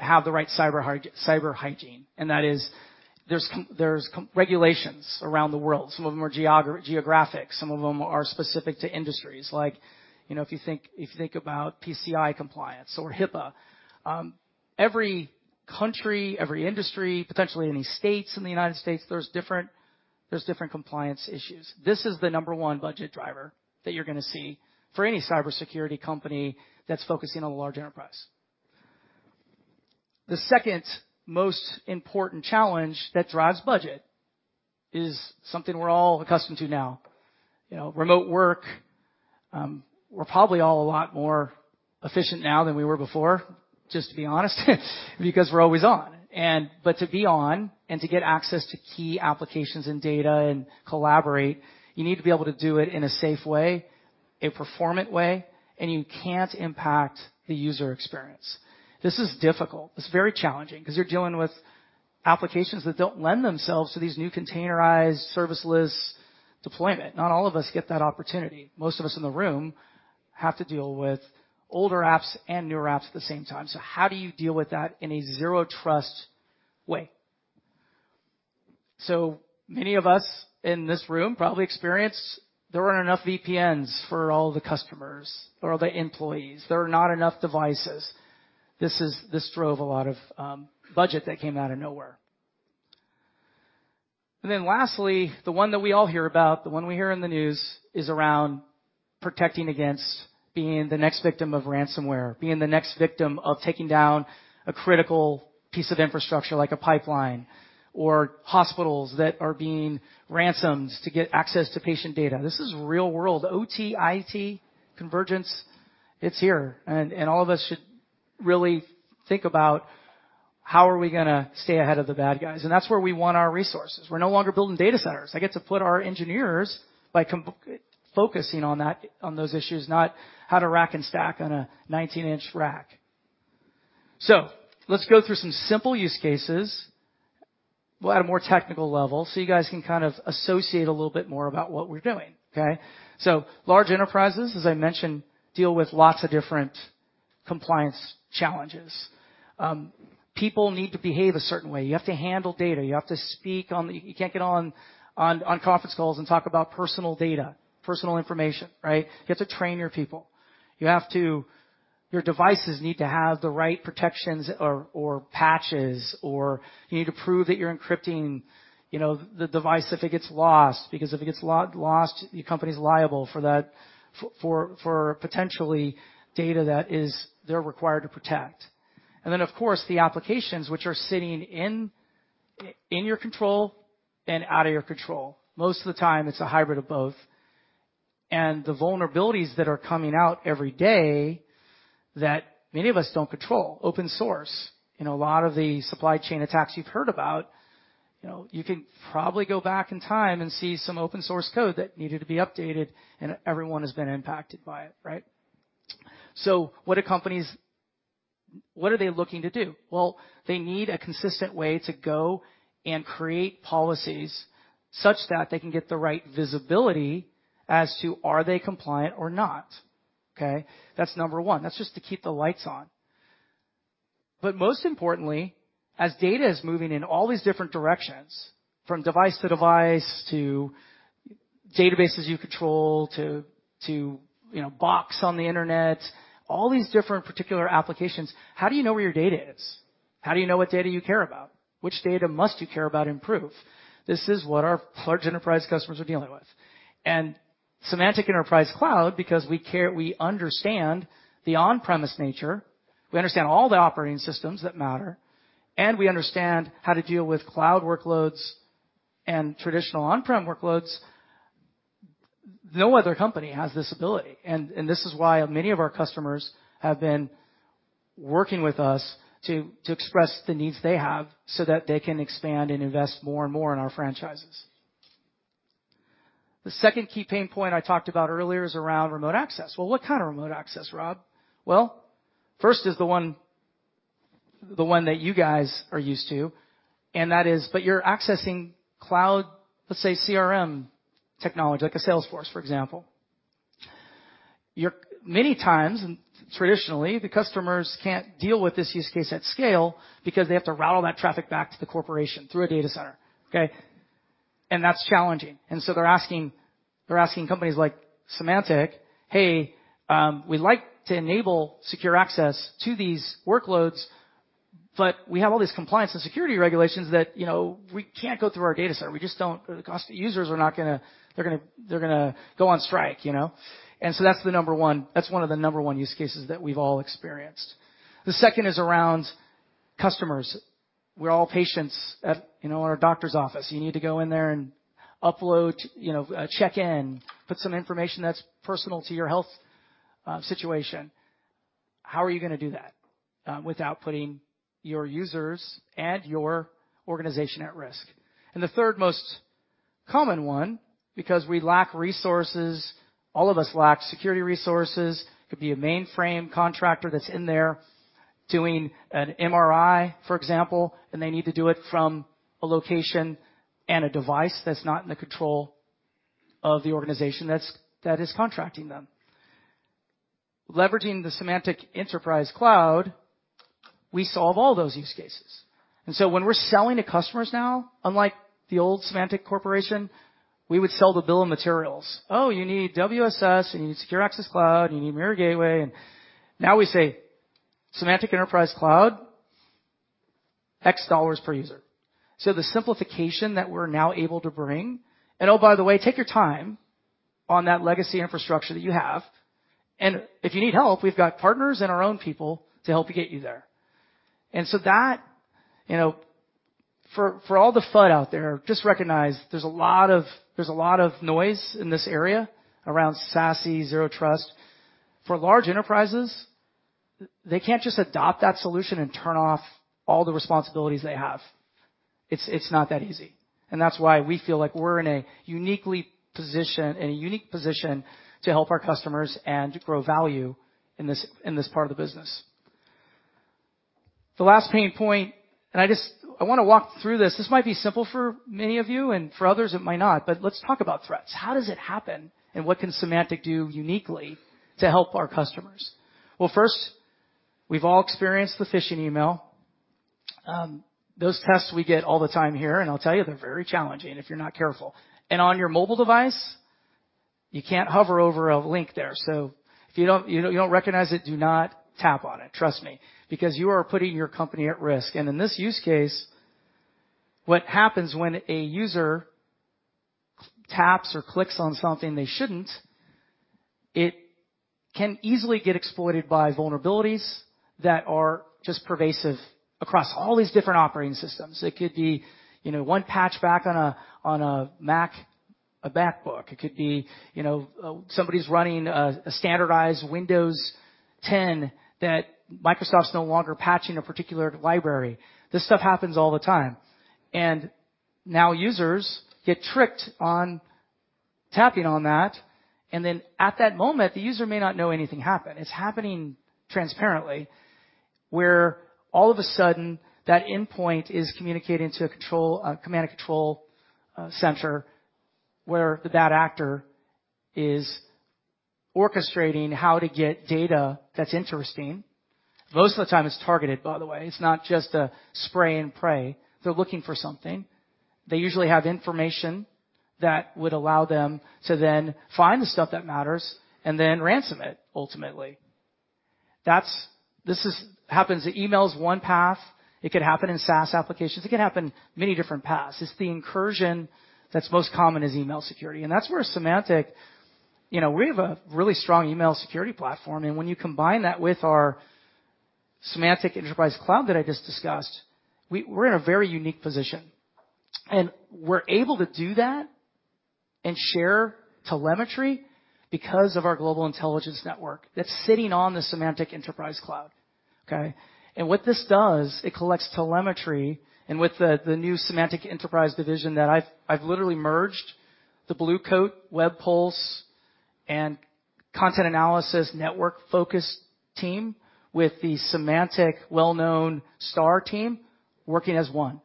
have the right cyber hygiene, and that is there's regulations around the world. Some of them are geographic, some of them are specific to industries like, you know, if you think about PCI compliance or HIPAA. Every country, every industry, potentially any states in the United States, there's different compliance issues. This is the number one budget driver that you're gonna see for any cybersecurity company that's focusing on a large enterprise. The second most important challenge that drives budget is something we're all accustomed to now. You know, remote work. We're probably all a lot more efficient now than we were before, just to be honest, because we're always on. To be on and to get access to key applications and data and collaborate, you need to be able to do it in a safe way, a performant way, and you can't impact the user experience. This is difficult. It's very challenging 'cause you're dealing with applications that don't lend themselves to these new containerized serverless deployment. Not all of us get that opportunity. Most of us in the room have to deal with older apps and newer apps at the same time. How do you deal with that in a Zero Trust way? Many of us in this room probably experience there aren't enough VPNs for all the customers or the employees. There are not enough devices. This drove a lot of budget that came out of nowhere. Then lastly, the one that we all hear about, the one we hear in the news is around protecting against being the next victim of ransomware, being the next victim of taking down a critical piece of infrastructure like a pipeline or hospitals that are being ransomed to get access to patient data. This is real-world. OT, IT convergence, it's here, and all of us should really think about how are we gonna stay ahead of the bad guys. That's where we want our resources. We're no longer building data centers. I get to put our engineers focusing on that, on those issues, not how to rack and stack on a 19-inch rack. Let's go through some simple use cases. We'll add a more technical level, so you guys can kind of associate a little bit more about what we're doing, okay? Large enterprises, as I mentioned, deal with lots of different compliance challenges. People need to behave a certain way. You have to handle data. You can't get on conference calls and talk about personal data, personal information, right? You have to train your people. You have to. Your devices need to have the right protections or patches, or you need to prove that you're encrypting, you know, the device if it gets lost, because if it gets lost, your company is liable for that for potentially data that they're required to protect. Then, of course, the applications which are sitting in your control and out of your control. Most of the time, it's a hybrid of both. The vulnerabilities that are coming out every day that many of us don't control, open source. You know, a lot of the supply chain attacks you've heard about, you know, you can probably go back in time and see some open source code that needed to be updated, and everyone has been impacted by it, right? What are companies looking to do? Well, they need a consistent way to go and create policies such that they can get the right visibility as to are they compliant or not, okay? That's number one. That's just to keep the lights on. Most importantly, as data is moving in all these different directions, from device to device to databases you control to you know, box on the internet, all these different particular applications, how do you know where your data is? How do you know what data you care about? Which data must you care about improve? This is what our large enterprise customers are dealing with. Symantec Enterprise Cloud, because we care, we understand the on-premise nature, we understand all the operating systems that matter, and we understand how to deal with cloud workloads and traditional on-prem workloads. No other company has this ability, and this is why many of our customers have been working with us to express the needs they have so that they can expand and invest more and more in our franchises. The second key pain point I talked about earlier is around remote access. Well, what kind of remote access, Rob? Well, first is the one that you guys are used to, and that is but you're accessing cloud, let's say CRM technology, like a Salesforce, for example. Many times, traditionally, the customers can't deal with this use case at scale because they have to route all that traffic back to the corporation through a data center, okay? That's challenging. They're asking companies like Symantec, "Hey, we'd like to enable secure access to these workloads, but we have all these compliance and security regulations that, you know, we can't go through our data center. We just don't. The cost to users are not gonna they're gonna go on strike," you know? That's the number one. That's one of the number one use cases that we've all experienced. The second is around customers, we're all patients in our doctor's office. You need to go in there and upload check in, put some information that's personal to your health situation. How are you gonna do that without putting your users and your organization at risk? The third most common one, because we lack resources, all of us lack security resources. It could be a mainframe contractor that's in there doing an MRI, for example, and they need to do it from a location and a device that's not in the control of the organization that is contracting them. Leveraging the Symantec Enterprise Cloud, we solve all those use cases. When we're selling to customers now, unlike the old Symantec Corporation, we would sell the bill of materials. Oh, you need WSS and you need Secure Access Cloud, and you need Mirror Gateway. Now we say, Symantec Enterprise Cloud $X per user. The simplification that we're now able to bring... Oh, by the way, take your time on that legacy infrastructure that you have, and if you need help, we've got partners and our own people to help you get you there. That, you know, for all the FUD out there, just recognize there's a lot of noise in this area around SASE, Zero Trust. For large enterprises, they can't just adopt that solution and turn off all the responsibilities they have. It's not that easy. That's why we feel like we're in a unique position to help our customers and grow value in this part of the business. The last pain point, I wanna walk through this. This might be simple for many of you, and for others it might not, but let's talk about threats. How does it happen, and what can Symantec do uniquely to help our customers? Well, first, we've all experienced the phishing email. Those tests we get all the time here, and I'll tell you, they're very challenging if you're not careful. On your mobile device, you can't hover over a link there. If you don't recognize it, do not tap on it, trust me, because you are putting your company at risk. In this use case, what happens when a user taps or clicks on something they shouldn't, it can easily get exploited by vulnerabilities that are just pervasive across all these different operating systems. It could be, you know, one patch back on a Mac, a MacBook. It could be, you know, somebody's running a standardized Windows 10 that Microsoft's no longer patching a particular library. This stuff happens all the time, and now users get tricked on tapping on that, and then at that moment, the user may not know anything happened. It's happening transparently, where all of a sudden that endpoint is communicating to a control, a command and control, center where the bad actor is orchestrating how to get data that's interesting. Most of the time it's targeted, by the way. It's not just a spray and pray. They're looking for something. They usually have information that would allow them to then find the stuff that matters and then ransom it ultimately. This happens, the email's one path. It could happen in SaaS applications. It can happen many different paths. It's the incursion that's most common is email security. That's where Symantec, you know, we have a really strong email security platform, and when you combine that with our Symantec Enterprise Cloud that I just discussed, we're in a very unique position. We're able to do that and share telemetry because of our Global Intelligence Network that's sitting on the Symantec Enterprise Cloud. Okay? What this does, it collects telemetry, and with the new Symantec Enterprise Division that I've literally merged the Blue Coat, WebPulse, and content analysis network-focused team with the Symantec well-known STAR team working as one.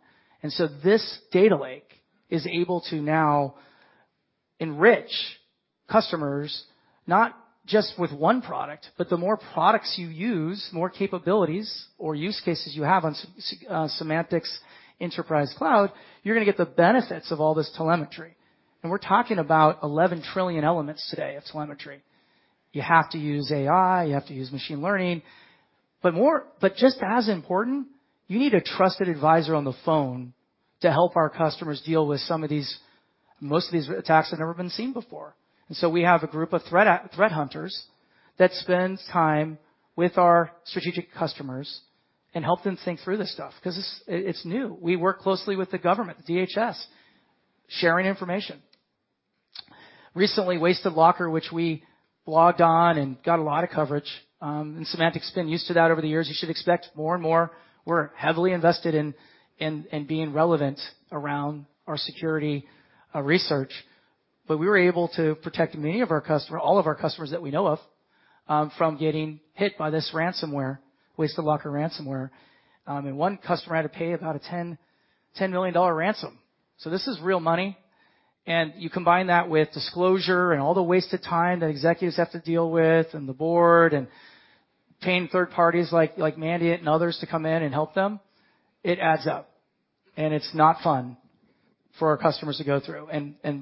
This data lake is able to now enrich customers, not just with one product, but the more products you use, more capabilities or use cases you have on Symantec's Enterprise Cloud, you're gonna get the benefits of all this telemetry. We're talking about 11 trillion elements today of telemetry. You have to use AI, you have to use machine learning. Just as important, you need a trusted advisor on the phone to help our customers deal with some of these. Most of these attacks have never been seen before. We have a group of threat hunters that spends time with our strategic customers and help them think through this stuff, 'cause this, it's new. We work closely with the government, DHS, sharing information. Recently, WastedLocker, which we blogged on and got a lot of coverage, and Symantec's been used to that over the years. You should expect more and more. We're heavily invested in being relevant around our security research. We were able to protect all of our customers that we know of from getting hit by this ransomware, WastedLocker ransomware. One customer had to pay about a $10 million ransom. This is real money, and you combine that with disclosure and all the wasted time that executives have to deal with, and the board, and paying third parties like Mandiant and others to come in and help them, it adds up. It's not fun for our customers to go through.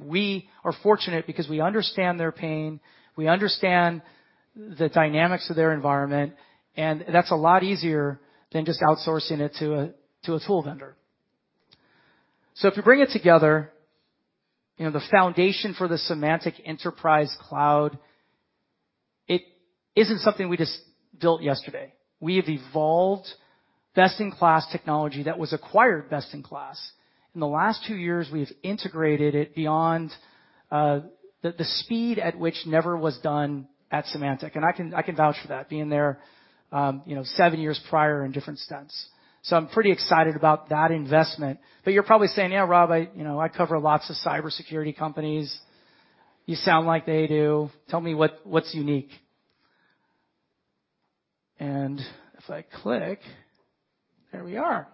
We are fortunate because we understand their pain, we understand the dynamics of their environment, and that's a lot easier than just outsourcing it to a tool vendor. If you bring it together, you know, the foundation for the Symantec Enterprise Cloud, it isn't something we just built yesterday. We have evolved best-in-class technology that was acquired best-in-class. In the last two years, we've integrated it beyond the speed at which never was done at Symantec, and I can vouch for that, being there, you know, seven years prior in different stints. I'm pretty excited about that investment. You're probably saying, "Yeah, Rob, you know, I cover lots of cybersecurity companies. You sound like they do. Tell me what's unique." If I click, there we are.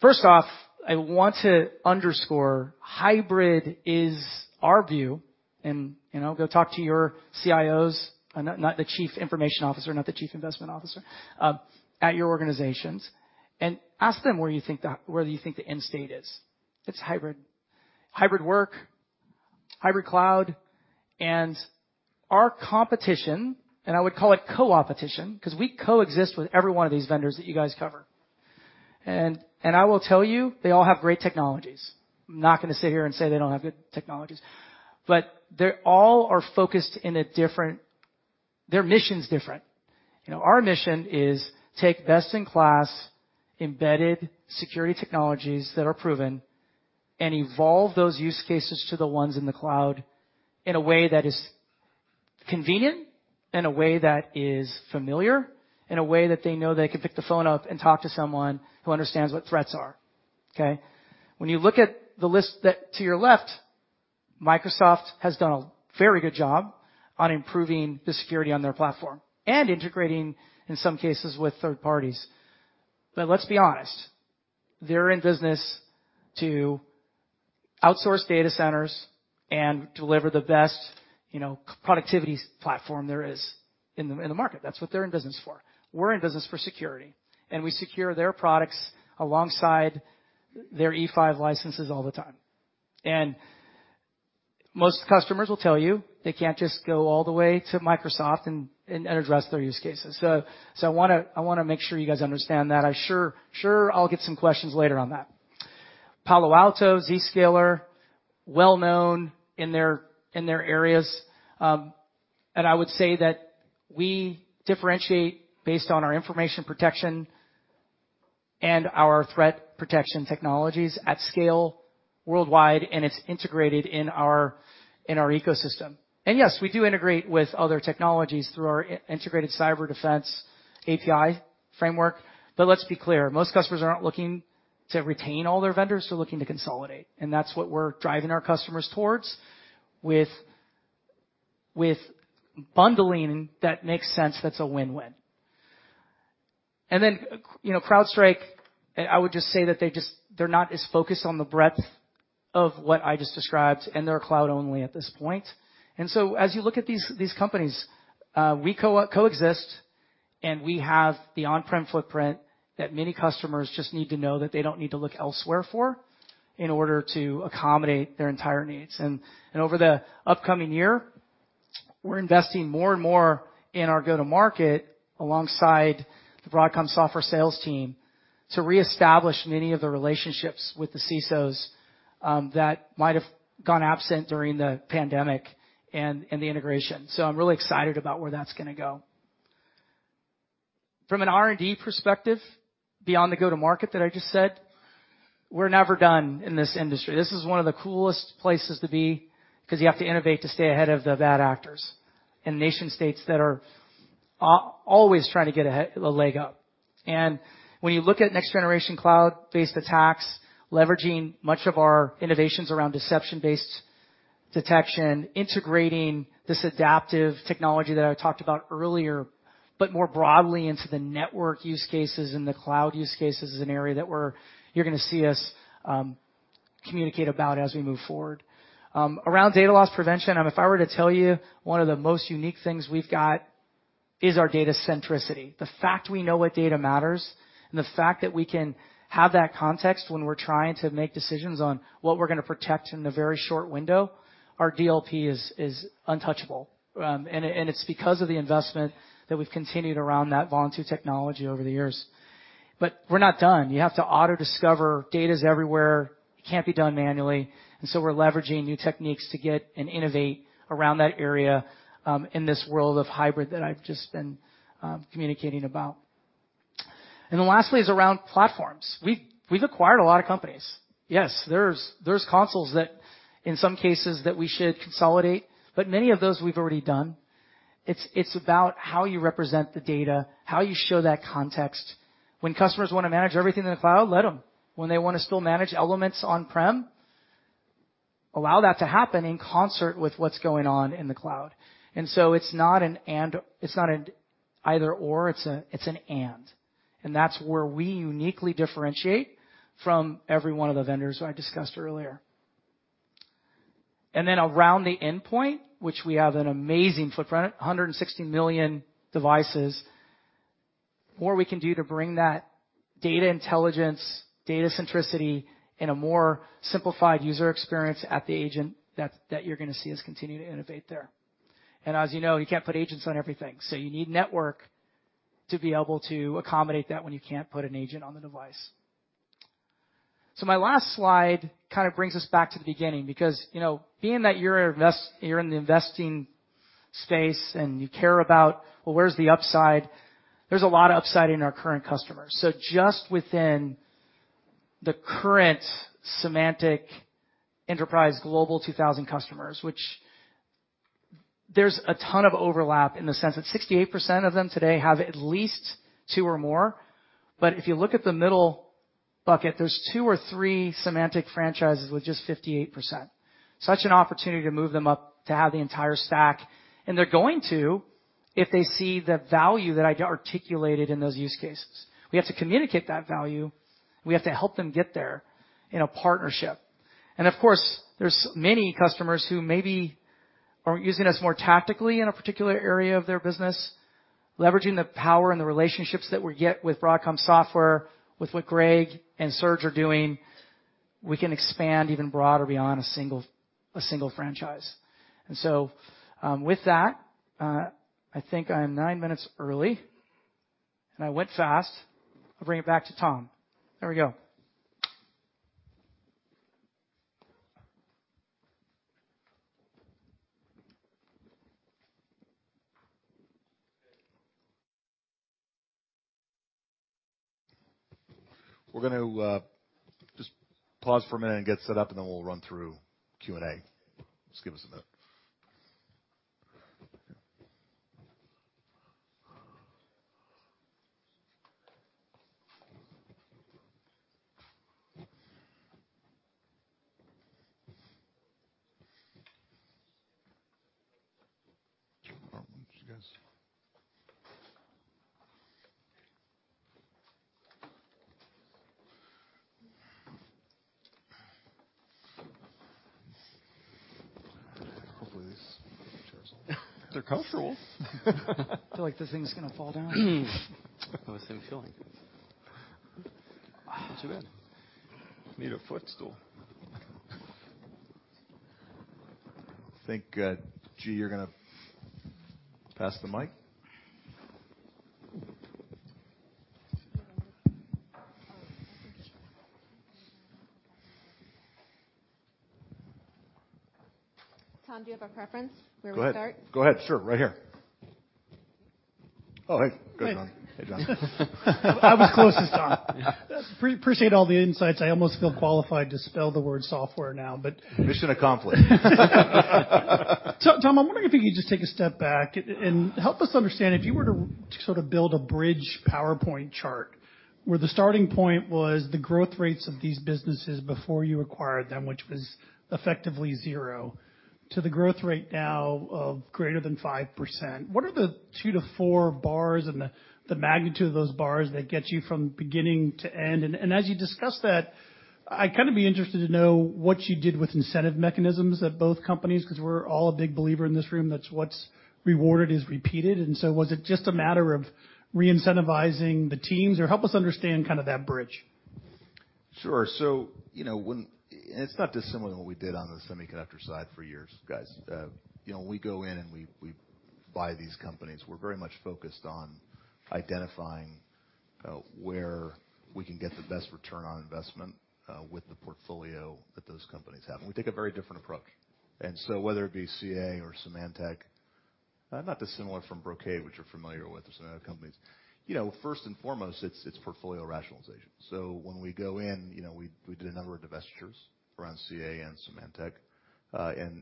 First off, I want to underscore hybrid is our view, and, you know, go talk to your CIOs, not the chief information officer, not the chief investment officer, at your organizations, and ask them where you think the end state is. It's hybrid. Hybrid work, hybrid cloud, and our competition, and I would call it co-opetition 'cause we coexist with every one of these vendors that you guys cover. I will tell you, they all have great technologies. I'm not gonna sit here and say they don't have good technologies, but they all are focused in a different. Their mission's different. You know, our mission is to take best in class, embedded security technologies that are proven and evolve those use cases to the ones in the cloud in a way that is convenient, in a way that is familiar, in a way that they know they can pick the phone up and talk to someone who understands what threats are, okay? When you look at the list that's to your left, Microsoft has done a very good job on improving the security on their platform and integrating, in some cases, with third parties. Let's be honest, they're in business to outsource data centers and deliver the best, you know, productivity platform there is in the market. That's what they're in business for. We're in business for security, and we secure their products alongside their E5 licenses all the time. Most customers will tell you, they can't just go all the way to Microsoft and address their use cases. I wanna make sure you guys understand that. I sure I'll get some questions later on that. Palo Alto Networks, Zscaler, well-known in their areas, and I would say that we differentiate based on our information protection and our threat protection technologies at scale worldwide, and it's integrated in our ecosystem. Yes, we do integrate with other technologies through our Integrated Cyber Defense API framework. Let's be clear, most customers aren't looking to retain all their vendors. They're looking to consolidate, and that's what we're driving our customers towards with bundling that makes sense, that's a win-win. Then, you know, CrowdStrike, I would just say that they just, they're not as focused on the breadth of what I just described, and they're cloud-only at this point. As you look at these companies, we coexist, and we have the on-prem footprint that many customers just need to know that they don't need to look elsewhere for in order to accommodate their entire needs. Over the upcoming year, we're investing more and more in our go-to-market alongside the Broadcom software sales team to reestablish many of the relationships with the CISOs that might have gone absent during the pandemic and the integration. I'm really excited about where that's gonna go. From an R&D perspective, beyond the go-to-market that I just said, we're never done in this industry. This is one of the coolest places to be 'cause you have to innovate to stay ahead of the bad actors and nation-states that are always trying to get a leg up. When you look at next-generation cloud-based attacks, leveraging much of our innovations around deception-based detection, integrating this adaptive technology that I talked about earlier, but more broadly into the network use cases and the cloud use cases is an area that you're gonna see us communicate about as we move forward. Around data loss prevention, if I were to tell you one of the most unique things we've got is our data centricity. The fact we know what data matters, and the fact that we can have that context when we're trying to make decisions on what we're gonna protect in a very short window, our DLP is untouchable. It's because of the investment that we've continued around that Vontu technology over the years. We're not done. You have to auto-discover. Data's everywhere. It can't be done manually. We're leveraging new techniques to get and innovate around that area in this world of hybrid that I've just been communicating about. Then lastly is around platforms. We've acquired a lot of companies. Yes, there's consolidations that, in some cases, that we should consolidate, but many of those we've already done. It's about how you represent the data, how you show that context. When customers wanna manage everything in the cloud, let them. When they wanna still manage elements on-prem, allow that to happen in concert with what's going on in the cloud. It's not an and. It's not an either/or, it's an and. That's where we uniquely differentiate from every one of the vendors who I discussed earlier. Then around the endpoint, which we have an amazing footprint, 160 million devices. more we can do to bring that data intelligence, data centricity in a more simplified user experience at the agent, that's what you're gonna see us continue to innovate there. As you know, you can't put agents on everything, so you need network to be able to accommodate that when you can't put an agent on the device. My last slide kind of brings us back to the beginning because, you know, being that you're in the investing space and you care about, well, where's the upside? There's a lot of upside in our current customers. Just within the current Symantec Enterprise Global 2000 customers, which there's a ton of overlap in the sense that 68% of them today have at least two or more. If you look at the middle bucket, there's two or three Symantec franchises with just 58%. Such an opportunity to move them up to have the entire stack. They're going to, if they see the value that I articulated in those use cases. We have to communicate that value. We have to help them get there in a partnership. Of course, there's many customers who maybe are using us more tactically in a particular area of their business, leveraging the power and the relationships that we get with Broadcom Software. With what Greg and Serge are doing, we can expand even broader beyond a single franchise. With that, I think I'm nine minutes early, and I went fast. I'll bring it back to Tom. There we go. We're gonna just pause for a minute and get set up, and then we'll run through Q&A. Just give us a minute. Hopefully, these chairs. They're comfortable. feel like this thing's gonna fall down. How is same feeling? Not too bad. Need a footstool. I think, G, you're gonna pass the mic. Tom, do you have a preference where we start? Go ahead. Sure. Right here. Oh, hey. Good, John. Hey, John. I was closest, Tom. Appreciate all the insights. I almost feel qualified to spell the word software now, but. Mission accomplished. Tom, I'm wondering if you could just take a step back and help us understand, if you were to sort of build a bridge PowerPoint chart, where the starting point was the growth rates of these businesses before you acquired them, which was effectively 0%, to the growth rate now of greater than 5%. What are the two to four bars and the magnitude of those bars that get you from beginning to end? As you discuss that, I'd kinda be interested to know what you did with incentive mechanisms at both companies, because we're all a big believer in this room. That's what's rewarded is repeated. Was it just a matter of reincentivizing the teams? Or help us understand kind of that bridge. Sure. You know, it's not dissimilar to what we did on the semiconductor side for years, guys. You know, when we go in and we buy these companies, we're very much focused on identifying where we can get the best return on investment with the portfolio that those companies have. We take a very different approach. Whether it be CA or Symantec, not dissimilar from Brocade, which you're familiar with, or some of the other companies. You know, first and foremost, it's portfolio rationalization. When we go in, you know, we did a number of divestitures around CA and Symantec,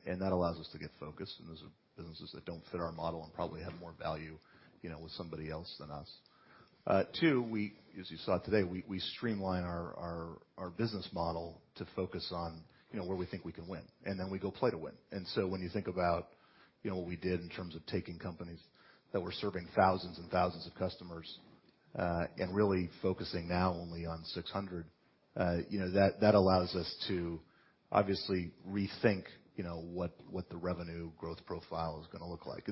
and that allows us to get focused, and those are businesses that don't fit our model and probably have more value, you know, with somebody else than us. Two, as you saw today, we streamline our business model to focus on, you know, where we think we can win, and then we go play to win. When you think about, you know, what we did in terms of taking companies that were serving thousands and thousands of customers, and really focusing now only on 600, you know, that allows us to obviously rethink, you know, what the revenue growth profile is gonna look like.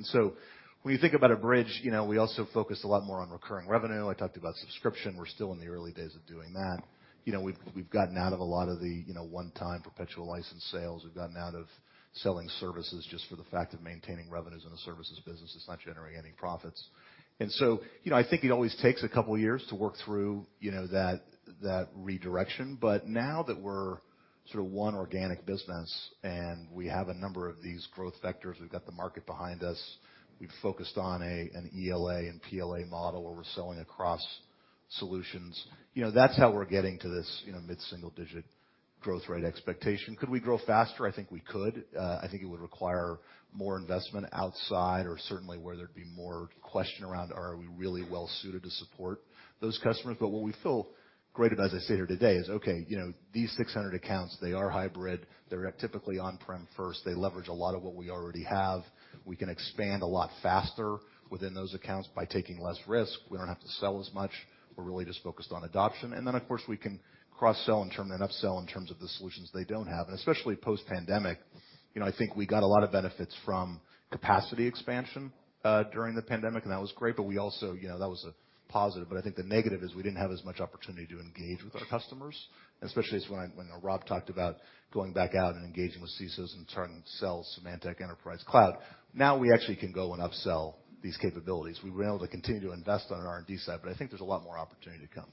When you think about a bridge, you know, we also focus a lot more on recurring revenue. I talked to you about subscription. We're still in the early days of doing that. You know, we've gotten out of a lot of the, you know, one-time perpetual license sales. We've gotten out of selling services just for the fact of maintaining revenues in the services business. It's not generating any profits. You know, I think it always takes a couple of years to work through, you know, that redirection. Now that we're sort of one organic business and we have a number of these growth vectors, we've got the market behind us. We've focused on an ELA and PLA model where we're selling across solutions. You know, that's how we're getting to this, you know, mid-single-digit growth rate expectation. Could we grow faster? I think we could. I think it would require more investment outside or certainly where there'd be more question around are we really well suited to support those customers. What we feel great about, as I say here today, is, okay, you know, these 600 accounts, they are hybrid. They're typically on-prem first. They leverage a lot of what we already have. We can expand a lot faster within those accounts by taking less risk. We don't have to sell as much. We're really just focused on adoption. And then, of course, we can cross-sell and term and upsell in terms of the solutions they don't have. And especially post-pandemic, you know, I think we got a lot of benefits from capacity expansion during the pandemic, and that was great. We also, you know, that was a positive, but I think the negative is we didn't have as much opportunity to engage with our customers, especially when Rob talked about going back out and engaging with CISOs and trying to sell Symantec Enterprise Cloud. Now we actually can go and upsell these capabilities. We've been able to continue to invest on an R&D side, but I think there's a lot more opportunity to come.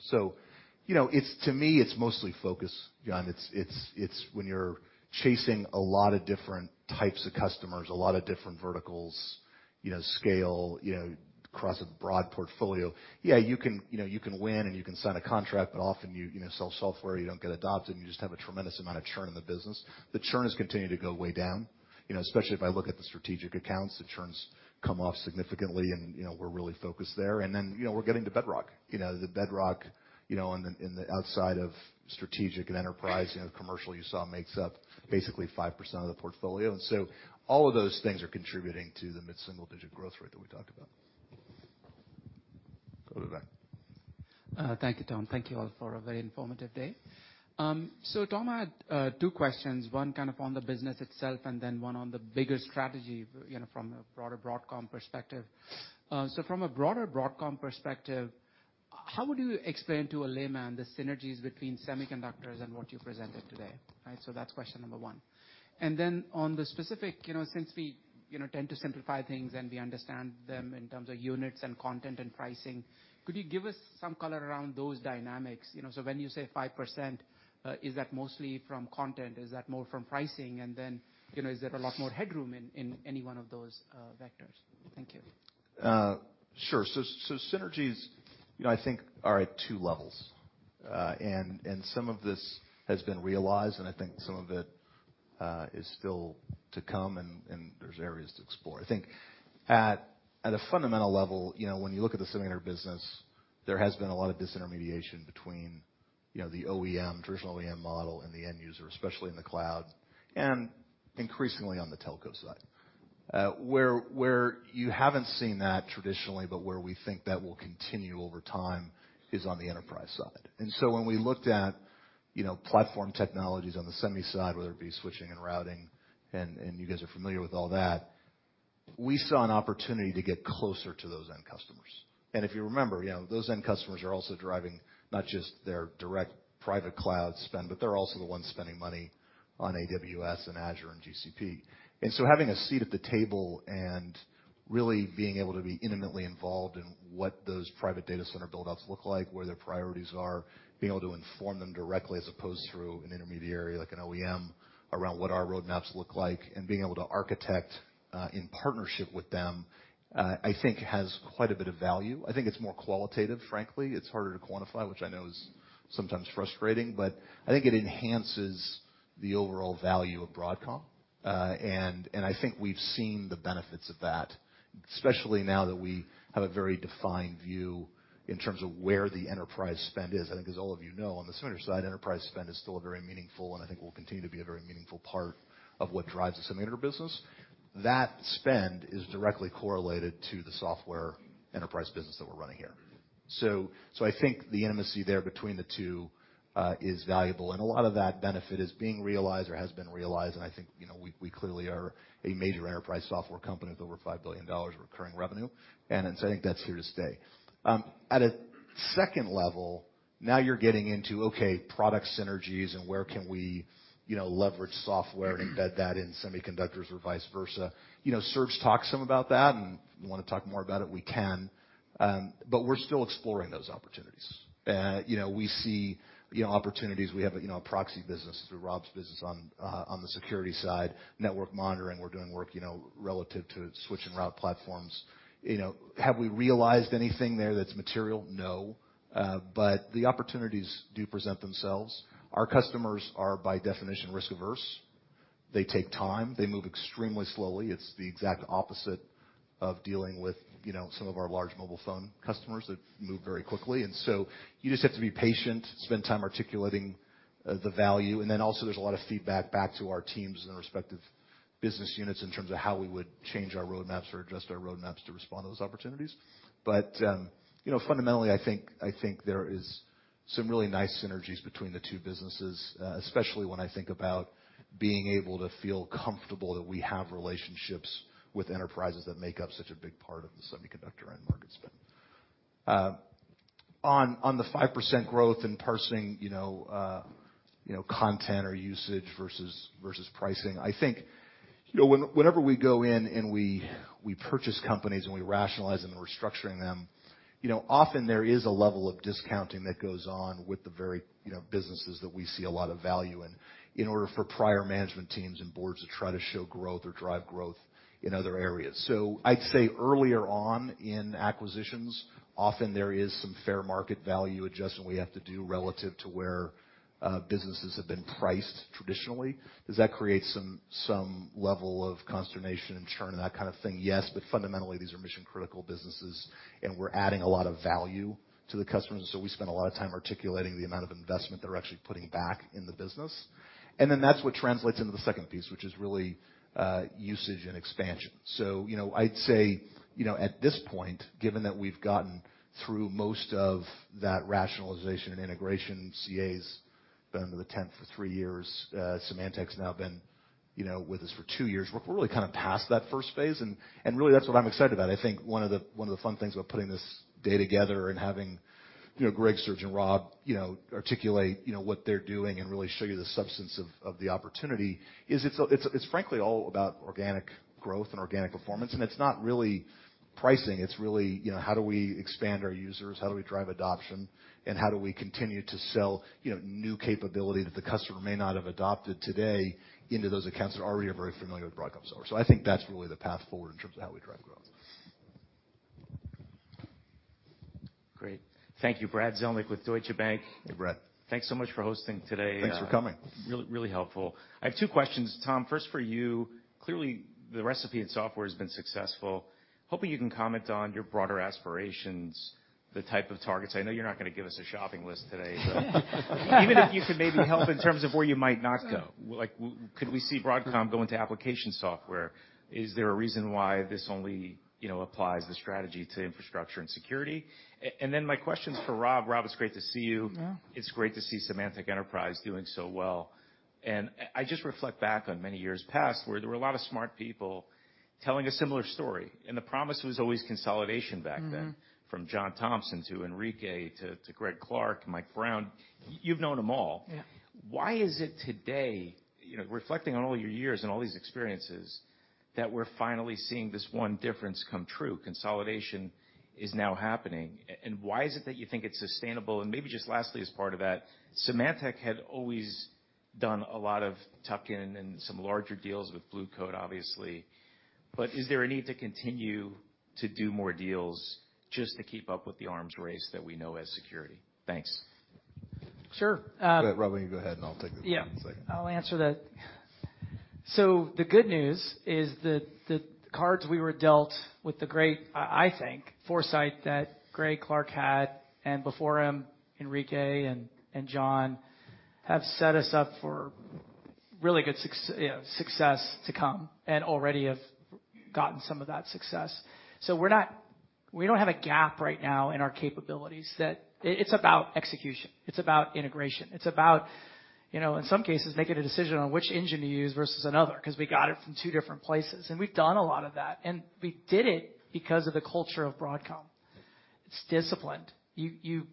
You know, it's to me, it's mostly focus, John. It's when you're chasing a lot of different types of customers, a lot of different verticals, you know, scale, you know, across a broad portfolio. Yeah, you can, you know, you can win and you can sign a contract, but often you know, sell software, you don't get adopted, and you just have a tremendous amount of churn in the business. The churn has continued to go way down, you know, especially if I look at the strategic accounts, the churns come off significantly and, you know, we're really focused there. You know, we're getting to Bedrock. You know, the Bedrock, you know, on the, in the outside of strategic and enterprise, you know, commercial, you saw makes up basically 5% of the portfolio. All of those things are contributing to the mid-single-digit growth rate that we talked about. Go to the back. Thank you, Tom. Thank you all for a very informative day. Tom, I had two questions, one kind of on the business itself and then one on the bigger strategy, you know, from a broader Broadcom perspective. From a broader Broadcom perspective, how would you explain to a layman the synergies between semiconductors and what you presented today? Right? That's question number one. Then on the specific, you know, since we, you know, tend to simplify things and we understand them in terms of units and content and pricing, could you give us some color around those dynamics? You know, when you say 5%, is that mostly from content? Is that more from pricing? And then, you know, is there a lot more headroom in any one of those vectors? Thank you. Sure. Synergies, you know, I think are at two levels. Some of this has been realized, and I think some of it is still to come and there's areas to explore. I think at a fundamental level, you know, when you look at the semiconductor business, there has been a lot of disintermediation between, you know, the OEM, traditional OEM model and the end user, especially in the cloud and increasingly on the telco side. Where you haven't seen that traditionally, but where we think that will continue over time is on the enterprise side. When we looked at, you know, platform technologies on the semi side, whether it be switching and routing, and you guys are familiar with all that, we saw an opportunity to get closer to those end customers. If you remember, you know, those end customers are also driving not just their direct private cloud spend, but they're also the ones spending money on AWS and Azure and GCP. So having a seat at the table and really being able to be intimately involved in what those private data center build outs look like, where their priorities are, being able to inform them directly as opposed through an intermediary like an OEM around what our roadmaps look like and being able to architect, in partnership with them, I think has quite a bit of value. I think it's more qualitative, frankly. It's harder to quantify, which I know is sometimes frustrating, but I think it enhances the overall value of Broadcom. I think we've seen the benefits of that, especially now that we have a very defined view in terms of where the enterprise spend is. I think as all of you know, on the semiconductor side, enterprise spend is still a very meaningful, and I think will continue to be a very meaningful part of what drives the semiconductor business. That spend is directly correlated to the software enterprise business that we're running here. I think the intimacy there between the two is valuable, and a lot of that benefit is being realized or has been realized, and I think, you know, we clearly are a major enterprise software company with over $5 billion recurring revenue. I think that's here to stay. At a second level, now you're getting into, okay, product synergies and where can we, you know, leverage software and embed that in semiconductors or vice versa. You know, Serge talked some about that, and if you wanna talk more about it, we can. We're still exploring those opportunities. You know, we see, you know, opportunities. We have a, you know, a proxy business through Rob's business on the security side, network monitoring. We're doing work, you know, relative to switch and route platforms. You know, have we realized anything there that's material? No. The opportunities do present themselves. Our customers are, by definition, risk-averse. They take time. They move extremely slowly. It's the exact opposite of dealing with, you know, some of our large mobile phone customers that move very quickly. You just have to be patient, spend time articulating the value. Then also there's a lot of feedback back to our teams in the respective business units in terms of how we would change our roadmaps or adjust our roadmaps to respond to those opportunities. You know, fundamentally, I think there is some really nice synergies between the two businesses, especially when I think about being able to feel comfortable that we have relationships with enterprises that make up such a big part of the semiconductor end market spend. On the 5% growth in parsing, you know, content or usage versus pricing, I think, you know, when. Whenever we go in and we purchase companies and we rationalize and we're structuring them, you know, often there is a level of discounting that goes on with the very, you know, businesses that we see a lot of value in in order for prior management teams and boards to try to show growth or drive growth in other areas. I'd say earlier on in acquisitions, often there is some fair market value adjustment we have to do relative to where businesses have been priced traditionally. Does that create some level of consternation and churn and that kind of thing? Yes. Fundamentally, these are mission-critical businesses, and we're adding a lot of value to the customers. We spend a lot of time articulating the amount of investment that we're actually putting back in the business. That's what translates into the second piece, which is really usage and expansion. You know, I'd say you know at this point, given that we've gotten through most of that rationalization and integration, CA's been under the tent for three years. Symantec's now been with us for two years. We're really kind of past that first phase, and really that's what I'm excited about. I think one of the fun things about putting this day together and having you know Greg, Serge, and Rob you know articulate you know what they're doing and really show you the substance of the opportunity is it's frankly all about organic growth and organic performance. It's not really pricing, it's really you know how do we expand our users? How do we drive adoption? How do we continue to sell, you know, new capability that the customer may not have adopted today into those accounts that already are very familiar with Broadcom's offer? I think that's really the path forward in terms of how we drive growth. Great. Thank you. Brad Zelnick with Deutsche Bank. Hey, Brad. Thanks so much for hosting today. Thanks for coming. Really, really helpful. I have two questions. Tom, first for you. Clearly, the recipe in software has been successful. Hoping you can comment on your broader aspirations, the type of targets. I know you're not gonna give us a shopping list today, but even if you could maybe help in terms of where you might not go. Like could we see Broadcom go into application software? Is there a reason why this only, you know, applies the strategy to infrastructure and security? And then my questions for Rob. Rob, it's great to see you. Yeah. It's great to see Symantec Enterprise doing so well. I just reflect back on many years past where there were a lot of smart people telling a similar story, and the promise was always consolidation back then. Mm-hmm. From John Thompson to Enrique to Greg Clark, Mike Brown. You've known them all. Yeah. Why is it today, you know, reflecting on all your years and all these experiences, that we're finally seeing this one difference come true? Consolidation is now happening. Why is it that you think it's sustainable? Maybe just lastly, as part of that, Symantec had always done a lot of tuck-in and some larger deals with Blue Coat, obviously. Is there a need to continue to do more deals just to keep up with the arms race that we know as security? Thanks. Sure. Go ahead, Rob. You go ahead, and I'll take the second. Yeah. I'll answer that. The good news is that the cards we were dealt with the great, I think, foresight that Greg Clark had and before him, Enrique and John, have set us up for really good, you know, success to come and already have gotten some of that success. We don't have a gap right now in our capabilities that. It, it's about execution, it's about integration. It's about, you know, in some cases, making a decision on which engine to use versus another 'cause we got it from two different places. And we've done a lot of that, and we did it because of the culture of Broadcom. It's disciplined. You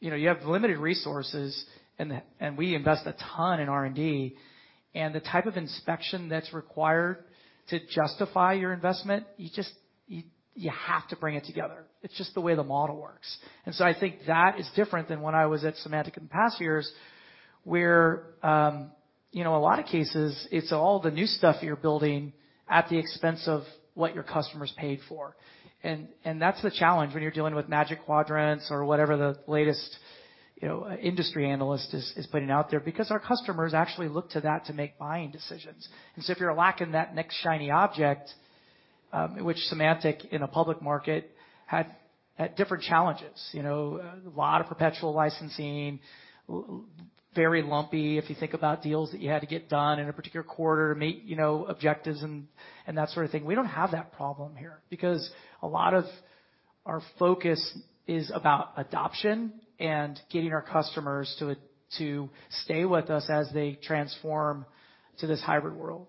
know, you have limited resources and we invest a ton in R&D. The type of inspection that's required to justify your investment, you just have to bring it together. It's just the way the model works. I think that is different than when I was at Symantec in past years, where you know, a lot of cases, it's all the new stuff you're building at the expense of what your customers paid for. That's the challenge when you're dealing with Magic Quadrants or whatever the latest you know, industry analyst is putting out there, because our customers actually look to that to make buying decisions. If you're lacking that next shiny object, which Symantec in a public market had different challenges. You know, a lot of perpetual licensing, very lumpy, if you think about deals that you had to get done in a particular quarter to meet, you know, objectives and that sort of thing. We don't have that problem here because a lot of our focus is about adoption and getting our customers to stay with us as they transform to this hybrid world.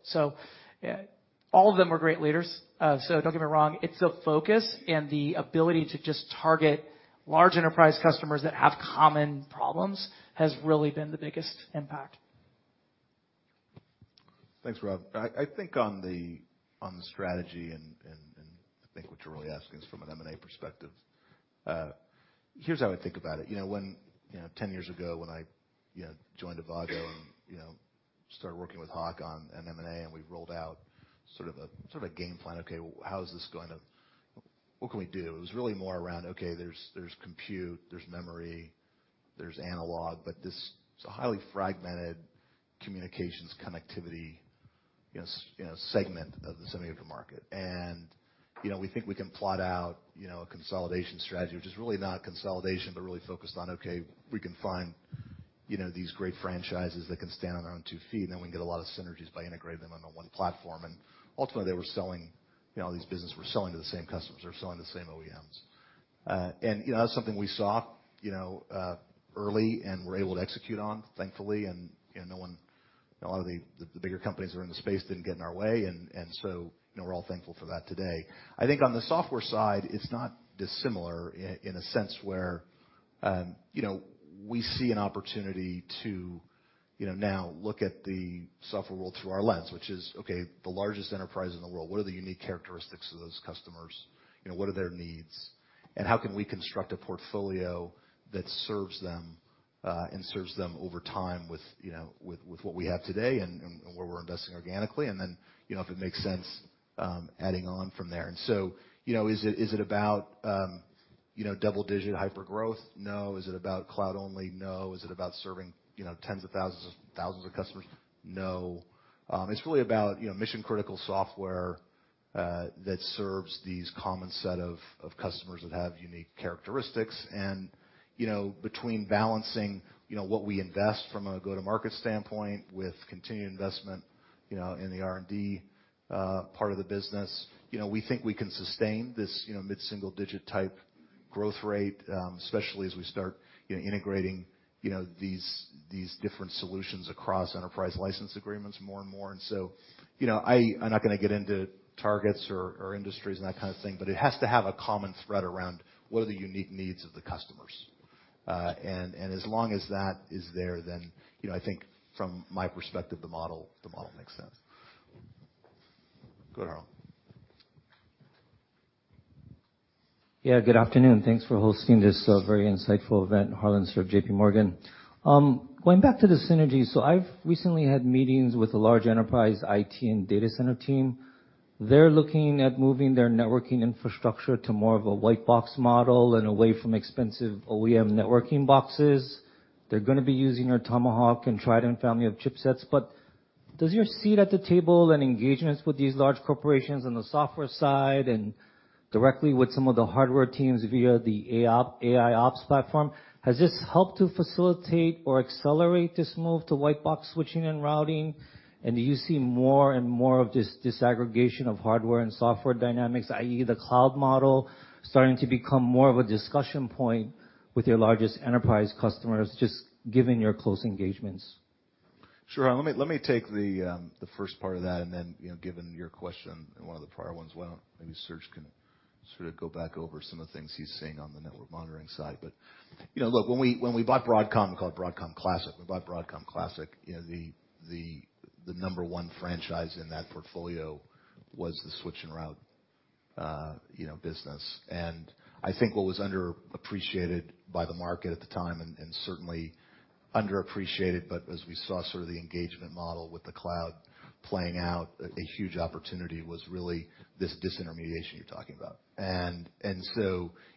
All of them are great leaders, so don't get me wrong. It's the focus and the ability to just target large enterprise customers that have common problems has really been the biggest impact. Thanks, Rob. I think on the strategy and I think what you're really asking is from an M&A perspective. Here's how I think about it. You know, 10 years ago, when I joined Avago and started working with Hawk on an M&A, and we rolled out sort of a game plan. Okay, how is this going to? What can we do? It was really more around, okay, there's compute, there's memory, there's analog, but this is a highly fragmented communications connectivity you know segment of the semiconductor market. You know, we think we can plot out, you know, a consolidation strategy, which is really not consolidation, but really focused on, okay, we can find, you know, these great franchises that can stand on their own two feet, and then we can get a lot of synergies by integrating them into one platform. Ultimately, they were selling, you know, all these businesses were selling to the same customers or selling to the same OEMs. You know, that's something we saw, you know, early and were able to execute on, thankfully. A lot of the bigger companies that are in the space didn't get in our way. You know, we're all thankful for that today. I think on the software side, it's not dissimilar in a sense where, you know, we see an opportunity to, you know, now look at the software world through our lens, which is, okay, the largest enterprise in the world, what are the unique characteristics of those customers? You know, what are their needs? How can we construct a portfolio that serves them, and serves them over time with, you know, with what we have today and where we're investing organically? Then, you know, if it makes sense, adding on from there. You know, is it about, you know, double-digit hypergrowth? No. Is it about cloud only? No. Is it about serving, you know, tens of thousands of customers? No. It's really about, you know, mission-critical software that serves these common set of customers that have unique characteristics. You know, between balancing, you know, what we invest from a go-to-market standpoint with continued investment, you know, in the R&D part of the business, you know, we think we can sustain this, you know, mid-single digit type growth rate, especially as we start, you know, integrating, you know, these different solutions across enterprise license agreements more and more. You know, I'm not gonna get into targets or industries and that kind of thing, but it has to have a common thread around what are the unique needs of the customers. As long as that is there, then, you know, I think from my perspective, the model makes sense. Go ahead, Harlan. Yeah. Good afternoon. Thanks for hosting this very insightful event. Harlan Sur, J.P. Morgan. Going back to the synergy, I've recently had meetings with a large enterprise IT and data center team. They're looking at moving their networking infrastructure to more of a white box model and away from expensive OEM networking boxes. They're gonna be using our Tomahawk and Trident family of chipsets. Does your seat at the table and engagements with these large corporations on the software side and directly with some of the hardware teams via the AIOps platform, has this helped to facilitate or accelerate this move to white box switching and routing? Do you see more and more of this disaggregation of hardware and software dynamics, i.e., the cloud model, starting to become more of a discussion point with your largest enterprise customers, just given your close engagements? Sure. Let me take the first part of that, and then, you know, given your question in one of the prior ones, why don't maybe Serge can sort of go back over some of the things he's seeing on the network monitoring side. You know, look, when we bought Broadcom called Broadcom Classic, you know, the number one franchise in that portfolio was the switch and router business. I think what was underappreciated by the market at the time, and certainly underappreciated, but as we saw sort of the engagement model with the cloud playing out, a huge opportunity was really this disintermediation you're talking about.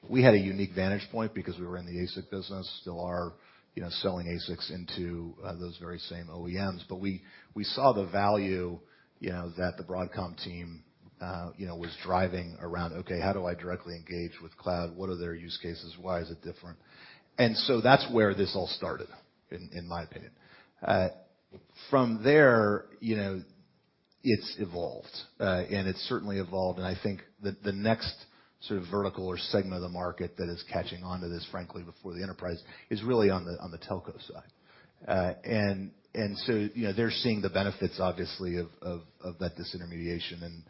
We had a unique vantage point because we were in the ASIC business, still are, you know, selling ASICs into those very same OEMs. We saw the value, you know, that the Broadcom team was driving around, okay, how do I directly engage with cloud? What are their use cases? Why is it different? That's where this all started, in my opinion. From there, you know, it's evolved. It's certainly evolved, and I think the next sort of vertical or segment of the market that is catching on to this, frankly, before the enterprise, is really on the telco side. You know, they're seeing the benefits obviously of that disintermediation and,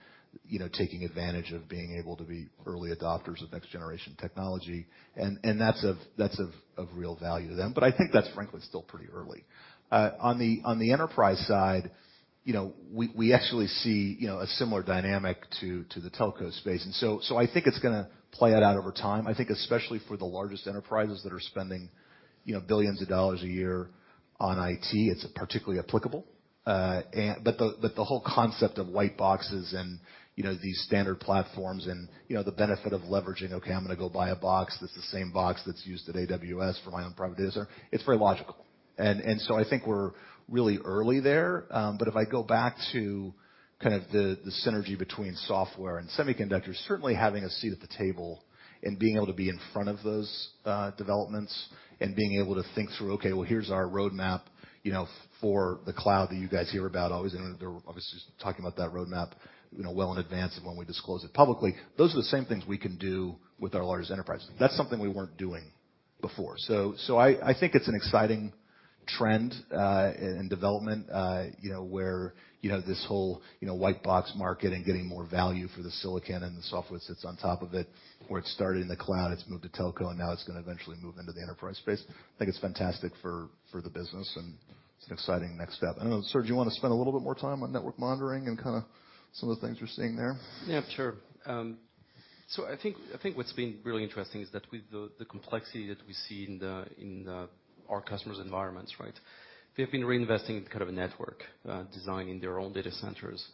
you know, taking advantage of being able to be early adopters of next generation technology. That's of real value to them. I think that's frankly still pretty early. On the enterprise side, you know, we actually see, you know, a similar dynamic to the telco space. I think it's gonna play out over time. I think especially for the largest enterprises that are spending, you know, billions of dollars a year on IT, it's particularly applicable. The whole concept of white boxes and, you know, these standard platforms and, you know, the benefit of leveraging, okay, I'm gonna go buy a box that's the same box that's used at AWS for my own private data center, it's very logical. I think we're really early there. If I go back to kind of the synergy between software and semiconductors, certainly having a seat at the table and being able to be in front of those developments and being able to think through, okay, well, here's our roadmap, you know, for the cloud that you guys hear about always, and they're obviously talking about that roadmap, you know, well in advance of when we disclose it publicly. Those are the same things we can do with our largest enterprises. That's something we weren't doing before. I think it's an exciting trend in development, you know, where, you know, this whole, you know, white box market and getting more value for the silicon and the software that sits on top of it, where it started in the cloud, it's moved to telco, and now it's gonna eventually move into the enterprise space. I think it's fantastic for the business, and it's an exciting next step. I don't know, Serge, you wanna spend a little bit more time on network monitoring and kinda some of the things you're seeing there? Yeah, sure. So I think what's been really interesting is that with the complexity that we see in our customers' environments, right? They've been reinvesting in kind of a network designing their own data centers.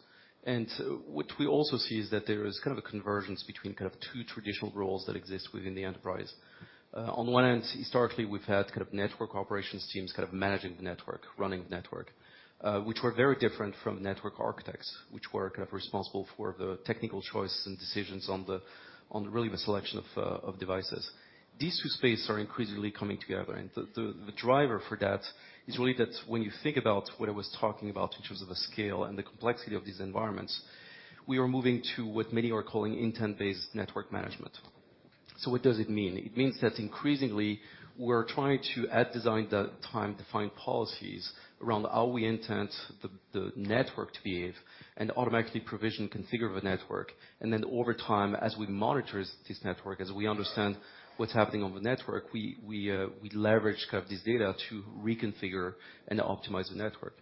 What we also see is that there is kind of a convergence between kind of two traditional roles that exist within the enterprise. On one end, historically we've had kind of network operations teams kind of managing the network, running the network, which were very different from network architects, which were kind of responsible for the technical choices and decisions on really the selection of devices. These two spaces are increasingly coming together, the driver for that is really that when you think about what I was talking about in terms of the scale and the complexity of these environments, we are moving to what many are calling intent-based network management. What does it mean? It means that increasingly, we're trying to, at design time, define policies around how we intend the network to behave and automatically provision configure the network. Then over time, as we monitor this network, as we understand what's happening on the network, we leverage kind of this data to reconfigure and optimize the network.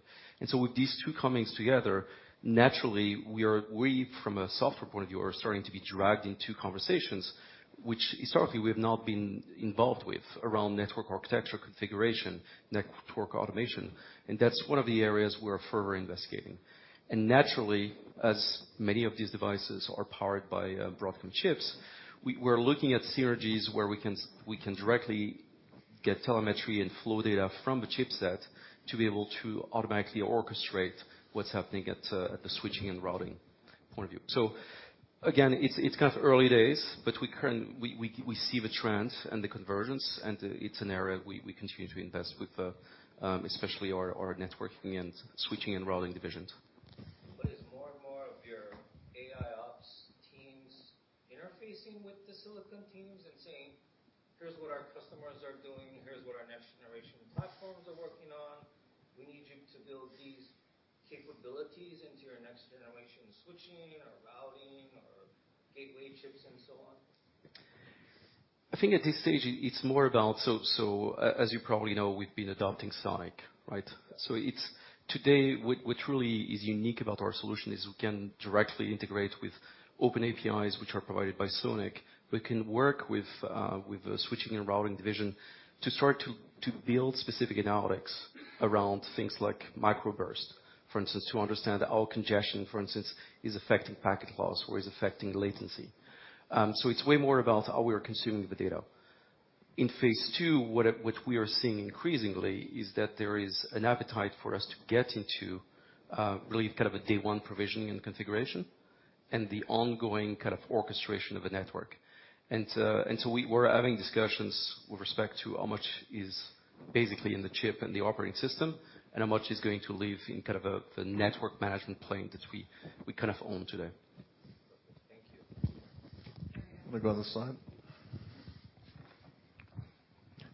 With these two companies coming together, naturally we from a software point of view are starting to be dragged into conversations which historically we have not been involved with around network architecture configuration, network automation, and that's one of the areas we're further investigating. Naturally, as many of these devices are powered by Broadcom chips, we're looking at synergies where we can directly get telemetry and flow data from the chipset to be able to automatically orchestrate what's happening at the switching and routing point of view. It's kind of early days, but we see the trend and the convergence, and it's an area we continue to invest with, especially our networking and switching and routing divisions. AI ops teams interfacing with the silicon teams and saying, "Here's what our customers are doing, here's what our next generation platforms are working on. We need you to build these capabilities into your next generation switching or routing or gateway chips, and so on? I think at this stage it's more about as you probably know, we've been adopting SONiC, right? Today, what truly is unique about our solution is we can directly integrate with open APIs which are provided by SONiC. We can work with the switching and routing division to start to build specific analytics around things like microburst, for instance, to understand how congestion, for instance, is affecting packet loss or is affecting latency. It's way more about how we are consuming the data. In phase two, what we are seeing increasingly is that there is an appetite for us to get into really kind of a day one provisioning and configuration and the ongoing kind of orchestration of a network. We're having discussions with respect to how much is basically in the chip and the operating system, and how much is going to live in kind of the network management plane that we kind of own today. Thank you. Wanna go other side.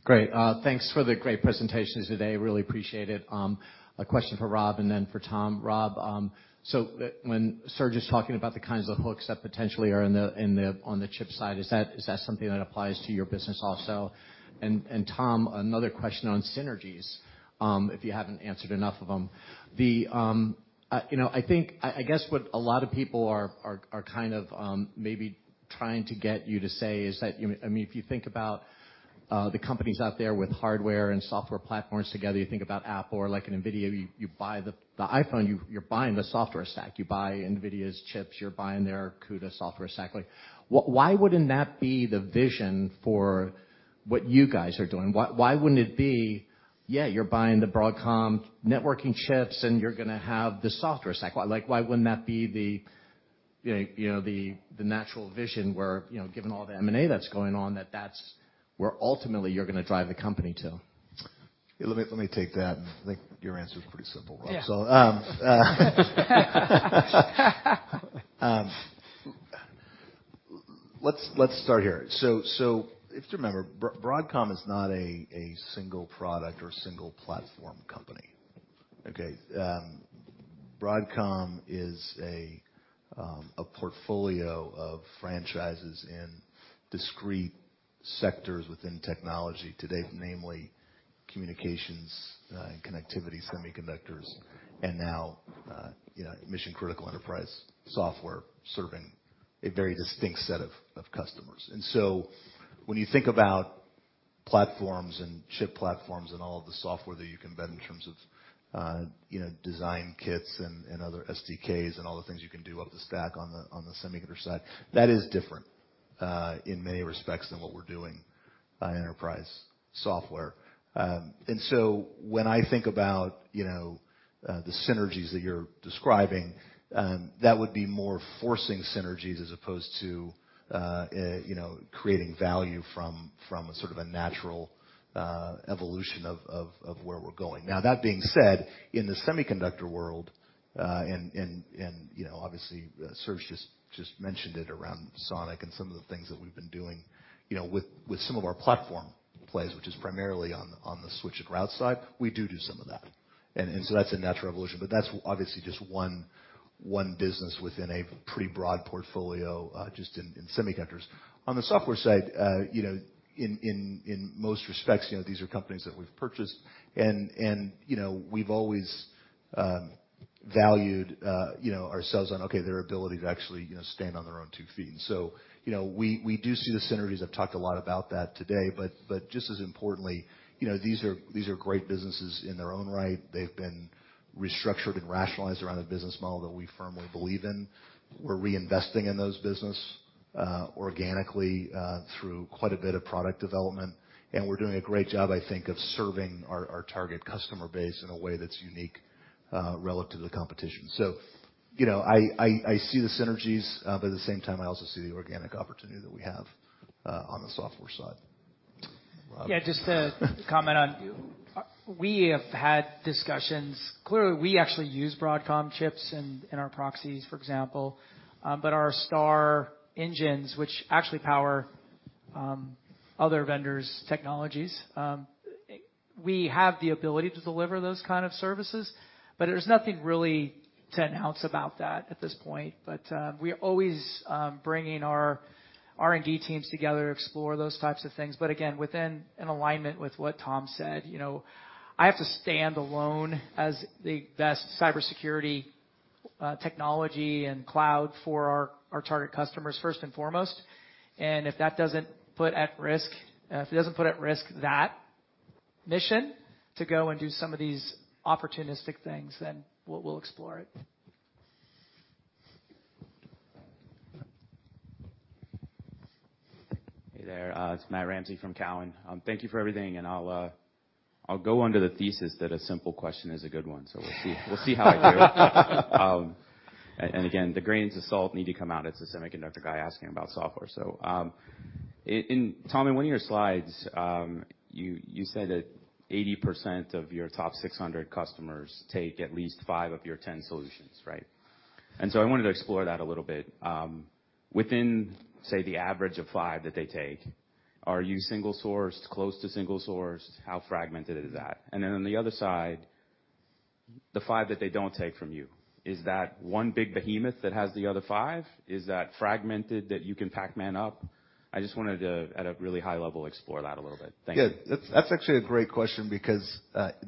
Great. Thanks for the great presentations today. Really appreciate it. A question for Rob and then for Tom. Rob, so when Serge is talking about the kinds of hooks that potentially are on the chip side, is that something that applies to your business also? Tom, another question on synergies, if you haven't answered enough of them. You know, I think I guess what a lot of people are kind of maybe trying to get you to say is that, you know, I mean, if you think about the companies out there with hardware and software platforms together, you think about Apple or like an NVIDIA, you buy the iPhone, you're buying the software stack. You buy NVIDIA's chips, you're buying their CUDA software stack. Like, why wouldn't that be the vision for what you guys are doing? Why wouldn't it be, yeah, you're buying the Broadcom networking chips, and you're gonna have the software stack. Like, why wouldn't that be the, you know, the natural vision where, you know, given all the M&A that's going on, that that's where ultimately you're gonna drive the company to? Let me take that. I think your answer is pretty simple, Rob. Yeah. Let's start here. If you remember, Broadcom is not a single product or single platform company, okay? Broadcom is a portfolio of franchises in discrete sectors within technology today, namely communications and connectivity semiconductors, and now you know, mission-critical enterprise software serving a very distinct set of customers. When you think about platforms and chip platforms and all of the software that you can embed in terms of you know, design kits and other SDKs and all the things you can do up the stack on the semiconductor side, that is different in many respects than what we're doing in enterprise software. When I think about, you know, the synergies that you're describing, that would be more forced synergies as opposed to, you know, creating value from a sort of a natural evolution of where we're going. Now, that being said, in the semiconductor world, and you know, obviously Serge just mentioned it around SONiC and some of the things that we've been doing, you know, with some of our platform plays, which is primarily on the switch and route side, we do some of that. That's a natural evolution, but that's obviously just one business within a pretty broad portfolio, just in semiconductors. On the software side, you know, in most respects, you know, these are companies that we've purchased and, you know, we've always valued, you know, ourselves on, okay, their ability to actually, you know, stand on their own two feet. You know, we do see the synergies. I've talked a lot about that today. Just as importantly, you know, these are great businesses in their own right. They've been restructured and rationalized around a business model that we firmly believe in. We're reinvesting in those business organically through quite a bit of product development, and we're doing a great job, I think, of serving our target customer base in a way that's unique relative to the competition. You know, I see the synergies, but at the same time, I also see the organic opportunity that we have, on the software side. Rob. Yeah, just to comment on, we have had discussions. Clearly, we actually use Broadcom chips in our proxies, for example. Our STAR engines, which actually power other vendors' technologies, we have the ability to deliver those kind of services, but there's nothing really to announce about that at this point. We're always bringing our R&D teams together to explore those types of things. Again, within an alignment with what Tom said, you know, I have to stand alone as the best cybersecurity technology and cloud for our target customers first and foremost. If that doesn't put at risk that mission to go and do some of these opportunistic things, then we'll explore it. Hey there. It's Matt Ramsay from Cowen. Thank you for everything, and I'll go on the thesis that a simple question is a good one. We'll see how I do. Again, the grains of salt need to come out. It's a semiconductor guy asking about software. Tom, in one of your slides, you said that 80% of your top 600 customers take at least five of your ten solutions, right? I wanted to explore that a little bit. Within, say, the average of five that they take, are you single sourced, close to single source? How fragmented is that? And then on the other side, the five that they don't take from you, is that one big behemoth that has the other five? Is that fragmented that you can Pac-Man up? I just wanted to, at a really high level, explore that a little bit. Thank you. Yeah. That's actually a great question because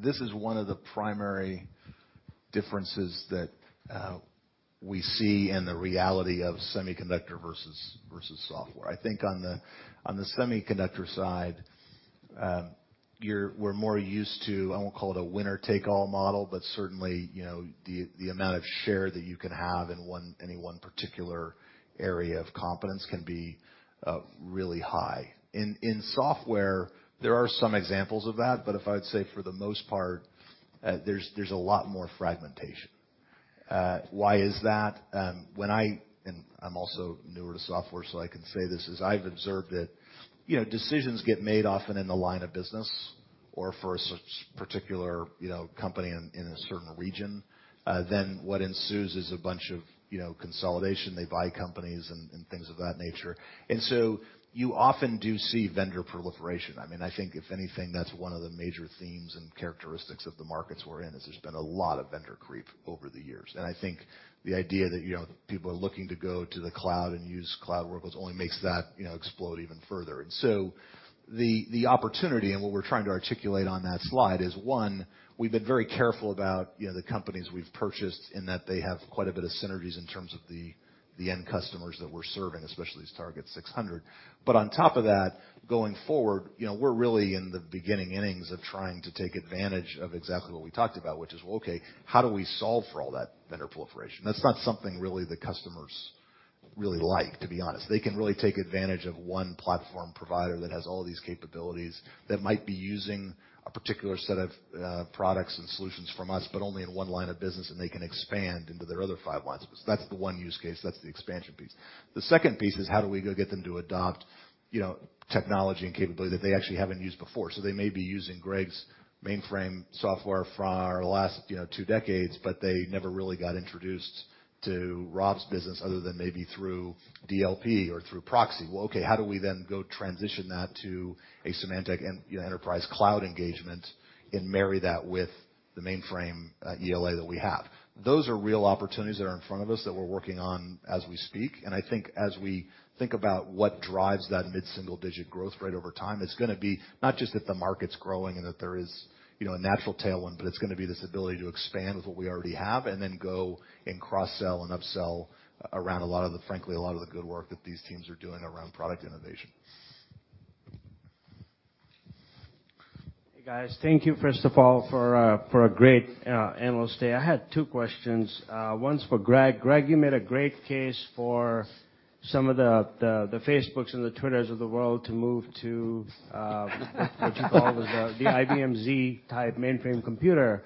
this is one of the primary differences that we see in the reality of semiconductor versus software. I think on the semiconductor side, we're more used to. I won't call it a winner take all model, but certainly, you know, the amount of share that you can have in one, any one particular area of competence can be really high. In software, there are some examples of that, but if I would say for the most part, there's a lot more fragmentation. Why is that? I'm also newer to software, so I can say this, is I've observed that, you know, decisions get made often in the line of business or for a specific, you know, company in a certain region. What ensues is a bunch of, you know, consolidation. They buy companies and things of that nature. You often do see vendor proliferation. I mean, I think if anything that's one of the major themes and characteristics of the markets we're in, is there's been a lot of vendor creep over the years. I think the idea that, you know, people are looking to go to the cloud and use cloud workloads only makes that, you know, explode even further. The opportunity and what we're trying to articulate on that slide is, one, we've been very careful about, you know, the companies we've purchased in that they have quite a bit of synergies in terms of the end customers that we're serving, especially as target 600. On top of that, going forward, you know, we're really in the beginning innings of trying to take advantage of exactly what we talked about, which is, well, okay, how do we solve for all that vendor proliferation? That's not something really the customers really like, to be honest. They can really take advantage of one platform provider that has all of these capabilities that might be using a particular set of, products and solutions from us, but only in one line of business, and they can expand into their other five lines. That's the one use case, that's the expansion piece. The second piece is how do we go get them to adopt, you know, technology and capability that they actually haven't used before. They may be using Greg's mainframe software for the last, you know, two decades, but they never really got introduced to Rob's business other than maybe through DLP or through proxy. Well, okay, how do we then go transition that to a Symantec Enterprise Cloud engagement and marry that with the mainframe ELA that we have? Those are real opportunities that are in front of us that we're working on as we speak. I think as we think about what drives that mid-single digit growth rate over time, it's gonna be not just that the market's growing and that there is, you know, a natural tailwind, but it's gonna be this ability to expand with what we already have and then go and cross-sell and up-sell around a lot of the. Frankly, a lot of the good work that these teams are doing around product innovation. Hey, guys. Thank you, first of all, for a great Analyst Day. I had two questions. One's for Greg. Greg, you made a great case for some of the Facebooks and the Twitters of the world to move to what you called the IBM Z type mainframe computer.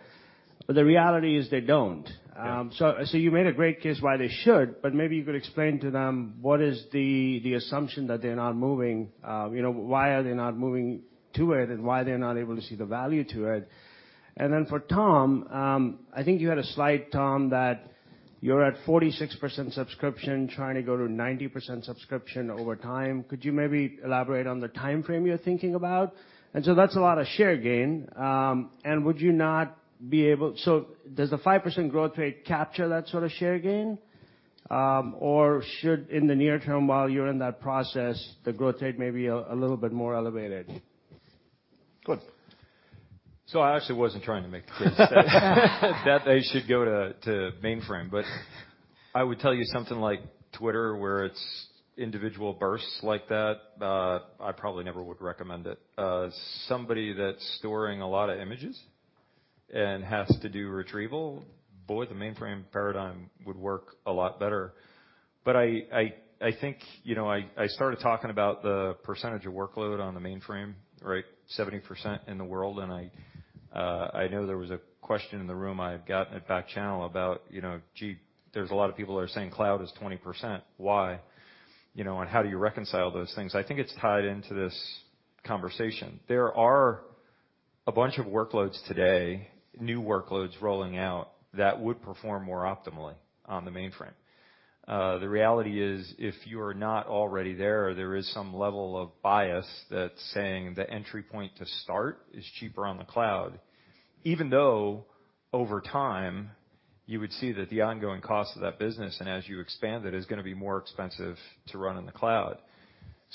The reality is they don't. Yeah. You made a great case why they should, but maybe you could explain to them what is the assumption that they're not moving, you know, why are they not moving to it and why they're not able to see the value to it. For Tom, I think you had a slide, Tom, that you're at 46% subscription trying to go to 90% subscription over time. Could you maybe elaborate on the timeframe you're thinking about? That's a lot of share gain. Does the 5% growth rate capture that sort of share gain? Should, in the near term, while you're in that process, the growth rate may be a little bit more elevated? Go ahead. I actually wasn't trying to make the case that they should go to mainframe. I would tell you something like Twitter, where it's individual bursts like that, I probably never would recommend it. Somebody that's storing a lot of images and has to do retrieval, boy, the mainframe paradigm would work a lot better. I think, you know, I started talking about the percentage of workload on the mainframe, right? 70% in the world, and I know there was a question in the room I've gotten at back channel about, you know, gee, there's a lot of people that are saying cloud is 20%. Why? You know, and how do you reconcile those things? I think it's tied into this conversation. There are a bunch of workloads today, new workloads rolling out that would perform more optimally on the mainframe. The reality is if you're not already there is some level of bias that's saying the entry point to start is cheaper on the cloud. Even though over time, you would see that the ongoing cost of that business, and as you expand it, is gonna be more expensive to run in the cloud.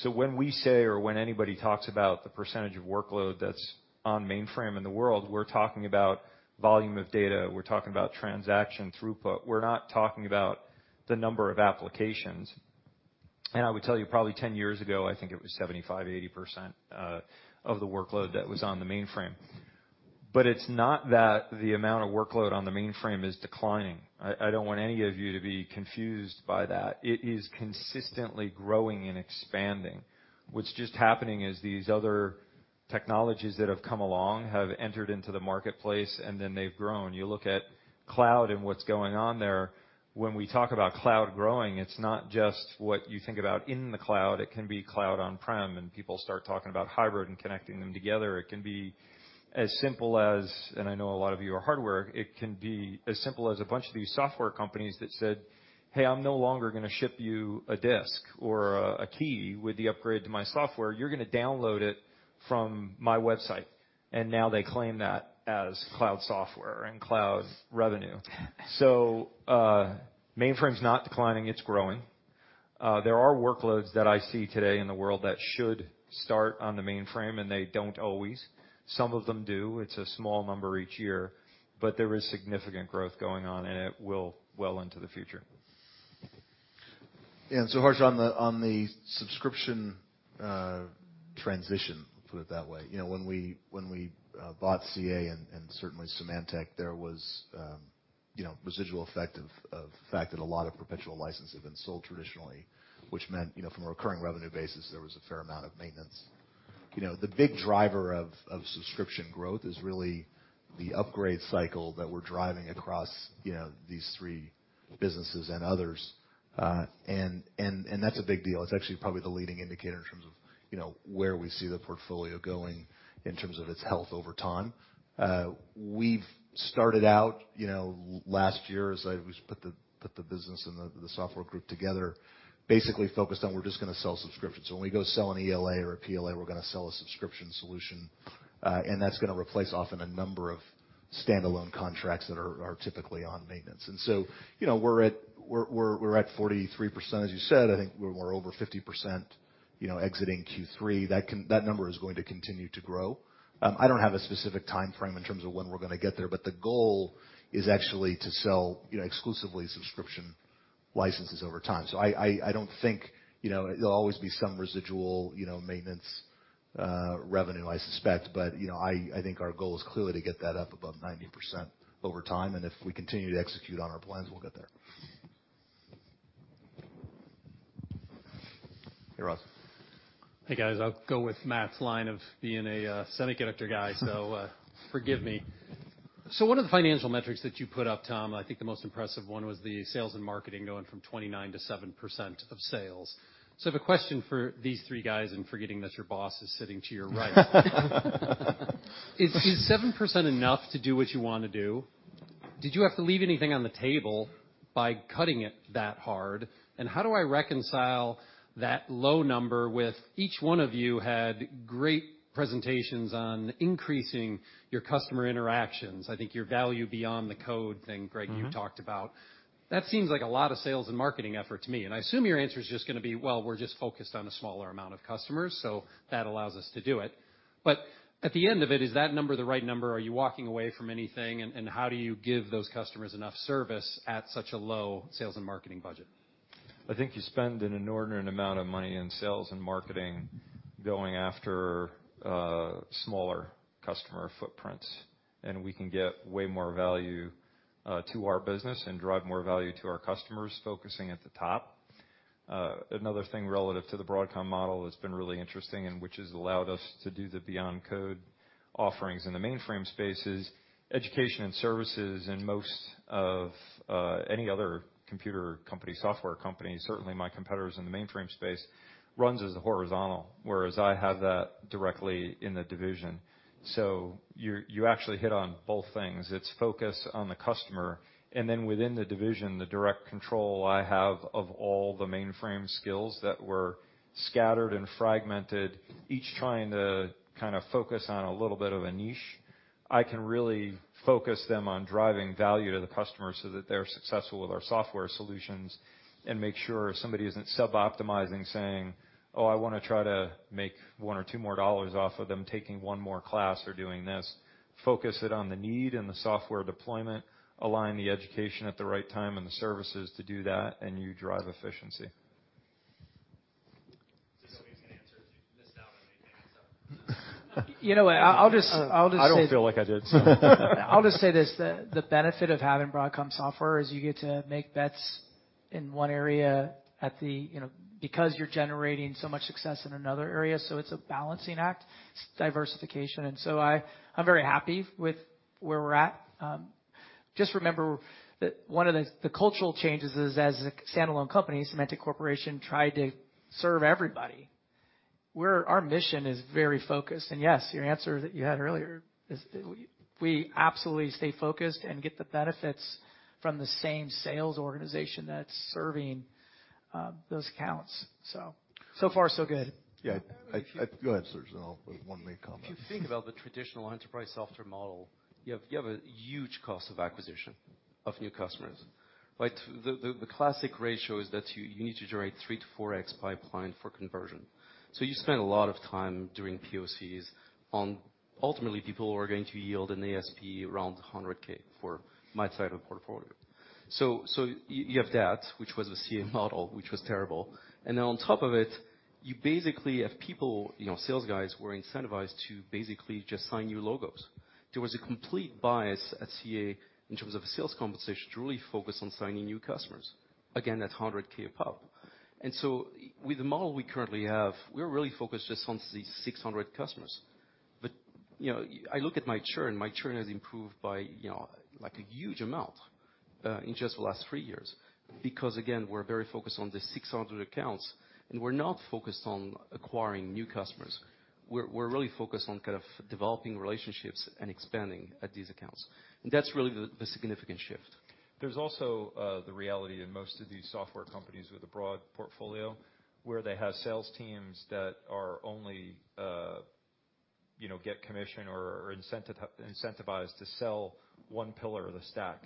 When we say or when anybody talks about the percentage of workload that's on mainframe in the world, we're talking about volume of data, we're talking about transaction throughput. We're not talking about the number of applications. I would tell you probably 10 years ago, I think it was 75%-80% of the workload that was on the mainframe. It's not that the amount of workload on the mainframe is declining. I don't want any of you to be confused by that. It is consistently growing and expanding. What's just happening is these other technologies that have come along have entered into the marketplace and then they've grown. You look at cloud and what's going on there. When we talk about cloud growing, it's not just what you think about in the cloud. It can be cloud on-prem, and people start talking about hybrid and connecting them together. It can be as simple as a bunch of these software companies that said, "Hey, I'm no longer going to ship you a disk or a key with the upgrade to my software. You're going to download it from my website." Now they claim that as cloud software and cloud revenue. Mainframe's not declining, it's growing. There are workloads that I see today in the world that should start on the mainframe, and they don't always. Some of them do. It's a small number each year. But there is significant growth going on, and it will well into the future. Harsh, on the subscription transition, put it that way. You know, when we bought CA and certainly Symantec, there was you know, residual effect of the fact that a lot of perpetual license had been sold traditionally, which meant, you know, from a recurring revenue basis, there was a fair amount of maintenance. You know, the big driver of subscription growth is really the upgrade cycle that we're driving across, you know, these three businesses and others. And that's a big deal. It's actually probably the leading indicator in terms of, you know, where we see the portfolio going in terms of its health over time. We've started out, you know, last year, we put the business and the software group together, basically focused on we're just gonna sell subscriptions. When we go sell an ELA or a PLA, we're gonna sell a subscription solution, and that's gonna replace often a number of standalone contracts that are typically on maintenance. You know, we're at 43%, as you said. I think we're more over 50%, you know, exiting Q3. That number is going to continue to grow. I don't have a specific timeframe in terms of when we're gonna get there, but the goal is actually to sell, you know, exclusively subscription licenses over time. I don't think, you know, there'll always be some residual, you know, maintenance revenue, I suspect. You know, I think our goal is clearly to get that up above 90% over time, and if we continue to execute on our plans, we'll get there. Hey, Ross. Hey, guys. I'll go with Matt's line of being a semiconductor guy, so forgive me. One of the financial metrics that you put up, Tom, I think the most impressive one was the sales and marketing going from 29% to 7% of sales. The question for these three guys, and forgetting that your boss is sitting to your right. Is seven percent enough to do what you wanna do? Did you have to leave anything on the table by cutting it that hard? And how do I reconcile that low number with each one of you had great presentations on increasing your customer interactions. I think your value beyond the code thing, Greg. Mm-hmm. You talked about. That seems like a lot of sales and marketing effort to me. I assume your answer is just gonna be, "Well, we're just focused on a smaller amount of customers, so that allows us to do it." At the end of it, is that number the right number? Are you walking away from anything? How do you give those customers enough service at such a low sales and marketing budget? I think you spend an inordinate amount of money in sales and marketing going after smaller customer footprints. We can get way more value to our business and drive more value to our customers focusing at the top. Another thing relative to the Broadcom model that's been really interesting, and which has allowed us to do the beyond code offerings in the mainframe space is education and services in most of any other computer company, software company, certainly my competitors in the mainframe space, runs as a horizontal, whereas I have that directly in the division. You actually hit on both things. It's focus on the customer, and then within the division, the direct control I have of all the mainframe skills that were scattered and fragmented, each trying to kind of focus on a little bit of a niche. I can really focus them on driving value to the customer so that they're successful with our software solutions and make sure somebody isn't suboptimizing saying, "Oh, I wanna try to make $1 or $2 more dollars off of them taking one more class or doing this." Focus it on the need and the software deployment, align the education at the right time and the services to do that, and you drive efficiency. Does somebody wanna answer if you missed out on anything? You know what? I'll just say. I don't feel like I did, so. I'll just say this, the benefit of having Broadcom Software is you get to make bets in one area at the, you know, because you're generating so much success in another area, so it's a balancing act. It's diversification. I'm very happy with where we're at. Just remember that one of the cultural changes is as a standalone company, Symantec Corporation tried to serve everybody, where our mission is very focused. Yes, your answer that you had earlier is we absolutely stay focused and get the benefits from the same sales organization that's serving those accounts. So far so good. Yeah. Go ahead, Serge Lucio, and I'll add one main comment. If you think about the traditional enterprise software model, you have a huge cost of acquisition of new customers, right? The classic ratio is that you need to generate 3-4x pipeline for conversion. You spend a lot of time doing POCs on ultimately people who are going to yield an ASP around $100K for my side of the portfolio. You have that, which was a CA model, which was terrible. On top of it, you basically have people, you know, sales guys who are incentivized to basically just sign new logos. There was a complete bias at CA in terms of a sales conversation to really focus on signing new customers, again, at $100K a pop. With the model we currently have, we're really focused just on these 600 customers. You know, I look at my churn. My churn has improved by, you know, like, a huge amount in just the last 3 years because, again, we're very focused on the 600 accounts, and we're not focused on acquiring new customers. We're really focused on kind of developing relationships and expanding at these accounts. That's really the significant shift. There's also the reality in most of these software companies with a broad portfolio where they have sales teams that are only, you know, get commission or incentive, incentivized to sell one pillar of the stack.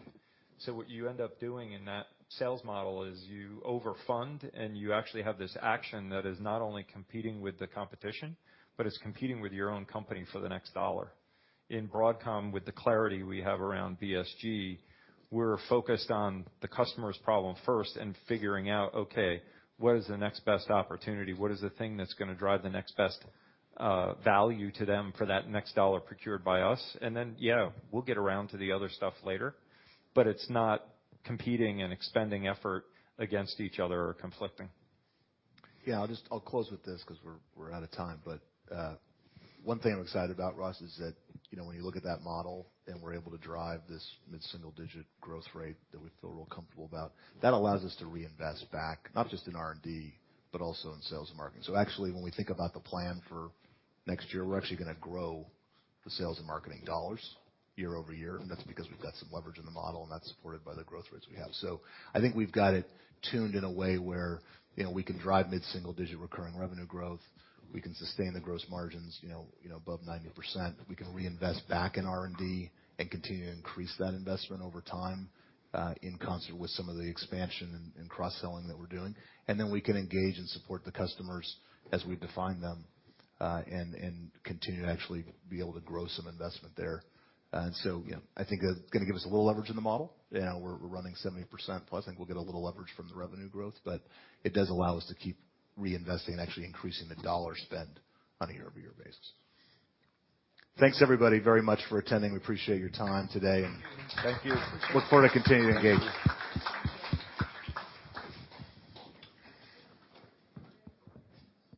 What you end up doing in that sales model is you overfund, and you actually have this action that is not only competing with the competition but is competing with your own company for the next dollar. In Broadcom, with the clarity we have around ESG, we're focused on the customer's problem first and figuring out, okay, what is the next best opportunity? What is the thing that's gonna drive the next best value to them for that next dollar procured by us? Then, yeah, we'll get around to the other stuff later, but it's not competing and expending effort against each other or conflicting. Yeah. I'll close with this 'cause we're out of time. One thing I'm excited about, Ross, is that, you know, when you look at that model and we're able to drive this mid-single digit growth rate that we feel real comfortable about, that allows us to reinvest back, not just in R&D, but also in sales and marketing. Actually, when we think about the plan for next year, we're actually gonna grow the sales and marketing dollars year-over-year, and that's because we've got some leverage in the model, and that's supported by the growth rates we have. I think we've got it tuned in a way where, you know, we can drive mid-single digit recurring revenue growth. We can sustain the gross margins, you know, above 90%. We can reinvest back in R&D and continue to increase that investment over time, in concert with some of the expansion and cross-selling that we're doing. Then we can engage and support the customers as we define them, and continue to actually be able to grow some investment there. You know, I think that's gonna give us a little leverage in the model. You know, we're running 70%+, and we'll get a little leverage from the revenue growth, but it does allow us to keep reinvesting and actually increasing the dollar spend on a year-over-year basis. Thanks, everybody, very much for attending. We appreciate your time today. Thank you. Thank you. look forward to continuing to engage.